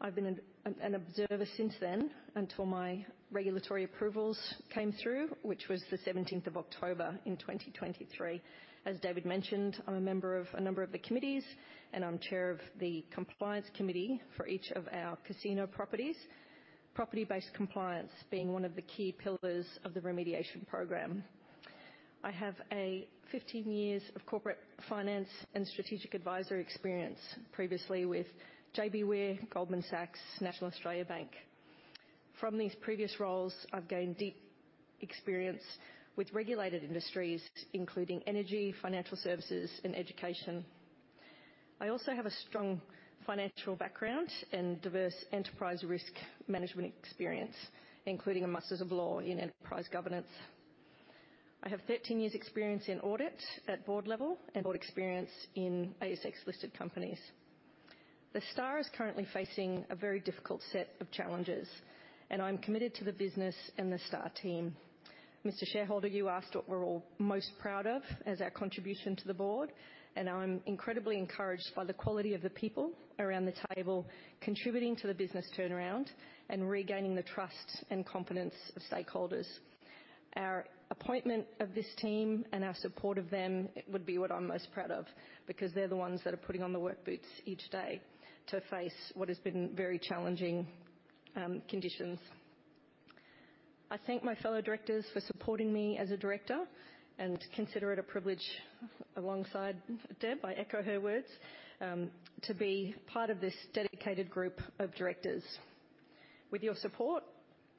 M: I've been an observer since then until my regulatory approvals came through, which was the seventeenth of October in twenty twenty-three. As David mentioned, I'm a member of a number of the committees, and I'm chair of the Compliance Committee for each of our casino properties. Property-based compliance being one of the key pillars of the Remediation Program. I have 15 years of corporate finance and strategic advisory experience, previously with JBWere, Goldman Sachs, National Australia Bank. From these previous roles, I've gained deep experience with regulated industries, including energy, financial services, and education. I also have a strong financial background and diverse enterprise risk management experience, including a Masters of Law in Enterprise Governance. I have 13 years' experience in audit at board level and board experience in ASX-listed companies. The Star is currently facing a very difficult set of challenges, and I'm committed to the business and the Star team. Mr. Shareholder, you asked what we're all most proud of as our contribution to the Board, and I'm incredibly encouraged by the quality of the people around the table contributing to the business turnaround and regaining the trust and confidence of stakeholders. Our appointment of this team and our support of them would be what I'm most proud of, because they're the ones that are putting on the work boots each day to face what has been very challenging conditions. I thank my fellow directors for supporting me as a director and consider it a privilege alongside Deb. I echo her words to be part of this dedicated group of directors. With your support,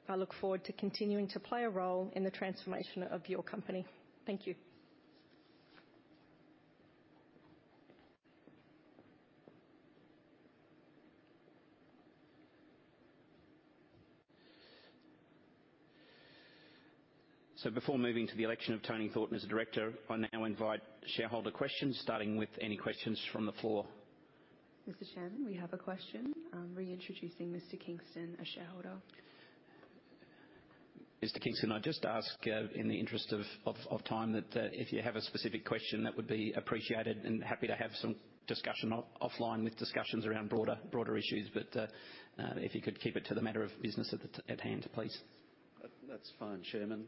M: I look forward to continuing to play a role in the transformation of your company. Thank you.
A: Before moving to the election of Toni Thornton as a director, I now invite shareholder questions, starting with any questions from the floor.
C: Mr. Chairman, we have a question. I'm reintroducing Mr. Kingston, a shareholder.
A: Mr. Kingston, I just ask, in the interest of time, that if you have a specific question, that would be appreciated, and happy to have some discussion offline with discussions around broader issues. But, if you could keep it to the matter of business at hand, please.
E: That's fine, Chairman.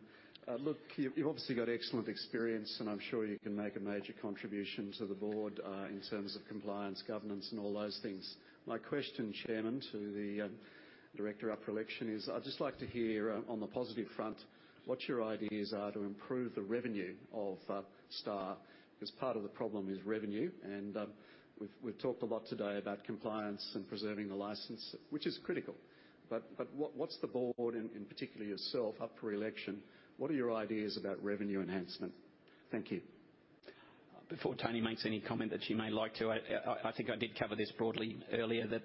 E: Look, you've obviously got excellent experience, and I'm sure you can make a major contribution to the Board in terms of compliance, governance, and all those things. My question, Chairman, to the director up for election is: I'd just like to hear, on the positive front, what your ideas are to improve the revenue of Star? Because part of the problem is revenue, and we've talked a lot today about compliance and preserving the license, which is critical. But what's the Board, and particularly yourself up for election, what are your ideas about revenue enhancement? Thank you.
A: Before Toni makes any comment that she may like to, I think I did cover this broadly earlier, that,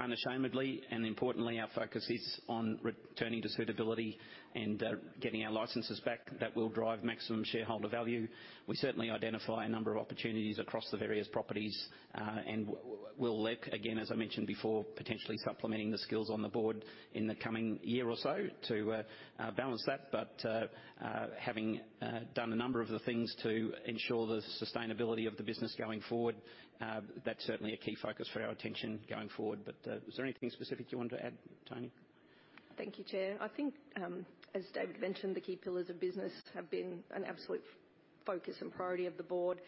A: unashamedly and importantly, our focus is on returning to suitability and getting our licenses back. That will drive maximum shareholder value. We certainly identify a number of opportunities across the various properties, and we'll look again, as I mentioned before, potentially supplementing the skills on the Board in the coming year or so to balance that. But, having done a number of the things to ensure the sustainability of the business going forward, that's certainly a key focus for our attention going forward. But, is there anything specific you want to add, Toni?
M: Thank you, Chair. I think, as David mentioned, the key pillars of business have been an absolute focus and priority of the Board.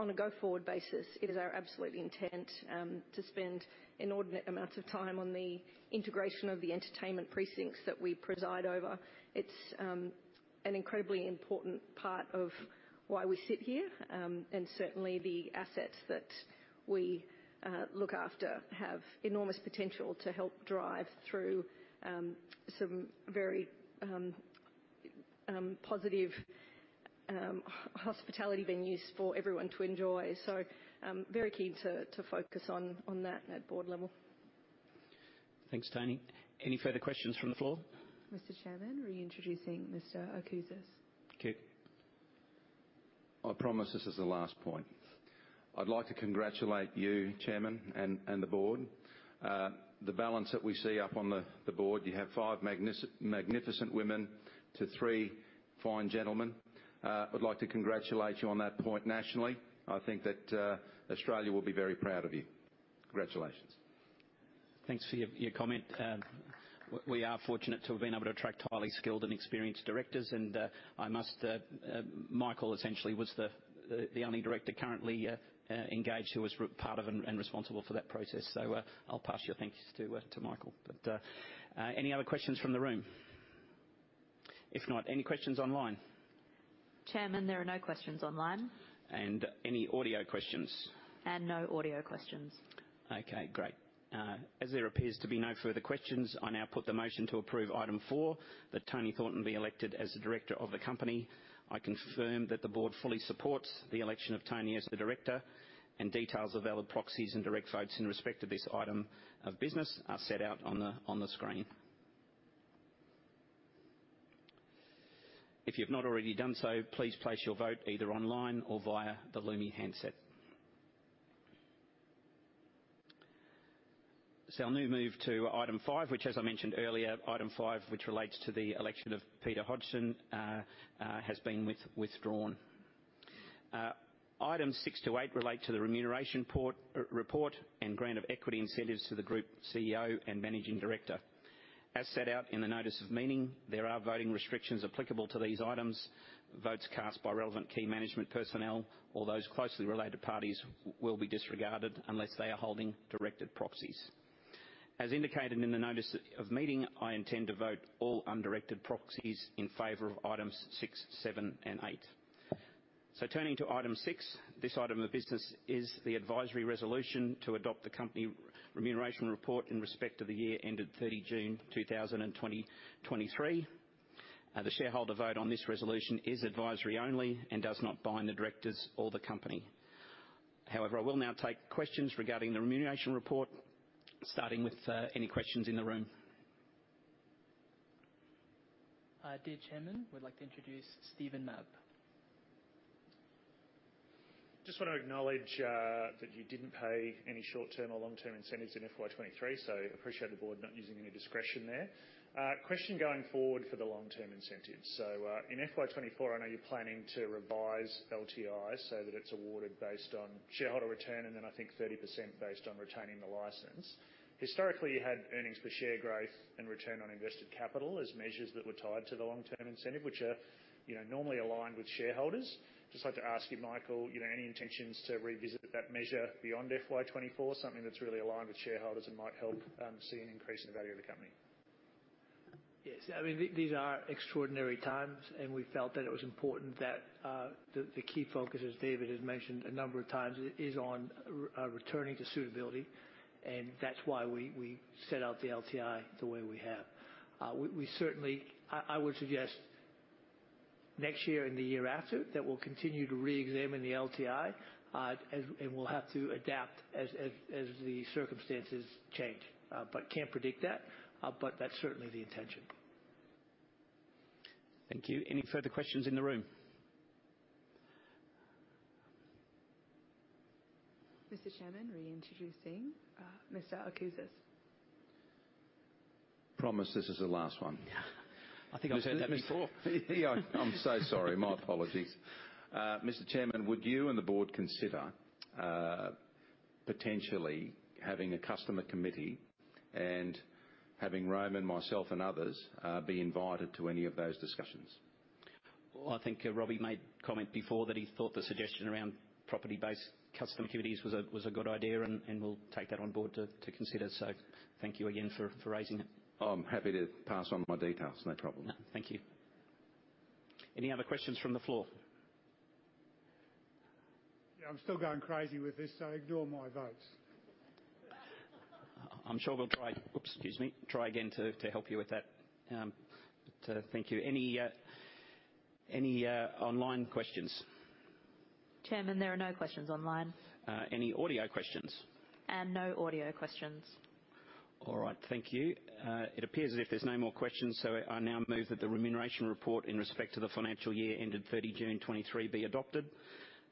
M: On a go-forward basis, it is our absolute intent to spend inordinate amounts of time on the integration of the entertainment precincts that we preside over. It's an incredibly important part of why we sit here. And certainly, the assets that we look after have enormous potential to help drive through some very positive, hospitality venues for everyone to enjoy. So, I'm very keen to focus on that at board level.
A: Thanks, Toni. Any further questions from the floor?
C: Mr. Chairman, reintroducing Mr. Alcozas.
A: Okay.
J: I promise this is the last point. I'd like to congratulate you, Chairman, and the Board. The balance that we see up on the Board. You have five magnificent women to three fine gentlemen. I'd like to congratulate you on that point nationally. I think that Australia will be very proud of you. Congratulations.
A: Thanks for your comment. We are fortunate to have been able to attract highly skilled and experienced directors, and I must, Michael, essentially, was the only director currently engaged who was part of and responsible for that process. So, I'll pass your thanks to Michael. But, any other questions from the room? If not, any questions online?
C: Chairman, there are no questions online.
A: Any audio questions?
C: No audio questions.
A: Okay, great. As there appears to be no further questions, I now put the motion to approve item four, that Toni Thornton be elected as a director of the company. I confirm that the Board fully supports the election of Toni as the director, and details of valid proxies and direct votes in respect to this item of business are set out on the screen. If you've not already done so, please place your vote either online or via the Lumi handset. So I'll now move to item five, which, as I mentioned earlier, item five, which relates to the election of Peter Hodgson, has been withdrawn. Items six to eight relate to the remuneration report and grant of equity incentives to the group CEO and Managing Director. As set out in the notice of meeting, there are voting restrictions applicable to these items. Votes cast by relevant key management personnel or those closely related parties will be disregarded unless they are holding directed proxies. As indicated in the notice of meeting, I intend to vote all undirected proxies in favor of items six, seven, and eight. Turning to item six, this item of business is the advisory resolution to adopt the company remuneration report in respect to the year ended 30 June 2023. The shareholder vote on this resolution is advisory only and does not bind the directors or the company. However, I will now take questions regarding the remuneration report, starting with any questions in the room.
C: Dear Chairman, we'd like to introduce Steve McCann.
G: Just want to acknowledge that you didn't pay any short-term or long-term incentives in FY 2023, so appreciate the Board not using any discretion there. Question going forward for the long-term incentives. So, in FY 2024, I know you're planning to revise LTI so that it's awarded based on shareholder return, and then I think 30% based on retaining the license. Historically, you had earnings per share growth and return on invested capital as measures that were tied to the long-term incentive, which are, you know, normally aligned with shareholders. Just like to ask you, Michael, you know, any intentions to revisit that measure beyond FY 2024, something that's really aligned with shareholders and might help see an increase in the value of the company?
K: Yes. I mean, these are extraordinary times, and we felt that it was important that the key focus, as David has mentioned a number of times, is on returning to suitability, and that's why we set out the LTI the way we have. We certainly... I would suggest next year and the year after, that we'll continue to reexamine the LTI, and we'll have to adapt as the circumstances change. But can't predict that, but that's certainly the intention.
A: Thank you. Any further questions in the room?
C: Mr. Chairman, reintroducing Mr. Alcozas.
J: Promise this is the last one. I think I've heard that before. I'm so sorry. My apologies. Mr. Chairman, would you and the Board consider potentially having a customer committee and having Roman, myself, and others be invited to any of those discussions?
A: Well, I think Robbie made comment before that he thought the suggestion around property-based customer committees was a good idea, and we'll take that on board to consider. So thank you again for raising it.
J: Oh, I'm happy to pass on my details. No problem.
A: Thank you. Any other questions from the floor?
F: Yeah, I'm still going crazy with this, so ignore my votes.
A: I'm sure we'll try... Oops, excuse me. Try again to help you with that. Thank you. Any online questions?
C: Chairman, there are no questions online.
A: Any audio questions?
C: No audio questions.
A: All right, thank you. It appears as if there's no more questions, so I now move that the remuneration report in respect to the financial year ended 30 June 2023 be adopted.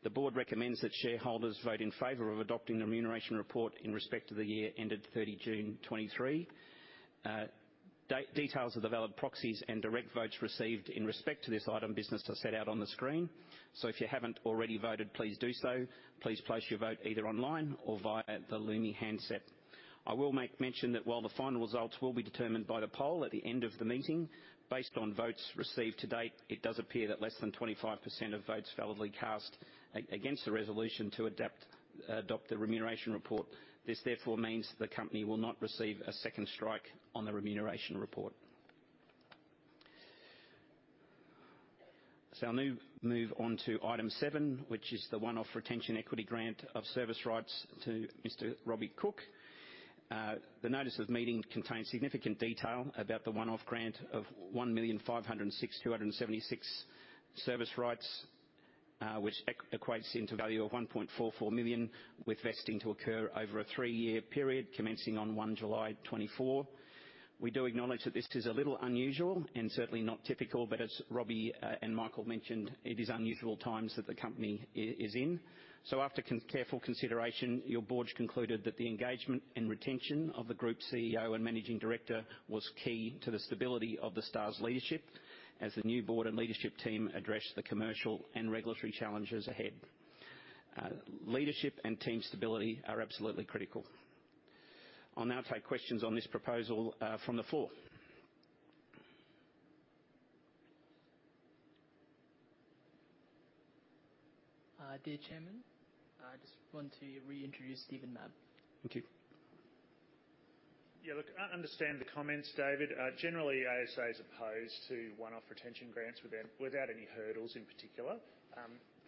A: the Board recommends that shareholders vote in favor of adopting the remuneration report in respect to the year ended 30 June 2023. Details of the valid proxies and direct votes received in respect to this item of business are set out on the screen. So if you haven't already voted, please do so. Please place your vote either online or via the Lumi handset. I will make mention that while the final results will be determined by the poll at the end of the meeting, based on votes received to date, it does appear that less than 25% of votes validly cast against the resolution to adopt the remuneration report. This, therefore, means the company will not receive a second strike on the remuneration report. So I'll now move on to item 7, which is the one-off retention equity grant of service rights to Mr. Robbie Cooke. The notice of meeting contains significant detail about the one-off grant of 1,506,276 service rights, which equates into value of 1.44 million, with vesting to occur over a three-year period commencing on 1 July 2024. We do acknowledge that this is a little unusual and certainly not typical, but as Robbie and Michael mentioned, it is unusual times that the company is in. So after careful consideration, your board concluded that the engagement and retention of the Group CEO and Managing Director was key to the stability of the Star's leadership, as the new board and leadership team address the commercial and regulatory challenges ahead. Leadership and team stability are absolutely critical. I'll now take questions on this proposal, from the floor.
C: Dear Chairman, I just want to reintroduce Steve McCann.
A: Thank you.
G: Yeah, look, I understand the comments, David. Generally, ASA is opposed to one-off retention grants without any hurdles in particular.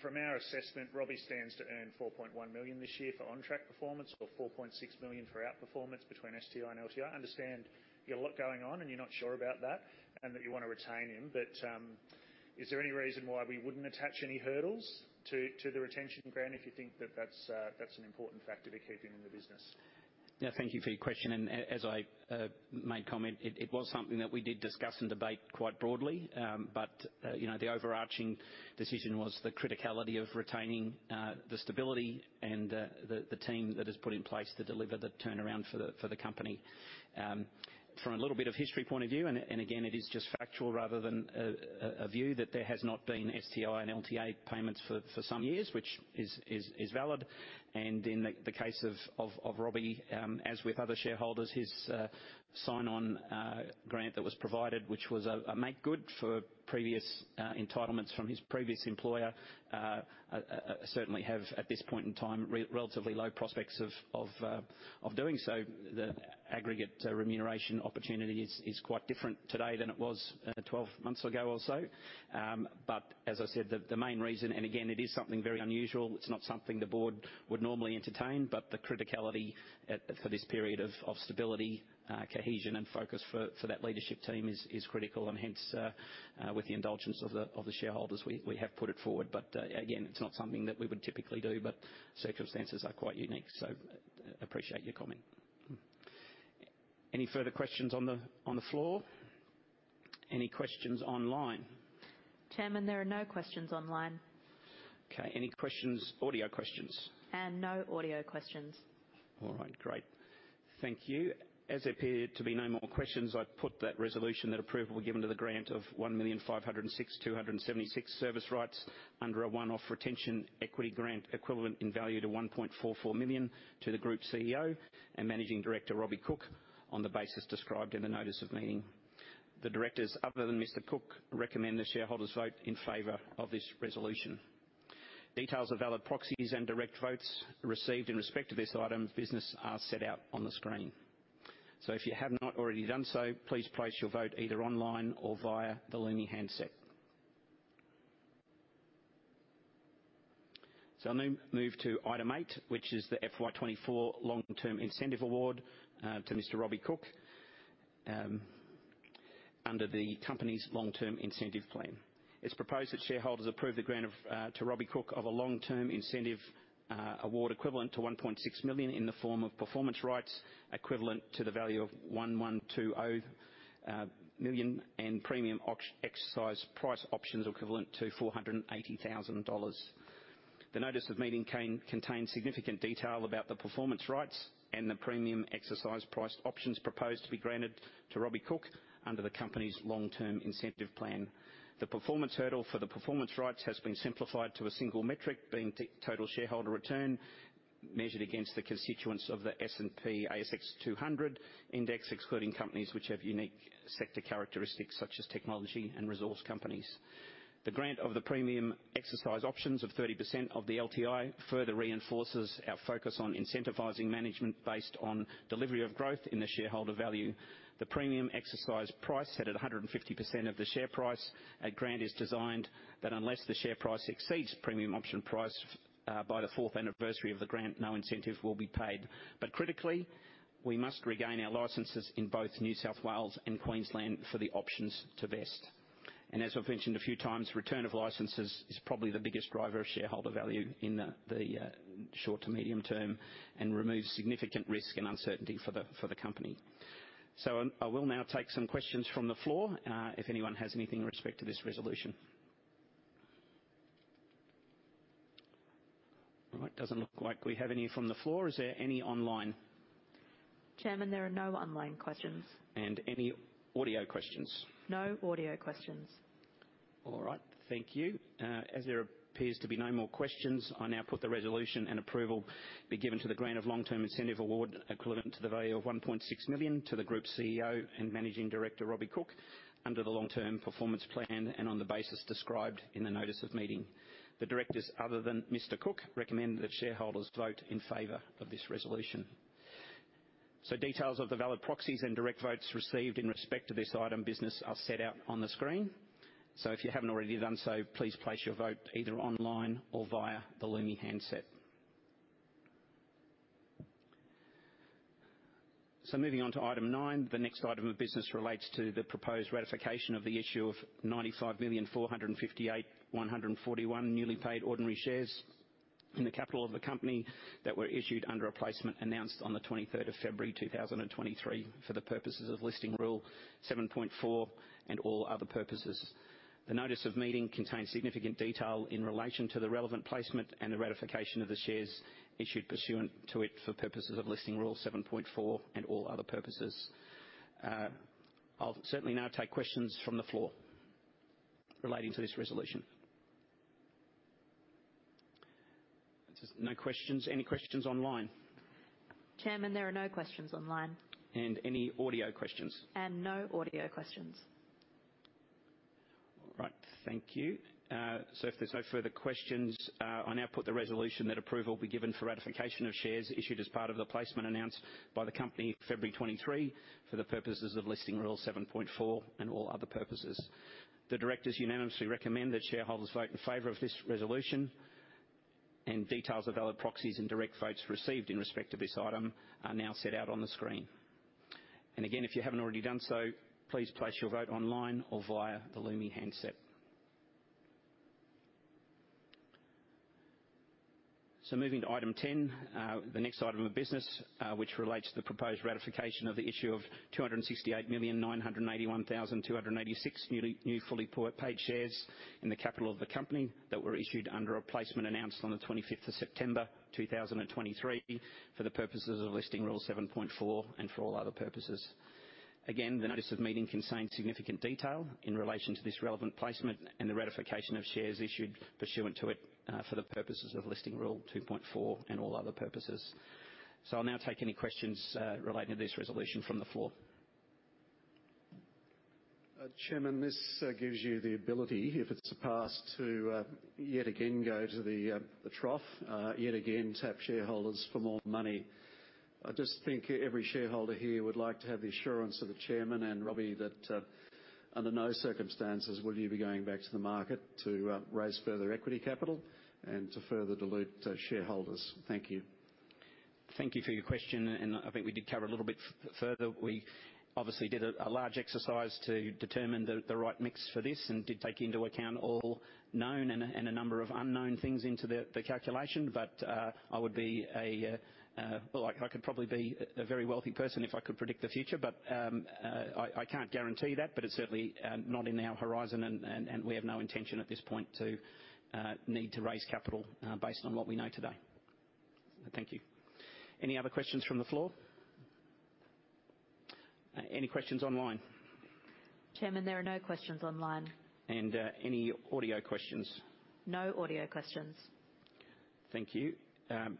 G: From our assessment, Robbie stands to earn 4.1 million this year for on-track performance, or 4.6 million for outperformance between STI and LTI. I understand you got a lot going on, and you're not sure about that, and that you want to retain him. But, is there any reason why we wouldn't attach any hurdles to the retention grant if you think that that's an important factor to keep him in the business?
A: Yeah, thank you for your question, and as I made comment, it was something that we did discuss and debate quite broadly. But you know, the overarching decision was the criticality of retaining the stability and the team that is put in place to deliver the turnaround for the company. From a little bit of history point of view, and again, it is just factual rather than a view, that there has not been STI and LTA payments for some years, which is valid. And in the case of Robbie, as with other shareholders, his sign-on grant that was provided, which was a make-good for previous entitlements from his previous employer, certainly have, at this point in time, relatively low prospects of doing so. The aggregate remuneration opportunity is quite different today than it was 12 months ago or so. But as I said, the main reason, and again, it is something very unusual, it's not something the Board would normally entertain, but the criticality for this period of stability, cohesion, and focus for that leadership team is critical. And hence, with the indulgence of the shareholders, we have put it forward. But, again, it's not something that we would typically do, but circumstances are quite unique, so appreciate your comment. Any further questions on the floor? Any questions online?
C: Chairman, there are no questions online.
A: Okay, any questions, audio questions?
C: No audio questions.
A: All right. Great. Thank you. As there appear to be no more questions, I put that resolution that approval be given to the grant of 1,506,276 service rights under a one-off retention equity grant, equivalent in value to 1.44 million to the Group CEO and Managing Director, Robbie Cooke, on the basis described in the notice of meeting. The directors, other than Mr. Cooke, recommend the shareholders vote in favor of this resolution. Details of valid proxies and direct votes received in respect to this item of business are set out on the screen. So if you have not already done so, please place your vote either online or via the Lumi handset. So I'll now move to item 8, which is the FY 2024 long-term incentive award to Mr. Robbie Cooke under the company's long-term incentive plan. It's proposed that shareholders approve the grant of to Robbie Cooke of a long-term incentive award equivalent to 1.6 million in the form of performance rights, equivalent to the value of 1.20 million, and premium exercise price options equivalent to 480,000 dollars. The notice of meeting contains significant detail about the performance rights and the premium exercise priced options proposed to be granted to Robbie Cooke under the company's long-term incentive plan. The performance hurdle for the performance rights has been simplified to a single metric, being total shareholder return, measured against the constituents of the S&P/ASX 200 index, excluding companies which have unique sector characteristics, such as technology and resource companies. The grant of the premium exercise options of 30% of the LTI further reinforces our focus on incentivizing management based on delivery of growth in the shareholder value. The premium exercise price, set at 150% of the share price at grant, is designed that unless the share price exceeds premium option price by the fourth anniversary of the grant, no incentive will be paid. But critically, we must regain our licenses in both New South Wales and Queensland for the options to vest. And as I've mentioned a few times, return of licenses is probably the biggest driver of shareholder value in the short to medium term and removes significant risk and uncertainty for the company. So I will now take some questions from the floor, if anyone has anything in respect to this resolution. All right, doesn't look like we have any from the floor. Is there any online?
C: Chairman, there are no online questions.
A: Any audio questions?
C: No audio questions.
A: All right. Thank you. As there appears to be no more questions, I now put the resolution and approval be given to the grant of long-term incentive award, equivalent to the value of 1.6 million, to the Group CEO and Managing Director, Robbie Cooke, under the long-term performance plan and on the basis described in the notice of meeting. The directors, other than Mr. Cooke, recommend that shareholders vote in favor of this resolution.... Details of the valid proxies and direct votes received in respect to this item business are set out on the screen. If you haven't already done so, please place your vote either online or via the Lumi handset. Moving on to Item nine. The next item of business relates to the proposed ratification of the issue of 95,458,141 newly paid ordinary shares in the capital of the company that were issued under a placement announced on the twenty-third of February, 2023, for the purposes of Listing Rule 7.4 and all other purposes. The notice of meeting contains significant detail in relation to the relevant placement and the ratification of the shares issued pursuant to it for purposes of Listing Rule 7.4 and all other purposes. I'll certainly now take questions from the floor relating to this resolution. Just no questions? Any questions online?
C: Chairman, there are no questions online.
A: Any audio questions?
C: No audio questions.
A: All right. Thank you. So if there's no further questions, I now put the resolution that approval be given for ratification of shares issued as part of the placement announced by the company February 23, for the purposes of Listing Rule 7.4 and all other purposes. The directors unanimously recommend that shareholders vote in favor of this resolution, and details of valid proxies and direct votes received in respect to this item are now set out on the screen. And again, if you haven't already done so, please place your vote online or via the Lumi handset. So moving to Item 10. The next item of business, which relates to the proposed ratification of the issue of 268,981,286 new fully paid shares in the capital of the company, that were issued under a placement announced on the 25th of September 2023, for the purposes of Listing Rule 7.4 and for all other purposes. Again, the notice of meeting contains significant detail in relation to this relevant placement and the ratification of shares issued pursuant to it, for the purposes of Listing Rule 2.4 and all other purposes. So I'll now take any questions relating to this resolution from the floor.
E: Chairman, this gives you the ability, if it's passed, to yet again go to the trough yet again tap shareholders for more money. I just think every shareholder here would like to have the assurance of the Chairman and Robbie, that under no circumstances will you be going back to the market to raise further equity capital and to further dilute the shareholders. Thank you.
A: Thank you for your question, and I think we did cover a little bit further. We obviously did a large exercise to determine the right mix for this and did take into account all known and a number of unknown things into the calculation. But, I would be a... Well, I could probably be a very wealthy person if I could predict the future, but, I can't guarantee that, but it's certainly not in our horizon, and, and we have no intention at this point to need to raise capital based on what we know today. Thank you. Any other questions from the floor? Any questions online?
C: Chairman, there are no questions online.
A: Any audio questions?
C: No audio questions.
A: Thank you.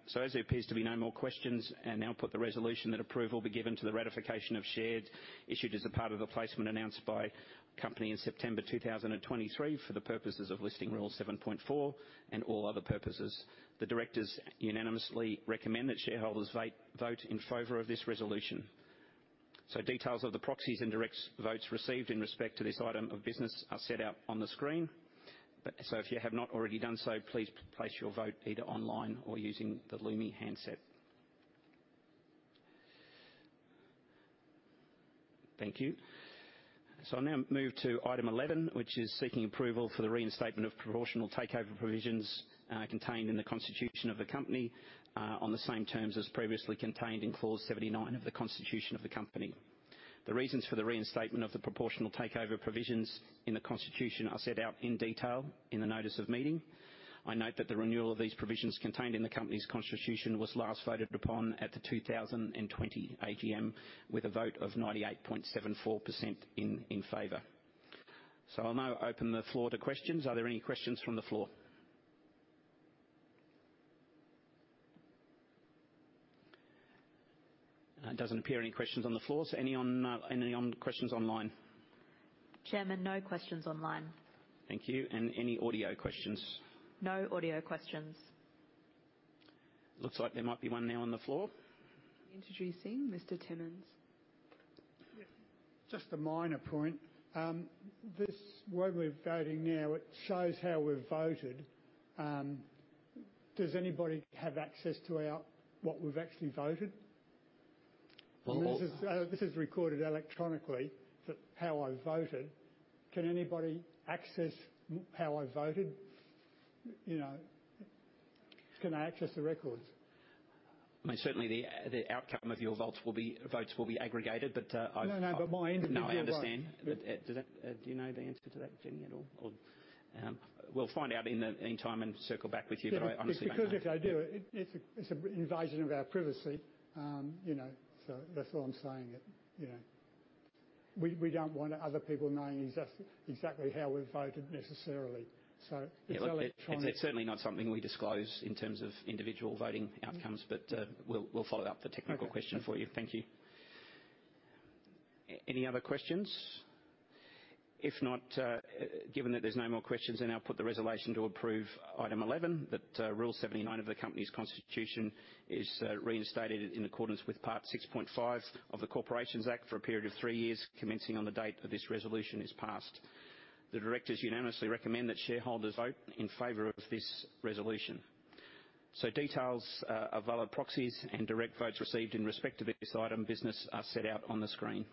A: So as there appears to be no more questions, I now put the resolution that approval be given to the ratification of shares issued as a part of the placement announced by company in September 2023, for the purposes of Listing Rule 7.4 and all other purposes. The directors unanimously recommend that shareholders vote in favor of this resolution. So details of the proxies and direct votes received in respect to this item of business are set out on the screen. So if you have not already done so, please place your vote either online or using the Lumi handset. Thank you. So I'll now move to Item 11, which is seeking approval for the reinstatement of proportional takeover provisions, contained in the constitution of the company, on the same terms as previously contained in Clause 79 of the Constitution of the Company. The reasons for the reinstatement of the proportional takeover provisions in the constitution are set out in detail in the notice of meeting. I note that the renewal of these provisions contained in the company's constitution was last voted upon at the 2020 AGM, with a vote of 98.74% in favor. So I'll now open the floor to questions. Are there any questions from the floor? It doesn't appear any questions on the floor, so any online questions?
C: Chairman, no questions online.
A: Thank you. Any audio questions?
C: No audio questions.
A: Looks like there might be one now on the floor.
C: Introducing Mr. Timmons.
F: Yeah, just a minor point. This, where we're voting now, it shows how we've voted. Does anybody have access to our, what we've actually voted?
A: Well, well-
F: This is, this is recorded electronically, but how I voted. Can anybody access how I voted? You know, can I access the records?
A: I mean, certainly the outcome of your votes will be, votes will be aggregated, but, I've-
F: No, no, but my individual vote.
A: No, I understand. Do you know the answer to that, Jenny, at all? Or, we'll find out in time and circle back with you, but I honestly don't know.
F: Because if they do, it's an invasion of our privacy, you know. So that's all I'm saying is, you know, we don't want other people knowing exactly how we've voted necessarily, so-
A: Yeah, look, it's certainly not something we disclose in terms of individual voting outcomes. We'll follow up the technical question for you.
F: Okay.
A: Thank you. Any other questions? If not, given that there's no more questions, I now put the resolution to approve item 11, that rule 79 of the company's constitution is reinstated in accordance with Part 6.5 of the Corporations Act for a period of 3 years, commencing on the date that this resolution is passed. The directors unanimously recommend that shareholders vote in favor of this resolution. So details of valid proxies and direct votes received in respect to this item of business are set out on the screen.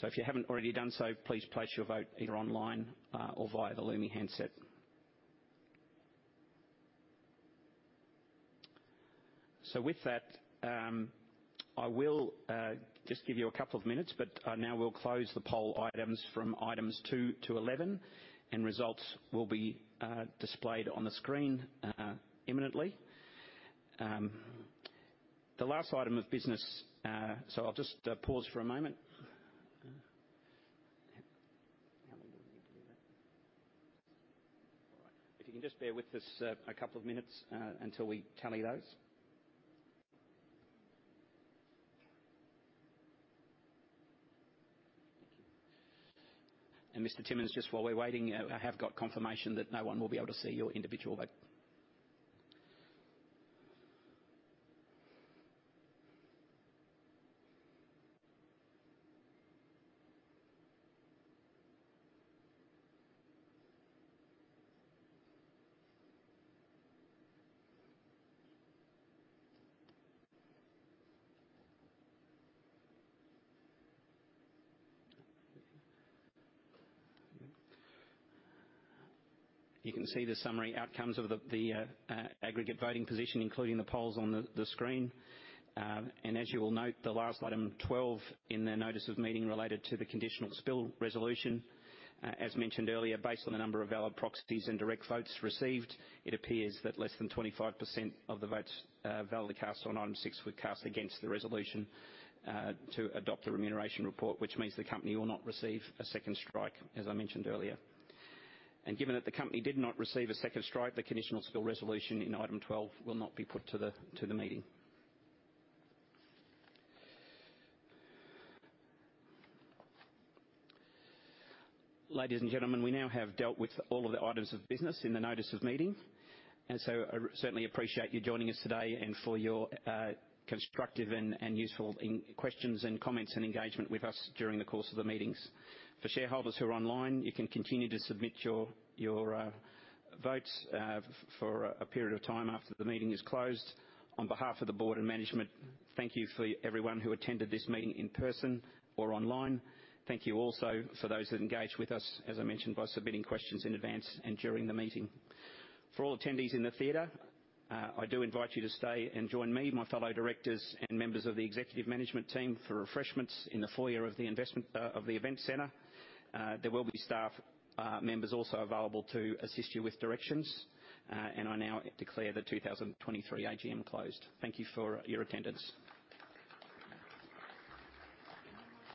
A: So if you haven't already done so, please place your vote either online or via the Lumi handset. So with that, I will just give you a couple of minutes, but now we'll close the poll items from items two to 11, and results will be displayed on the screen imminently. The last item of business... So I'll just pause for a moment. How long do we need to do that? All right. If you can just bear with us, a couple of minutes, until we tally those. Thank you. And Mr. Timmons, just while we're waiting, I have got confirmation that no one will be able to see your individual vote. You can see the summary outcomes of the aggregate voting position, including the polls on the screen. And as you will note, the last item 12 in the notice of meeting related to the conditional Spill Resolution. As mentioned earlier, based on the number of valid proxies and direct votes received, it appears that less than 25% of the votes validly cast on item 6 were cast against the resolution to adopt the remuneration report, which means the company will not receive a second strike, as I mentioned earlier. Given that the company did not receive a second strike, the conditional spill resolution in item 12 will not be put to the meeting. Ladies and gentlemen, we now have dealt with all of the items of business in the notice of meeting, and so I certainly appreciate you joining us today, and for your constructive and useful questions and comments and engagement with us during the course of the meetings. For shareholders who are online, you can continue to submit your votes for a period of time after the meeting is closed. On behalf of the Board and management, thank you for everyone who attended this meeting in person or online. Thank you also for those that engaged with us, as I mentioned, by submitting questions in advance and during the meeting. For all attendees in the theater, I do invite you to stay and join me, my fellow directors and members of the executive management team for refreshments in the foyer of the Event Centre. There will be staff members also available to assist you with directions. I now declare the 2023 AGM closed. Thank you for your attendance.